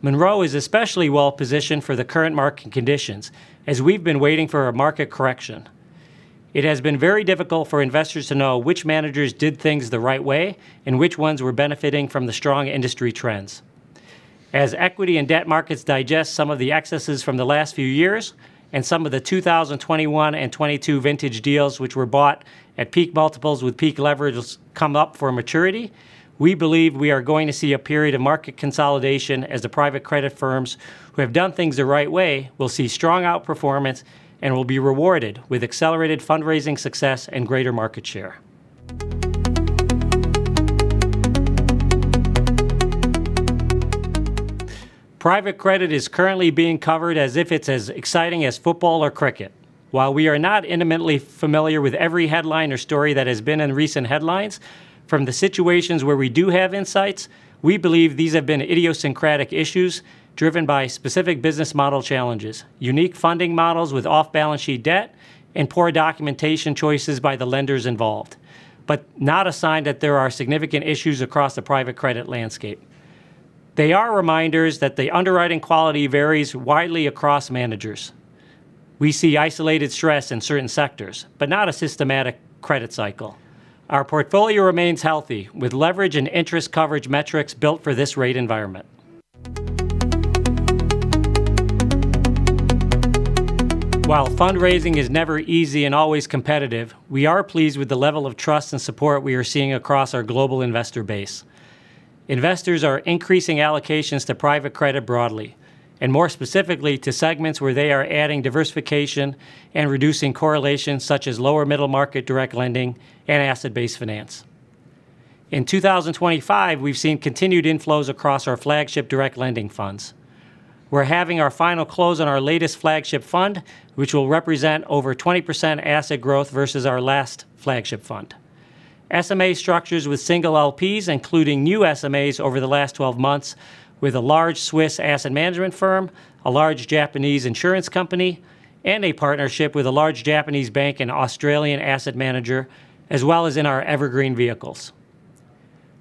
Monroe is especially well positioned for the current market conditions, as we've been waiting for a market correction. It has been very difficult for investors to know which managers did things the right way and which ones were benefiting from the strong industry trends. As equity and debt markets digest some of the excesses from the last few years and some of the 2021 and 2022 vintage deals which were bought at peak multiples with peak leverage come up for maturity, we believe we are going to see a period of market consolidation as the private credit firms who have done things the right way will see strong outperformance and will be rewarded with accelerated fundraising success and greater market share. Private credit is currently being covered as if it's as exciting as football or cricket. While we are not intimately familiar with every headline or story that has been in recent headlines, from the situations where we do have insights, we believe these have been idiosyncratic issues driven by specific business model challenges, unique funding models with off-balance sheet debt, and poor documentation choices by the lenders involved, but not a sign that there are significant issues across the private credit landscape. They are reminders that the underwriting quality varies widely across managers. We see isolated stress in certain sectors, but not a systematic credit cycle. Our portfolio remains healthy with leverage and interest coverage metrics built for this rate environment. While fundraising is never easy and always competitive, we are pleased with the level of trust and support we are seeing across our global investor base. Investors are increasing allocations to private credit broadly, and more specifically to segments where they are adding diversification and reducing correlations such as lower-middle market direct lending and asset-based finance. In 2025, we've seen continued inflows across our flagship direct lending funds. We're having our final close on our latest flagship fund, which will represent over 20% asset growth versus our last flagship fund. SMA structures with single LPs, including new SMAs over the last 12 months with a large Swiss asset management firm, a large Japanese insurance company, and a partnership with a large Japanese bank and Australian asset manager, as well as in our evergreen vehicles.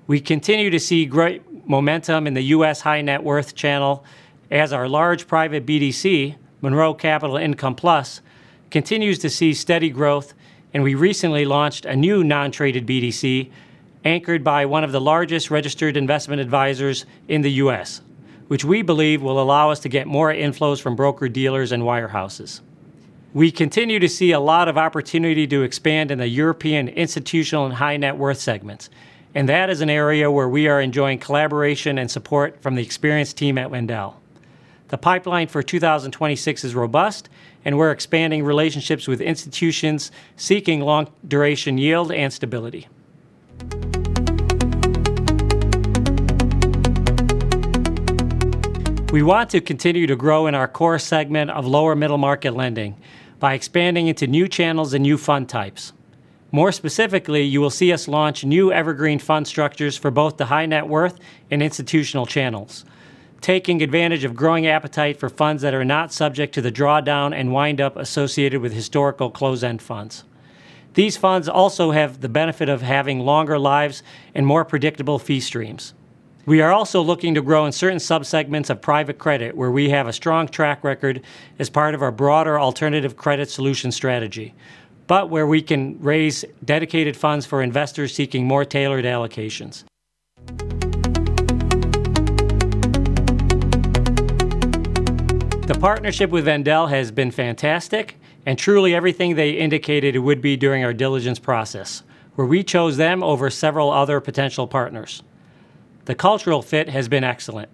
We continue to see great momentum in the U.S. high net worth channel as our large private BDC, Monroe Capital Income Plus, continues to see steady growth, and we recently launched a new non-traded BDC anchored by one of the largest registered investment advisors in the U.S., which we believe will allow us to get more inflows from broker dealers and wirehouses. We continue to see a lot of opportunity to expand in the European institutional and high net worth segments, and that is an area where we are enjoying collaboration and support from the experienced team at Wendel. The pipeline for 2026 is robust, and we're expanding relationships with institutions seeking long-duration yield and stability. We want to continue to grow in our core segment of lower-middle market lending by expanding into new channels and new fund types. More specifically, you will see us launch new evergreen fund structures for both the high net worth and institutional channels, taking advantage of growing appetite for funds that are not subject to the drawdown and windup associated with historical closed-end funds. These funds also have the benefit of having longer lives and more predictable fee streams. We are also looking to grow in certain subsegments of private credit where we have a strong track record as part of our broader alternative credit solution strategy, but where we can raise dedicated funds for investors seeking more tailored allocations. The partnership with Wendel has been fantastic and truly everything they indicated it would be during our diligence process, where we chose them over several other potential partners. The cultural fit has been excellent.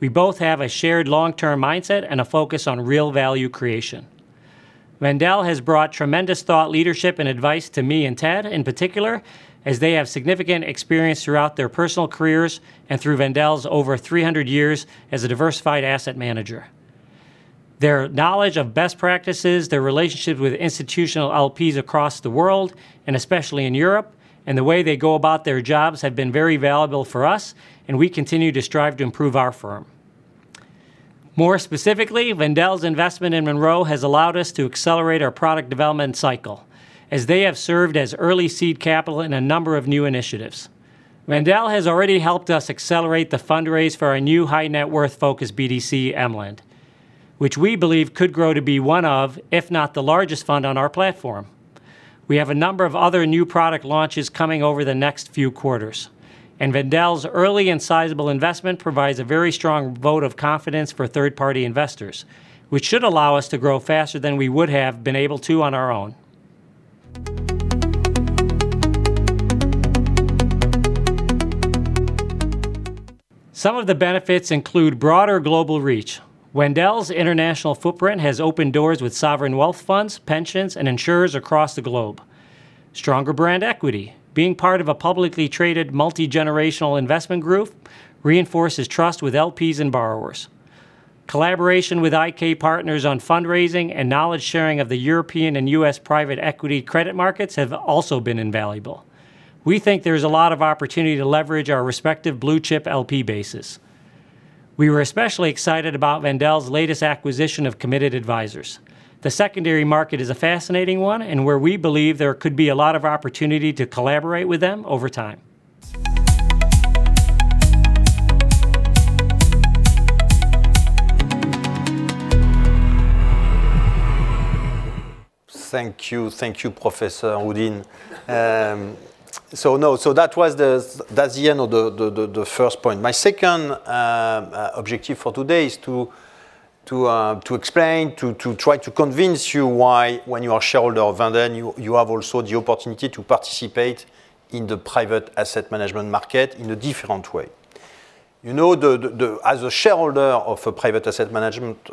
We both have a shared long-term mindset and a focus on real value creation. Wendel has brought tremendous thought leadership and advice to me and Ted in particular, as they have significant experience throughout their personal careers and through Wendel's over 300 years as a diversified asset manager. Their knowledge of best practices, their relationship with institutional LPs across the world, and especially in Europe, and the way they go about their jobs have been very valuable for us, and we continue to strive to improve our firm. More specifically, Wendel's investment in Monroe has allowed us to accelerate our product development cycle, as they have served as early seed capital in a number of new initiatives. Wendel has already helped us accelerate the fundraise for our new high net worth focus BDC, Emlend, which we believe could grow to be one of, if not the largest fund on our platform. We have a number of other new product launches coming over the next few quarters, and Wendel's early and sizable investment provides a very strong vote of confidence for third-party investors, which should allow us to grow faster than we would have been able to on our own. Some of the benefits include broader global reach. Wendel's international footprint has opened doors with sovereign wealth funds, pensions, and insurers across the globe. Stronger brand equity, being part of a publicly traded multi-generational investment group, reinforces trust with LPs and borrowers. Collaboration with IK Partners on fundraising and knowledge sharing of the European and U.S. private equity credit markets have also been invaluable. We think there's a lot of opportunity to leverage our respective blue-chip LP bases. We were especially excited about Wendel's latest acquisition of Committed Advisors. The secondary market is a fascinating one and where we believe there could be a lot of opportunity to collaborate with them over time. Thank you, thank you, Professor Houdin. So that was the, that's the end of the first point. My second objective for today is to explain, to try to convince you why when you are a shareholder of Wendel, you have also the opportunity to participate in the private asset management market in a different way. You know, as a shareholder of a private asset management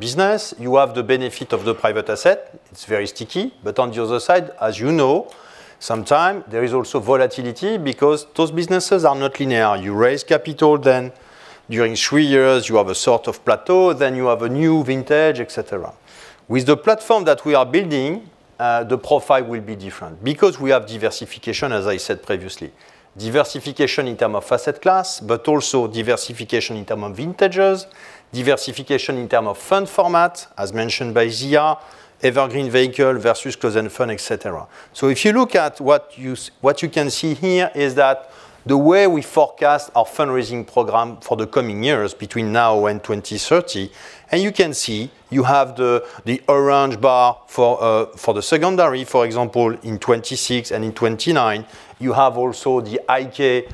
business, you have the benefit of the private asset. It's very sticky, but on the other side, as you know, sometimes there is also volatility because those businesses are not linear. You raise capital, then during three years you have a sort of plateau, then you have a new vintage, etc. With the platform that we are building, the profile will be different because we have diversification, as I said previously, diversification in terms of asset class, but also diversification in terms of vintages, diversification in terms of fund format, as mentioned by Zia, evergreen vehicle versus closed-end fund, etc. So if you look at what you can see here is that the way we forecast our fundraising program for the coming years between now and 2030, and you can see you have the orange bar for the secondary, for example, in 2026 and in 2029, you have also the IK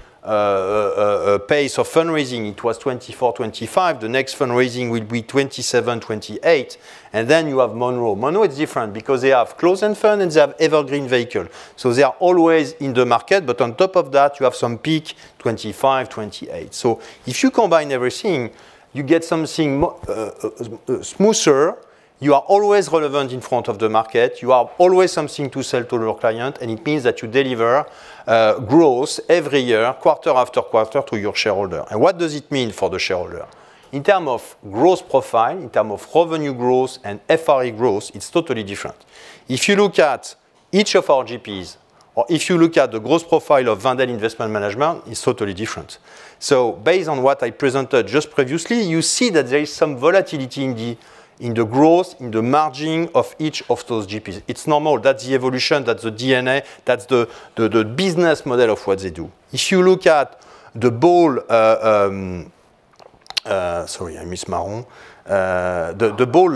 pace of fundraising. It was 2024, 2025. The next fundraising will be 2027, 2028. And then you have Monroe. Monroe is different because they have closed-end fund and they have evergreen vehicle. So they are always in the market, but on top of that, you have some peak 2025, 2028. So if you combine everything, you get something smoother. You are always relevant in front of the market. You are always something to sell to your client, and it means that you deliver growth every year, quarter after quarter to your shareholder. And what does it mean for the shareholder? In terms of growth profile, in terms of revenue growth and FRE growth, it's totally different. If you look at each of our GPs, or if you look at the growth profile of Wendel Investment Management, it's totally different. So based on what I presented just previously, you see that there is some volatility in the growth, in the margin of each of those GPs. It's normal. That's the evolution, that's the DNA, that's the business model of what they do. If you look at the bold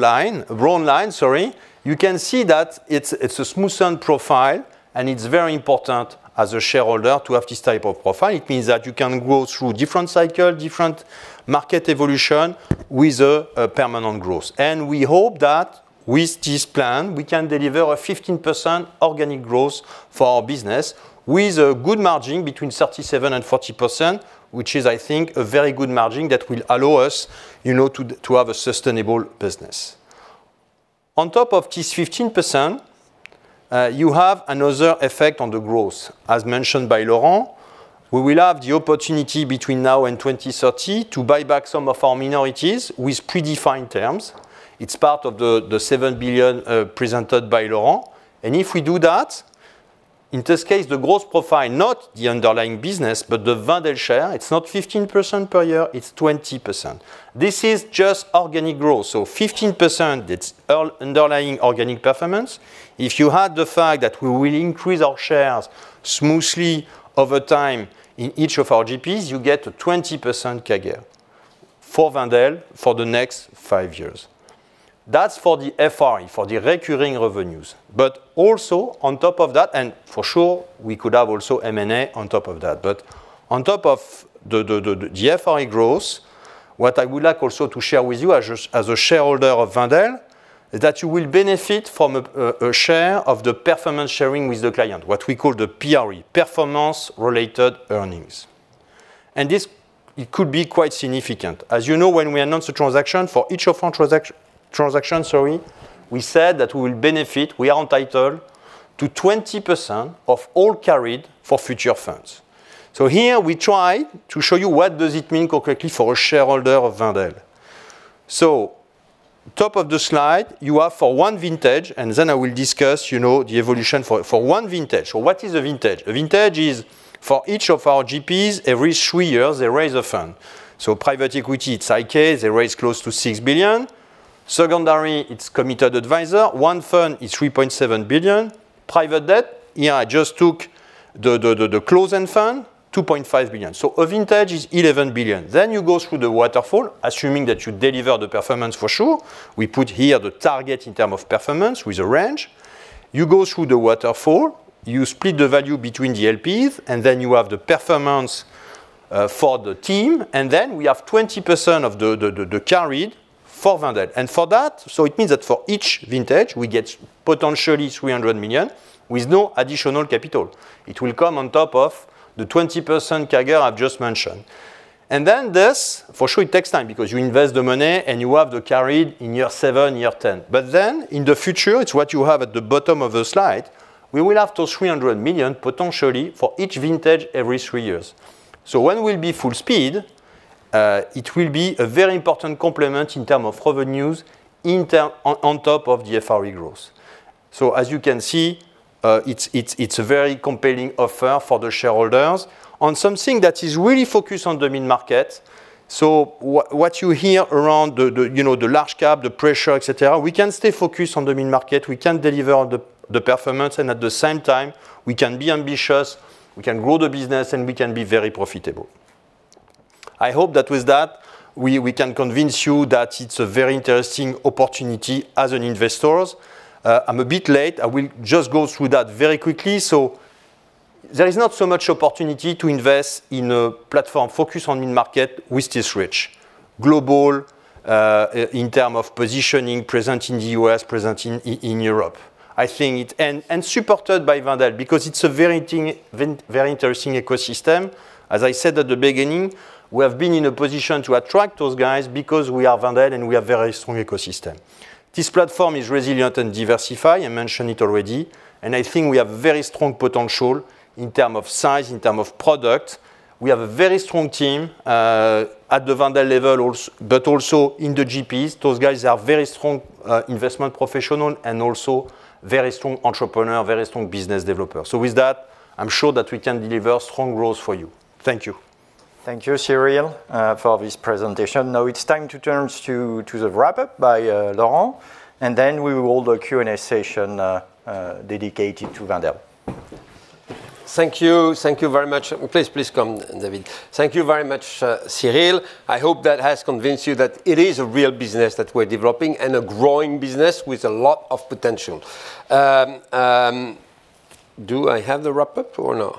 line, brown line, you can see that it's a smoothened profile, and it's very important as a shareholder to have this type of profile. It means that you can go through different cycles, different market evolution with a permanent growth, and we hope that with this plan, we can deliver a 15% organic growth for our business with a good margin between 37% and 40%, which is, I think, a very good margin that will allow us, you know, to have a sustainable business. On top of this 15%, you have another effect on the growth, as mentioned by Laurent. We will have the opportunity between now and 2030 to buy back some of our minorities with predefined terms. It's part of the €7 billion presented by Laurent. And if we do that, in this case, the growth profile, not the underlying business, but the Wendel share, it's not 15% per year, it's 20%. This is just organic growth. So 15%, it's underlying organic performance. If you had the fact that we will increase our shares smoothly over time in each of our GPs, you get a 20% CAGR for Wendel for the next five years. That's for the FRE, for the recurring revenues. But also on top of that, and for sure, we could have also M&A on top of that. But on top of the FRE growth, what I would like also to share with you as a shareholder of Wendel is that you will benefit from a share of the performance sharing with the client, what we call the PRE, performance-related earnings. And this could be quite significant. As you know, when we announced the transaction for each of our transactions, sorry, we said that we will benefit, we are entitled to 20% of all carried for future funds. So here we try to show you what does it mean concretely for a shareholder of Wendel. So top of the slide, you have for one vintage, and then I will discuss, you know, the evolution for one vintage. So what is a vintage? A vintage is for each of our GPs, every three years, they raise a fund. So private equity, it's IK, they raise close to €6 billion. Secondary, it's Committed Advisors. One fund is €3.7 billion. Private debt, yeah, I just took the closed-end fund, €2.5 billion. So a vintage is €11 billion. Then you go through the waterfall, assuming that you deliver the performance for sure. We put here the target in terms of performance with a range. You go through the waterfall, you split the value between the LPs, and then you have the performance for the team, and then we have 20% of the carried for Wendel. And for that, so it means that for each vintage, we get potentially 300 million with no additional capital. It will come on top of the 20% CAGR I've just mentioned. And then this, for sure, it takes time because you invest the money and you have the carried in year seven, year ten. But then in the future, it's what you have at the bottom of the slide. We will have up to 300 million potentially for each vintage every three years. So, when we'll be full speed, it will be a very important complement in terms of revenues on top of the FRE growth. As you can see, it's a very compelling offer for the shareholders on something that is really focused on the mid-market. What you hear around the large cap, the pressure, etc., we can stay focused on the mid-market, we can deliver the performance, and at the same time, we can be ambitious, we can grow the business, and we can be very profitable. I hope that with that, we can convince you that it's a very interesting opportunity as an investor. I'm a bit late. I will just go through that very quickly. There is not so much opportunity to invest in a platform focused on mid-market with this rich global in terms of positioning, presence in the U.S., presence in Europe. I think it's supported by Wendel because it's a very interesting ecosystem. As I said at the beginning, we have been in a position to attract those guys because we are Wendel and we have a very strong ecosystem. This platform is resilient and diversified. I mentioned it already. And I think we have very strong potential in terms of size, in terms of product. We have a very strong team at the Wendel level, but also in the GPs. Those guys are very strong investment professionals and also very strong entrepreneurs, very strong business developers. So with that, I'm sure that we can deliver strong growth for you. Thank you. Thank you, Cyril, for this presentation. Now it's time to turn to the wrap-up by Laurent, and then we will hold a Q&A session dedicated to Wendel. Thank you. Thank you very much. Please, please come, David. Thank you very much, Cyril. I hope that has convinced you that it is a real business that we're developing and a growing business with a lot of potential. Do I have the wrap-up or no?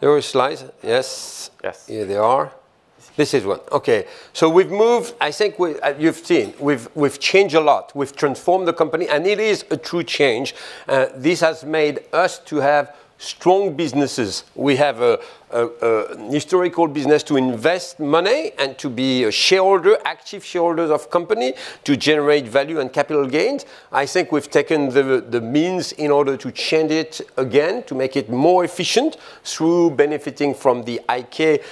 There are slides. Yes. Yes. Here they are. This is one. Okay. So we've moved, I think you've seen, we've changed a lot. We've transformed the company, and it is a true change. This has made us to have strong businesses. We have a historical business to invest money and to be shareholders, active shareholders of companies to generate value and capital gains. I think we've taken the means in order to change it again to make it more efficient through benefiting from the IK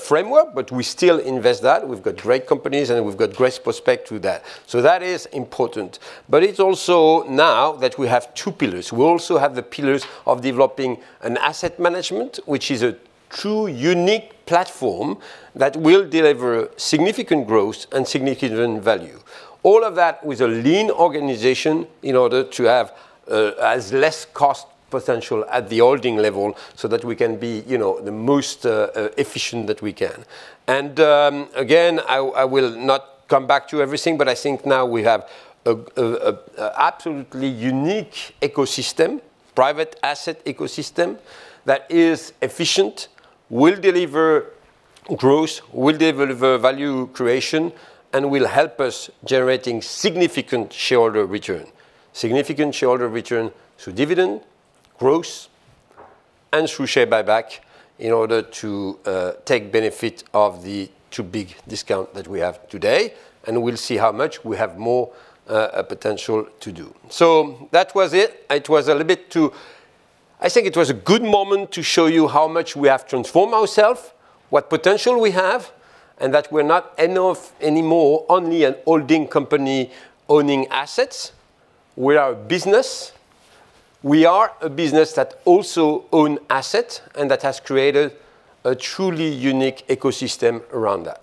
framework, but we still invest that. We've got great companies and we've got great prospects to that. So that is important. But it's also now that we have two pillars. We also have the pillars of developing an asset management, which is a true unique platform that will deliver significant growth and significant value. All of that with a lean organization in order to have as less cost potential at the holding level so that we can be the most efficient that we can, and again, I will not come back to everything, but I think now we have an absolutely unique ecosystem, private asset ecosystem that is efficient, will deliver growth, will deliver value creation, and will help us generate significant shareholder return, significant shareholder return through dividend, growth, and through share buyback in order to take benefit of the two big discounts that we have today. And we'll see how much we have more potential to do, so that was it. It was a little bit too, I think it was a good moment to show you how much we have transformed ourselves, what potential we have, and that we're not enough anymore, only a holding company owning assets. We are a business. We are a business that also owns assets and that has created a truly unique ecosystem around that.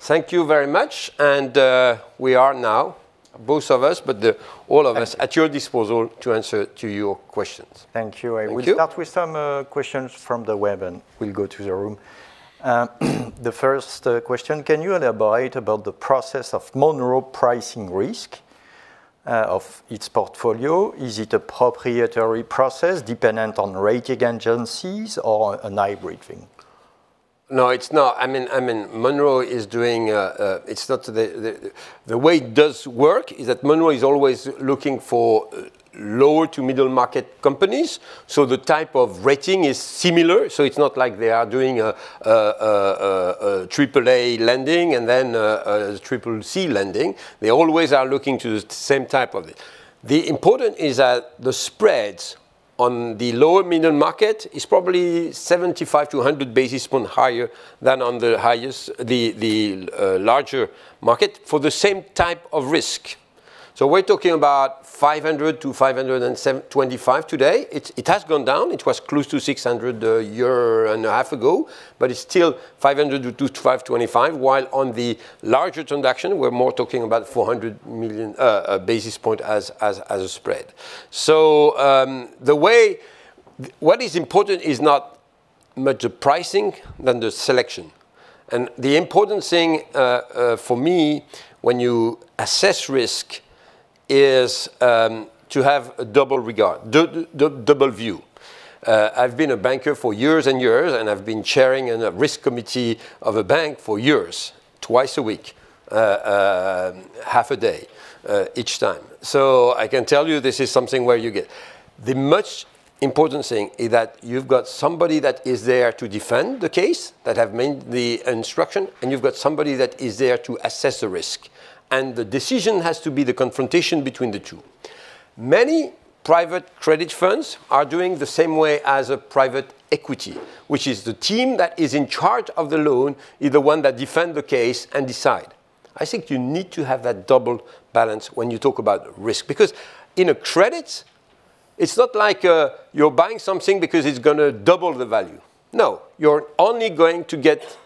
Thank you very much. We are now, both of us, but all of us at your disposal to answer your questions. Thank you. I will start with some questions from the web and we'll go to the room. The first question, can you elaborate about the process of Monroe pricing risk of its portfolio? Is it a proprietary process dependent on rating agencies or an in-house rating? No, it's not. I mean, Monroe is doing. It's not the way it does work is that Monroe is always looking for lower- to middle-market companies. So the type of rating is similar. So it's not like they are doing a AAA lending and then a CCC lending. They always are looking to the same type of it. The important is that the spreads on the lower middle market is probably 75-100 basis points higher than on the larger market for the same type of risk. So we're talking about 500-525 today. It has gone down. It was close to 600 a year and a half ago, but it's still 500-525, while on the larger transaction, we're more talking about 400 basis points as a spread. So the way what is important is not much the pricing than the selection. The important thing for me when you assess risk is to have a double regard, double view. I've been a banker for years and years, and I've been chairing a risk committee of a bank for years, twice a week, half a day each time. So I can tell you this is something where you get the most important thing is that you've got somebody that is there to defend the case that has made the instruction, and you've got somebody that is there to assess the risk. And the decision has to be the confrontation between the two. Many private credit funds are doing the same way as a private equity, which is the team that is in charge of the loan is the one that defends the case and decides. I think you need to have that double balance when you talk about risk because in a credit, it's not like you're buying something because it's going to double the value. No, you're only going to get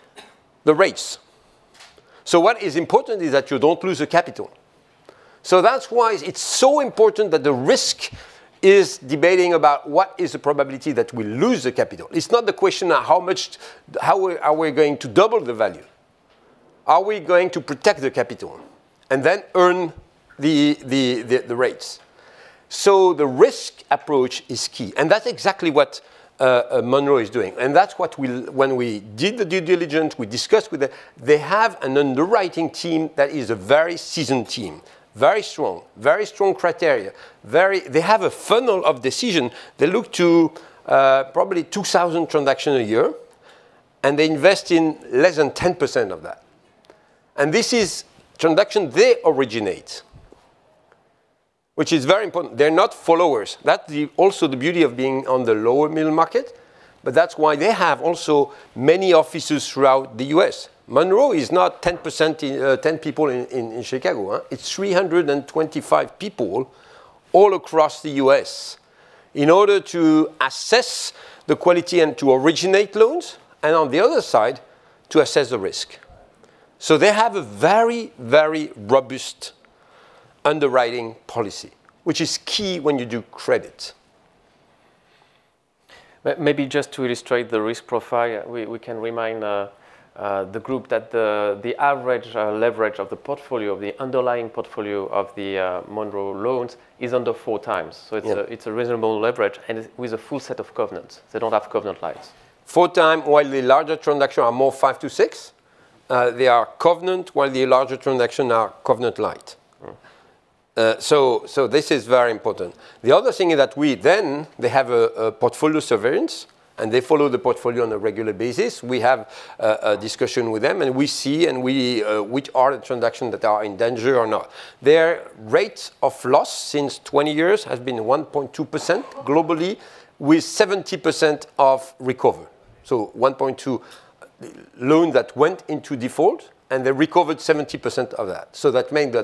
the rates. So what is important is that you don't lose the capital. So that's why it's so important that the risk debate is about what is the probability that we lose the capital. It's not the question of how much are we going to double the value. Are we going to protect the capital and then earn the rates? So the risk approach is key. And that's exactly what Monroe is doing. And that's what when we did the due diligence, we discussed with them. They have an underwriting team that is a very seasoned team, very strong, very strong criteria. They have a funnel of decision. They look to probably 2,000 transactions a year, and they invest in less than 10% of that. And this is transaction they originate, which is very important. They're not followers. That's also the beauty of being on the lower middle market, but that's why they have also many offices throughout the U.S. Monroe is not 10%, 10 people in Chicago. It's 325 people all across the U.S. in order to assess the quality and to originate loans, and on the other side, to assess the risk. So they have a very, very robust underwriting policy, which is key when you do credit. Maybe just to illustrate the risk profile, we can remind the group that the average leverage of the portfolio, of the underlying portfolio of the Monroe loans is under four times. So it's a reasonable leverage and with a full set of covenants. They don't have covenant lights. Four times while the larger transactions are more five to six. They are covenant while the larger transactions are covenant light. So this is very important. The other thing is that we then they have a portfolio surveillance and they follow the portfolio on a regular basis. We have a discussion with them and we see which are the transactions that are in danger or not. Their rate of loss since 20 years has been 1.2% globally with 70% of recovery. So 1.2 loans that went into default and they recovered 70% of that. So that means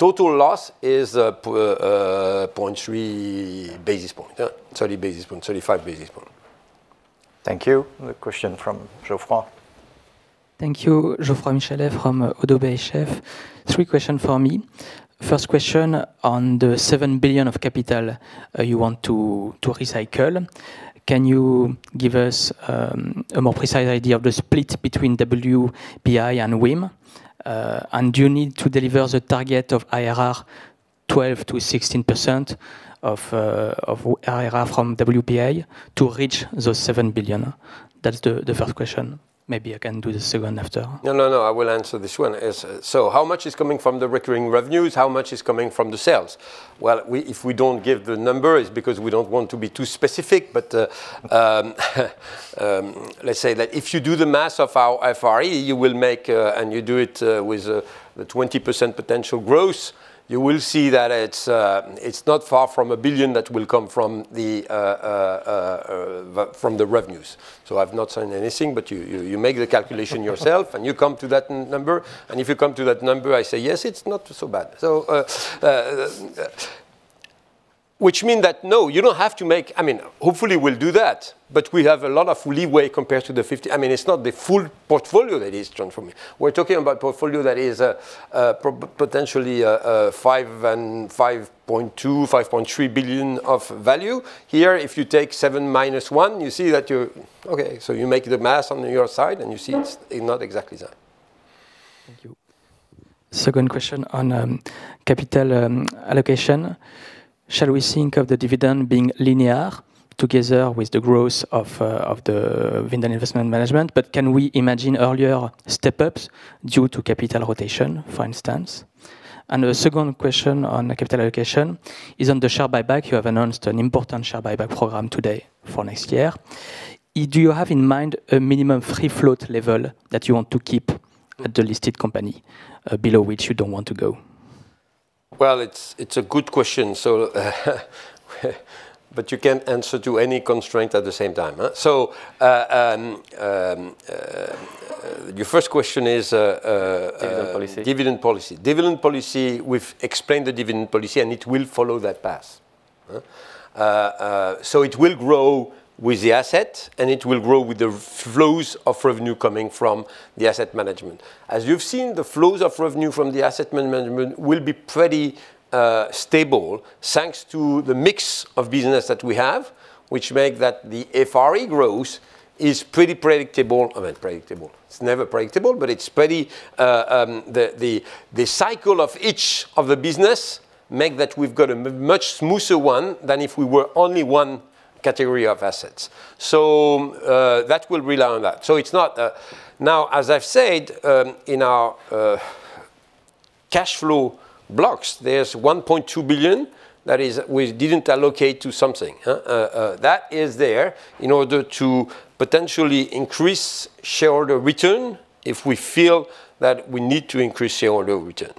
that the total loss is 0.3 basis points, 30 basis points, 35 basis points. Thank you. The question from Geoffroy. Thank you, Geoffroy Michalet from Oddo BHF. Three questions for me. First question on the 7 billion of capital you want to recycle. Can you give us a more precise idea of the split between WPI and WIM? And do you need to deliver the target of IRR 12%-16% IRR from WPI to reach those €7 billion? That's the first question. Maybe I can do the second after. No, no, no. I will answer this one. So how much is coming from the recurring revenues? How much is coming from the sales? Well, if we don't give the number, it's because we don't want to be too specific, but let's say that if you do the math of our FRE, you will make, and you do it with the 20% potential growth, you will see that it's not far from €1 billion that will come from the revenues. So I've not signed anything, but you make the calculation yourself and you come to that number. And if you come to that number, I say, yes, it's not so bad. Which means that no, you don't have to make, I mean, hopefully we'll do that, but we have a lot of leeway compared to the 50. I mean, it's not the full portfolio that is transforming. We're talking about a portfolio that is potentially €5.2-5.3 billion of value. Here, if you take 7 minus 1, you see that you're okay. So you do the math on your side and you see it's not exactly that. Thank you. Second question on capital allocation. Shall we think of the dividend being linear together with the growth of Wendel and investment management, but can we imagine earlier step-ups due to capital rotation, for instance? And the second question on capital allocation is on the share buyback. You have announced an important share buyback program today for next year. Do you have in mind a minimum free float level that you want to keep at the listed company below which you don't want to go? Well, it's a good question, but you can't answer to any constraint at the same time. So your first question is dividend policy. Dividend policy. Dividend policy, we've explained the dividend policy and it will follow that path. So it will grow with the assets and it will grow with the flows of revenue coming from the asset management. As you've seen, the flows of revenue from the asset management will be pretty stable thanks to the mix of business that we have, which makes that the FRE growth is pretty predictable. I mean, predictable, it's never predictable, but it's pretty the cycle of each of the business makes that we've got a much smoother one than if we were only one category of assets. So that will rely on that. So it's not now, as I've said, in our cash flow blocks, there's 1.2 billion that we didn't allocate to something. That is there in order to potentially increase shareholder return if we feel that we need to increase shareholder return.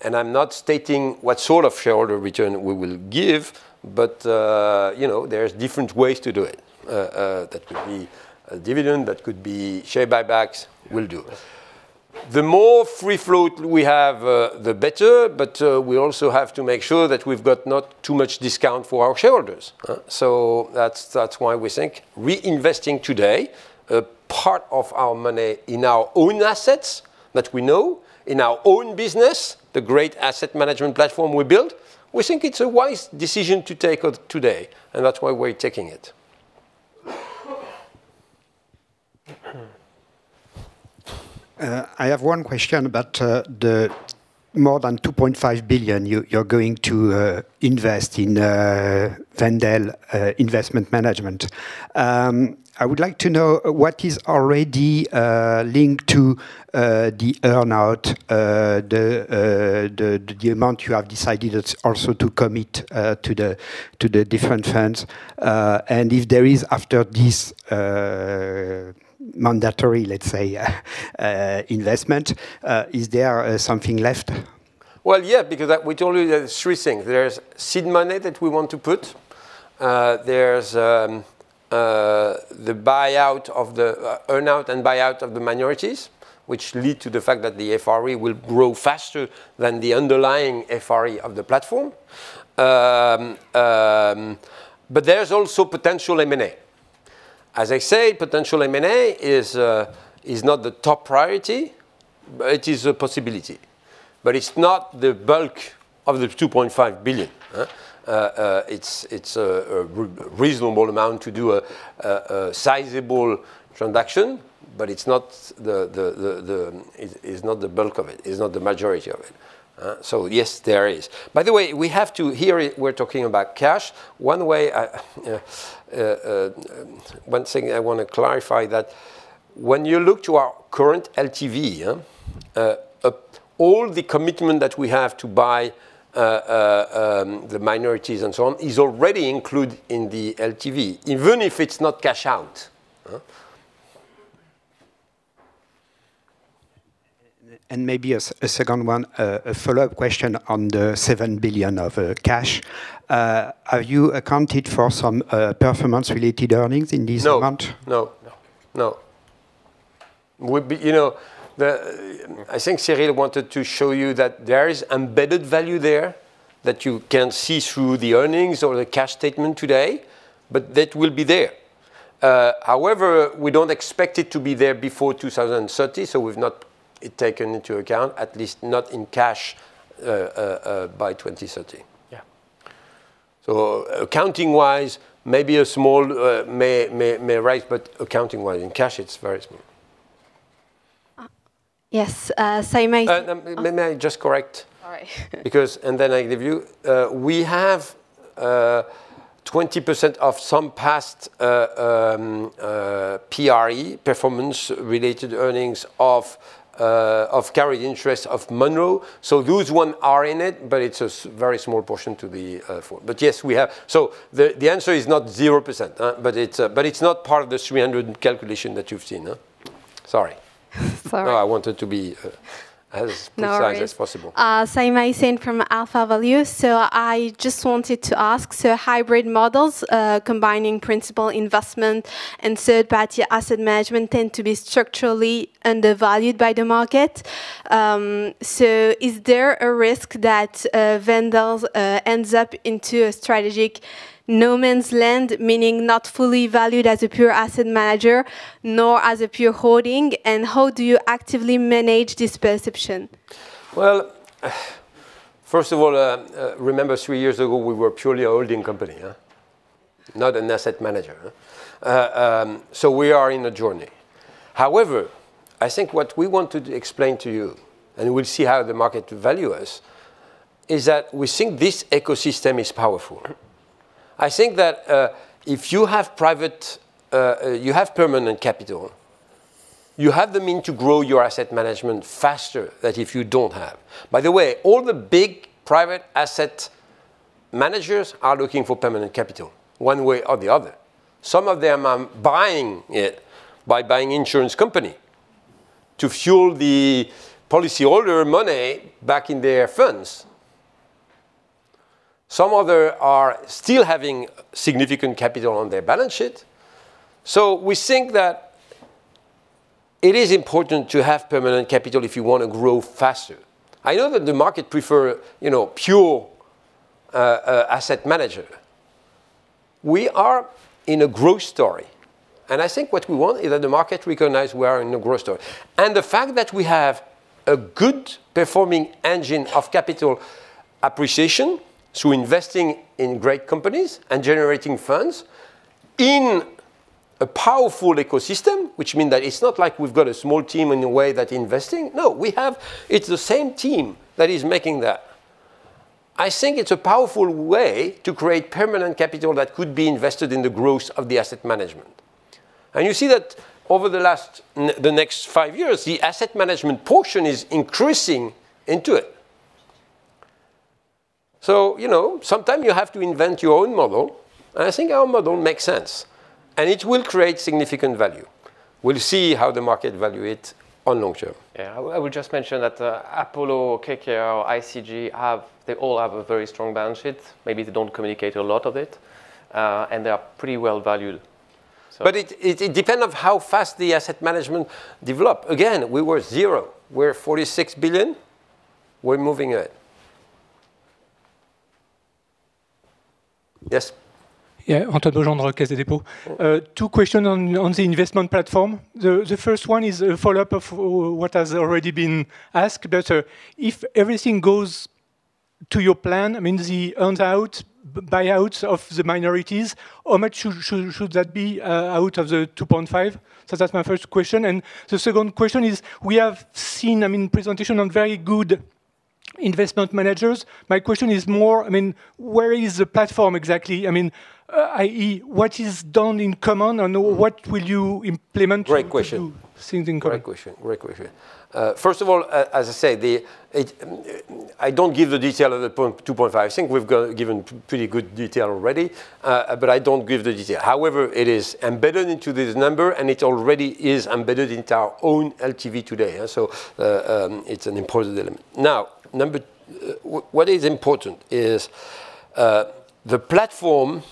And I'm not stating what sort of shareholder return we will give, but there's different ways to do it. That could be dividend, that could be share buybacks, we'll do. The more free float we have, the better, but we also have to make sure that we've got not too much discount for our shareholders. So that's why we think reinvesting today, a part of our money in our own assets that we know, in our own business, the great asset management platform we built, we think it's a wise decision to take today. And that's why we're taking it. I have one question about the more than 2.5 billion you're going to invest in Wendel Investment Management. I would like to know what is already linked to the earn-out, the amount you have decided also to commit to the different funds. And if there is, after this mandatory, let's say, inves tment, is there something left? Well, yeah, because we told you there's three things. There's seed money that we want to put. There's the buyout of the earn-out and buyout of the minorities, which lead to the fact that the FRE will grow faster than the underlying FRE of the platform. But there's also potential M&A. As I say, potential M&A is not the top priority. It is a possibility, but it's not the bulk of the 2.5 billion. It's a reasonable amount to do a sizable transaction, but it's not the bulk of it. It's not the majority of it. So yes, there is. By the way, we have to hear it. We're talking about cash. One thing I want to clarify that when you look to our current LTV, all the commitment that we have to buy the minorities and so on is already included in the LTV, even if it's not cash out. And maybe a second one, a follow-up question on the 7 billion of cash. Have you accounted for some performance-related earnings in this amount? No, no, no, no. I think Cyril wanted to show you that there is embedded value there that you can see through the earnings or the cash statement today, but that will be there. However, we don't expect it to be there before 2030, so we've not taken into account, at least not in cash by 2030. Yeah. So accounting-wise, maybe a small rise, but accounting-wise in cash, it's very small. Yes, same as. May I just correct? All right. Because and then I'll give you. We have 20% of some past PRE, performance-related earnings of carried interest of Monroe. So those ones are in it, but it's a very small portion to the four. But yes, we have. So the answer is not 0%, but it's not part of the 300 calculation that you've seen. Sorry. Sorry. No, I wanted to be as precise as possible. Saïma Hussain from AlphaValue. So I just wanted to ask, so hybrid models combining principal investment and third-party asset management tend to be structurally undervalued by the market. So is there a risk that Wendel ends up in a strategic no-man's-land, meaning not fully valued as a pure asset manager nor as a pure holding? And how do you actively manage this perception? Well, first of all, remember three years ago, we were purely a holding company, not an asset manager. So we are in a journey. However, I think what we want to explain to you, and we'll see how the market values us, is that we think this ecosystem is powerful. I think that if you have private, you have permanent capital, you have the means to grow your asset management faster than if you don't have. By the way, all the big private asset managers are looking for permanent capital one way or the other. Some of them are buying it by buying insurance companies to fuel the policyholder money back in their funds. Some of them are still having significant capital on their balance sheet. So we think that it is important to have permanent capital if you want to grow faster. I know that the market prefers pure asset managers. We are in a growth story. And I think what we want is that the market recognizes we are in a growth story. And the fact that we have a good performing engine of capital appreciation, so investing in great companies and generating funds in a powerful ecosystem, which means that it's not like we've got a small team in a way that's investing. No, we have it's the same team that is making that. I think it's a powerful way to create permanent capital that could be invested in the growth of the asset management. And you see that over the next five years, the asset management portion is increasing into it. So sometimes you have to invent your own model. I think our model makes sense, and it will create significant value. We'll see how the market values it in the long term. Yeah, I will just mention that Apollo, KKR, ICG, they all have a very strong balance sheet. Maybe they don't communicate a lot of it, and they are pretty well valued. But it depends on how fast the asset management develops. Again, we were zero. We're €46 billion. We're moving ahead. Yes. Yeah, Antoine Saintoyant, Caisse des Dépôts. Two questions on the investment platform. The first one is a follow-up of what has already been asked, but if everything goes to your plan, I mean, the earn-out, buyouts of the minorities, how much should that be out of the 2.5? So that's my first question. And the second question is, we have seen, I mean, presentation on very good investment managers. My question is more, I mean, where is the platform exactly? I mean, i.e., what is done in common and what will you implement to see things incorrect? Great question. Great question. First of all, as I say, I don't give the detail of the 2.5. I think we've given pretty good detail already, but I don't give the detail. However, it is embedded into this number, and it already is embedded into our own LTV today. So it's an important element. Now, what is important is the platform.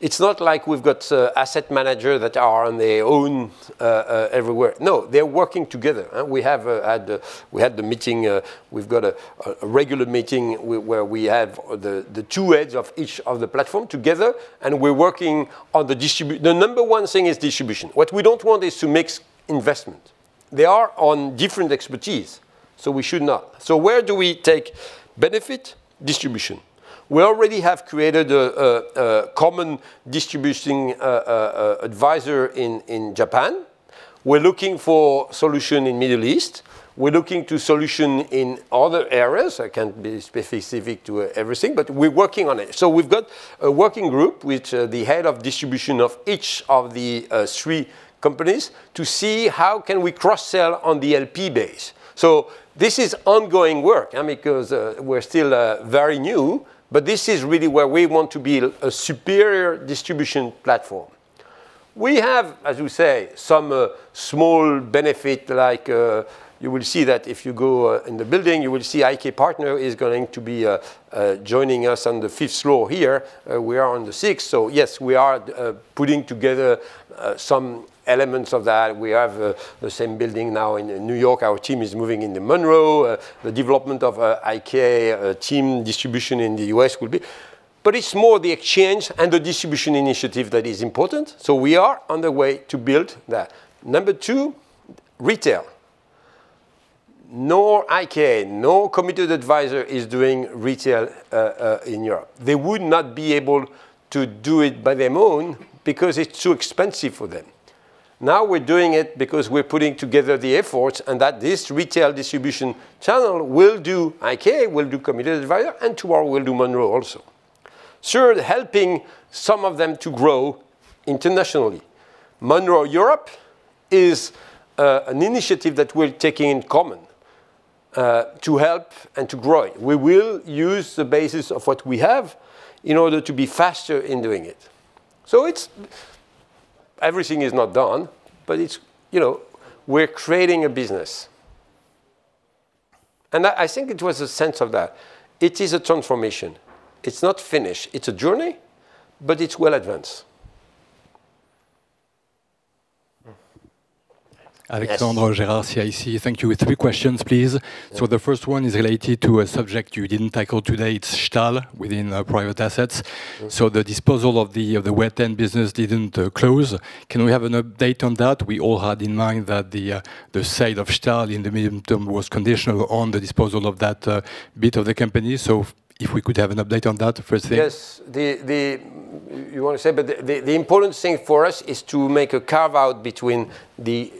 It's not like we've got asset managers that are on their own everywhere. No, they're working together. We had the meeting. We've got a regular meeting where we have the two heads of each of the platforms together, and we're working on the distribution. The number one thing is distribution. What we don't want is to mix investment. They are on different expertise, so we should not. So where do we take benefit distribution? We already have created a common distribution advisor in Japan. We're looking for solutions in the Middle East. We're looking to solutions in other areas. I can't be specific to everything, but we're working on it. So we've got a working group with the head of distribution of each of the three companies to see how can we cross-sell on the LP base. So this is ongoing work because we're still very new, but this is really where we want to be a superior distribution platform. We have, as we say, some small benefit like you will see that if you go in the building, you will see IK Partners is going to be joining us on the fifth floor here. We are on the sixth. So yes, we are putting together some elements of that. We have the same building now in New York. Our team is moving into Monroe Capital. The development of IK team distribution in the US will be, but it's more the exchange and the distribution initiative that is important. So we are on the way to build that. Number two, retail. No IK, no Committed Advisors is doing retail in Europe. They would not be able to do it on their own because it's too expensive for them. Now we're doing it because we're putting together the efforts and that this retail distribution channel will do IK, will do Committed Advisors, and tomorrow we'll do Monroe also. So we're helping some of them to grow internationally. Monroe Europe is an initiative that we're taking in common to help and to grow. We will use the basis of what we have in order to be faster in doing it. So everything is not done, but we're creating a business. And I think it was a sense of that. It is a transformation. It's not finished. It's a journey, but it's well advanced. Alexandre Gerard, CIC. Thank you. Three questions, please. So the first one is related to a subject you didn't tackle today. It's Stahl within private assets. So the disposal of the Wet-End business didn't close. Can we have an update on that? We all had in mind that the sale of Stahl in the medium term was conditional on the disposal of that bit of the company. So if we could have an update on that, first thing. Yes. You want to say, but the important thing for us is to make a carve-out between the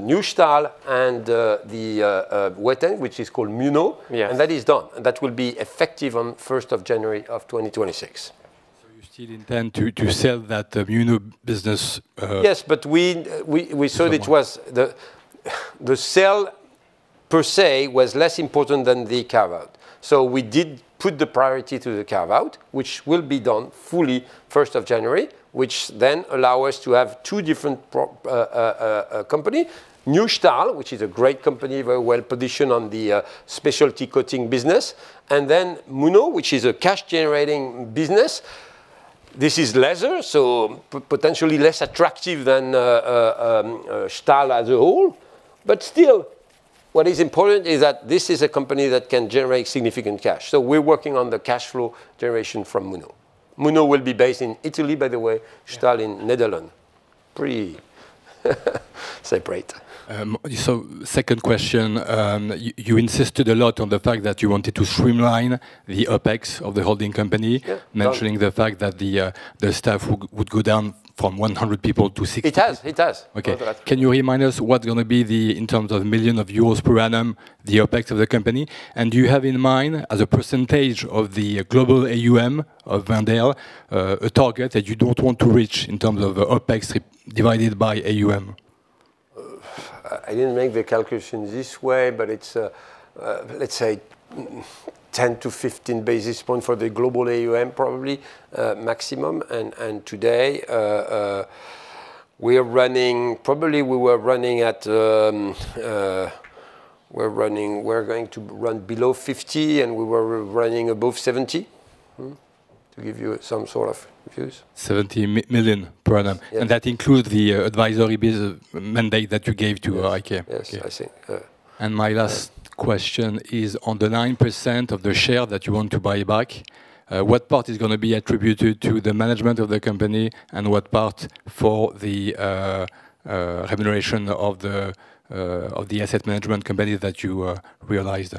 new Stahl and the Wet-End, which is called Muno. And that is done. That will be effective on 1st of January of 2026. So you still intend to sell that Muno business? Yes, but we said it was the sale per se was less important than the carve-out. So we did put the priority to the carve-out, which will be done fully 1st of January, which then allows us to have two different companies. New Stahl, which is a great company, very well positioned on the specialty coating business. Then Muno, which is a cash-generating business. This is lesser, so potentially less attractive than Stahl as a whole. But still, what is important is that this is a company that can generate significant cash. We're working on the cash flow generation from Muno. Muno will be based in Italy, by the way. Stahl in Netherlands. Pretty separate. Second question, you insisted a lot on the fact that you wanted to streamline the OpEx of the holding company, mentioning the fact that the staff would go down from 100 people to 60. It has. It has. Okay. Can you remind us what's going to be the, in terms of million of euros per annum, the OpEx of the company? Do you have in mind, as a percentage of the global AUM of Wendel, a target that you don't want to reach in terms of OpEx divided by AUM? I didn't make the calculation this way, but it's, let's say, 10-15 basis points for the global AUM, probably maximum. And today, we are running, probably we were running at, we're going to run below 50, and we were running above 70 to give you some sort of views. €70 million per annum. And that includes the advisory mandate that you gave to IK? Yes, I see. And my last question is on the 9% of the share that you want to buy back, what part is going to be attributed to the management of the company and what part for the remuneration of the asset management company that you realized?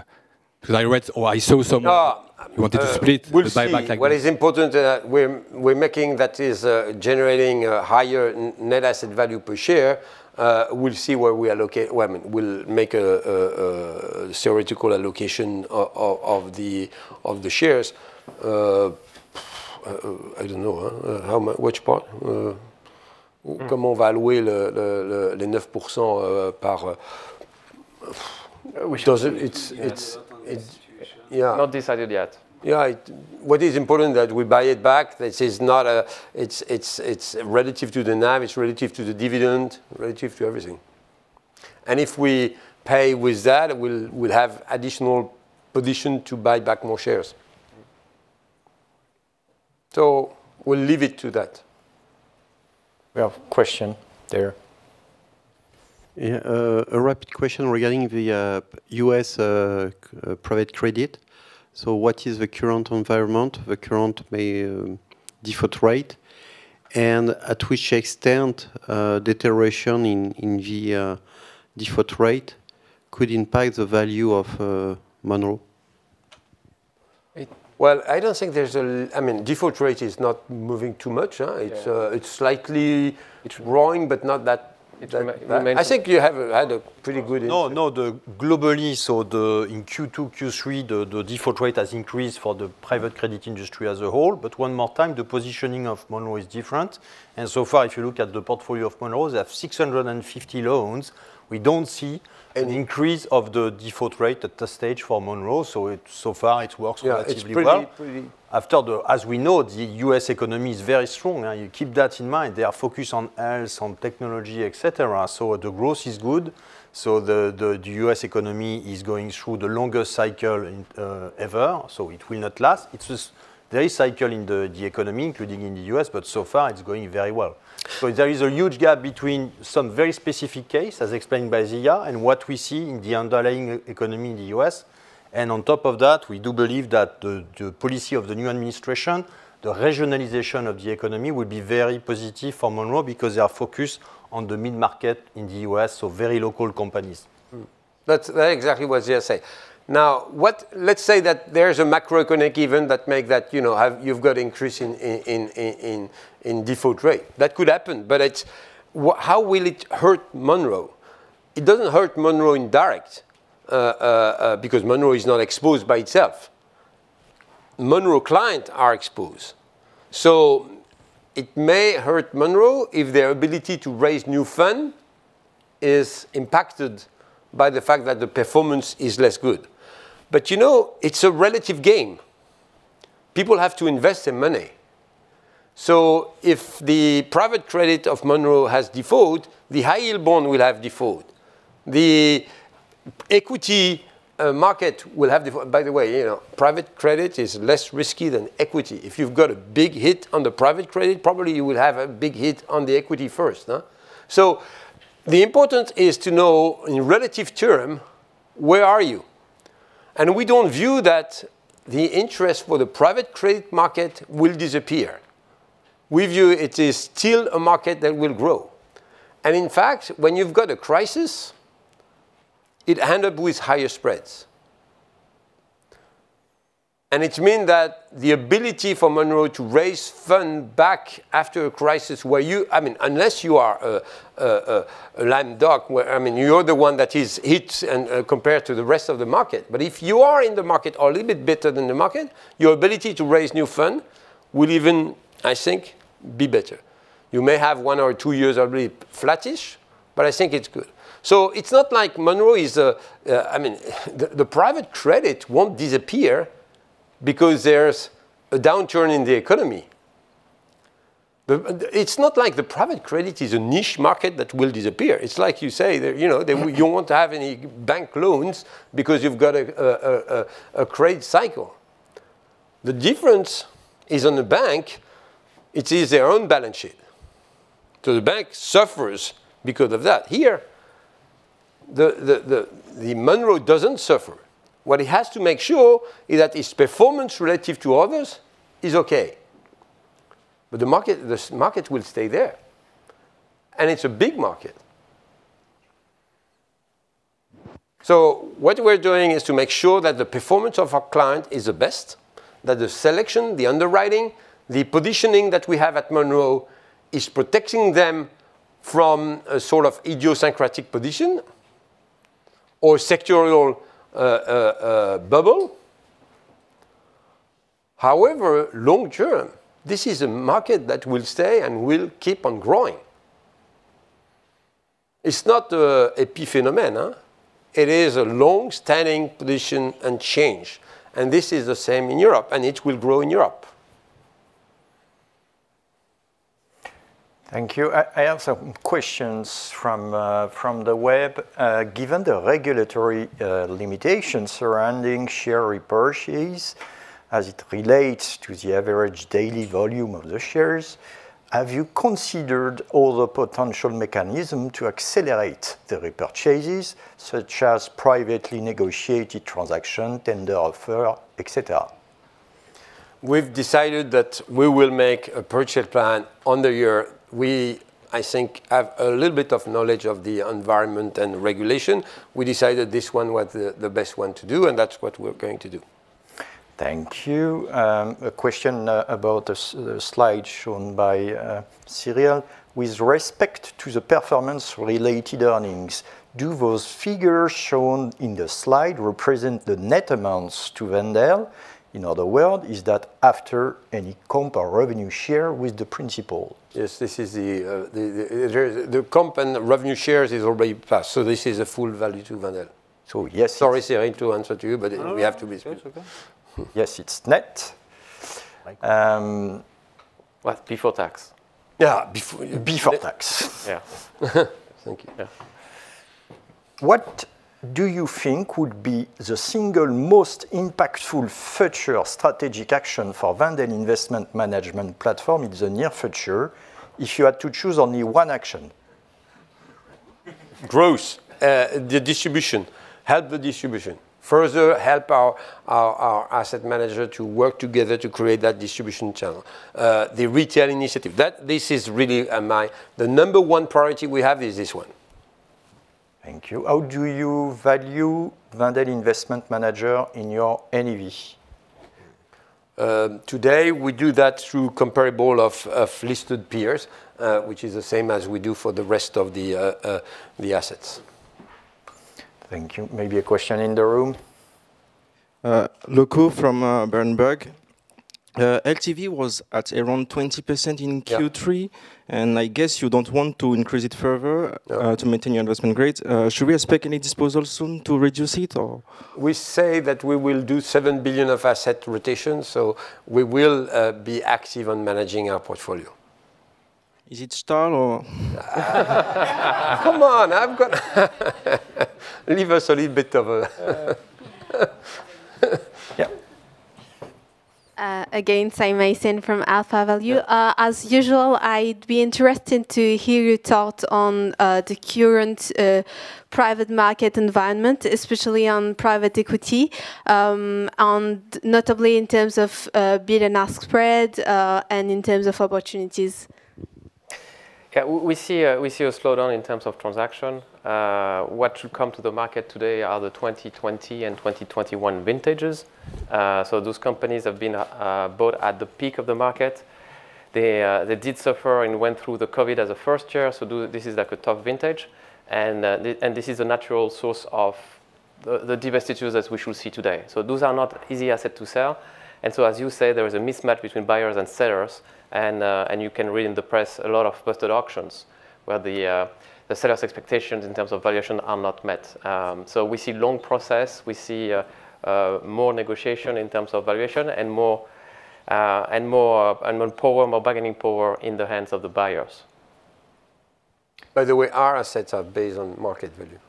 Because I read or I saw some. You wanted to split the buyback. What is important that we're making that is generating a higher net asset value per share, we'll see where we will make a theoretical allocation of the shares. I don't know. Which part? How to value the 9%? Yeah. Not decided yet. Yeah. What is important is that we buy it back. This is not a, it's relative to the NAV, it's relative to the dividend, relative to everything. And if we pay with that, we'll have additional position to buy back more shares. So we'll leave it to that. We have a question there. A quick question regarding the U.S. private credit. So what is the current environment, the current default rate, and to what extent deterioration in the default rate could impact the value of Monroe? Well, I don't think there's a, I mean, default rate is not moving too much. It's slightly; it's growing, but not that. I think you have had a pretty good. No, no, globally, so in Q2, Q3, the default rate has increased for the private credit industry as a whole. But one more time, the positioning of Monroe is different. And so far, if you look at the portfolio of Monroe, they have 650 loans. We don't see an increase of the default rate at this stage for Monroe. So far, it works relatively well. After the, as we know, the U.S. economy is very strong. You keep that in mind. They are focused on health, on technology, etc. So the growth is good. So the U.S. economy is going through the longest cycle ever. So it will not last. There is a cycle in the economy, including in the U.S., but so far, it's going very well. So there is a huge gap between some very specific cases, as explained by Zia, and what we see in the underlying economy in the U.S. And on top of that, we do believe that the policy of the new administration, the regionalization of the economy will be very positive for Monroe because they are focused on the mid-market in the U.S., so very local companies. That's exactly what Zia said. Now, let's say that there is a macroeconomic event that makes that you've got an increase in default rate. That could happen, but how will it hurt Monroe? It doesn't hurt Monroe indirectly because Monroe is not exposed by itself. Monroe clients are exposed. So it may hurt Monroe if their ability to raise new funds is impacted by the fact that the performance is less good. But it's a relative game. People have to invest their money. So if the private credit of Monroe has default, the high-yield bond will have default. The equity market will have default. By the way, private credit is less risky than equity. If you've got a big hit on the private credit, probably you will have a big hit on the equity first. So the important is to know in relative term, where are you? And we don't view that the interest for the private credit market will disappear. We view it is still a market that will grow. And in fact, when you've got a crisis, it ends up with higher spreads. And it means that the ability for Monroe to raise funds back after a crisis where you, I mean, unless you are a lame dog, I mean, you're the one that is hit compared to the rest of the market. But if you are in the market a little bit better than the market, your ability to raise new funds will even, I think, be better. You may have one or two years already flattish, but I think it's good. So it's not like Monroe is, I mean, the private credit won't disappear because there's a downturn in the economy. It's not like the private credit is a niche market that will disappear. It's like you say, you don't want to have any bank loans because you've got a credit cycle. The difference is on the bank. It is their own balance sheet. So the bank suffers because of that. Here, Monroe doesn't suffer. What it has to make sure is that its performance relative to others is okay. But the market will stay there. And it's a big market. So what we're doing is to make sure that the performance of our client is the best, that the selection, the underwriting, the positioning that we have at Monroe is protecting them from a sort of idiosyncratic position or sectoral bubble. However, long term, this is a market that will stay and will keep on growing. It's not a P phenomenon. It is a long-standing position and change. And this is the same in Europe, and it will grow in Europe. Thank you. I have some questions from the web. Given the regulatory limitations surrounding share repurchase as it relates to the average daily volume of the shares, have you considered all the potential mechanisms to accelerate the repurchases, such as privately negotiated transactions, tender offers, etc.? We've decided that we will make a purchase plan on the year. We, I think, have a little bit of knowledge of the environment and regulation. We decided this one was the best one to do, and that's what we're going to do. Thank you. A question about the slide shown by Cyril. With respect to the performance-related earnings, do those figures shown in the slide represent the net amounts to Wendel? In other words, is that after any comp or revenue share with the principal? Yes, this is the comp and revenue shares is already passed. So this is a full value to Wendel. So yes. Sorry, Cyril, to answer to you, but we have to be speaking. Yes, it's net. What's before tax? Yeah, before tax. Yeah. Thank you. What do you think would be the single most impactful future strategic action for Wendel Investment Management Platform in the near future if you had to choose only one action? Growth. The distribution. Help the distribution. Further help our asset manager to work together to create that distribution channel. The retail initiative. This is really my number one priority we have is this one. Thank you. How do you value Wendel Investment Managers in your NAV? Today, we do that through comparable of listed peers, which is the same as we do for the rest of the assets. Thank you. Maybe a question in the room? Lupo from Berenberg. LTV was at around 20% in Q3, and I guess you don't want to increase it further to maintain your investment grade. Should we expect any disposal soon to reduce it or? We say that we will do 7 billion of asset rotation, so we will be active on managing our portfolio. Is it Stahl or? Come on, I've got to leave us a little bit of a. Yeah. Again, Saimacin from AlphaValue. As usual, I'd be interested to hear you talk on the current private market environment, especially on private equity, notably in terms of bid and ask spread and in terms of opportunities. Yeah, we see a slowdown in terms of transaction. What should come to the market today are the 2020 and 2021 vintages. So those companies have been bought at the peak of the market. They did suffer and went through the COVID as a first year. So this is like a tough vintage. And this is a natural source of the divestitures that we should see today. So those are not easy assets to sell. And so, as you say, there is a mismatch between buyers and sellers. And you can read in the press a lot of posted auctions where the seller's expectations in terms of valuation are not met. So we see a long process. We see more negotiation in terms of valuation and more power, more bargaining power in the hands of the buyers. By the way, our assets are based on market value.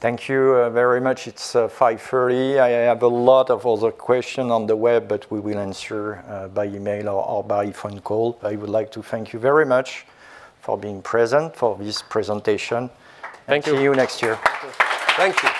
Thank you very much. It's 5:30 P.M. I have a lot of other questions on the web, but we will answer by email or by phone call. I would like to thank you very much for being present for this presentation. Thank you. See you next year. Thank you.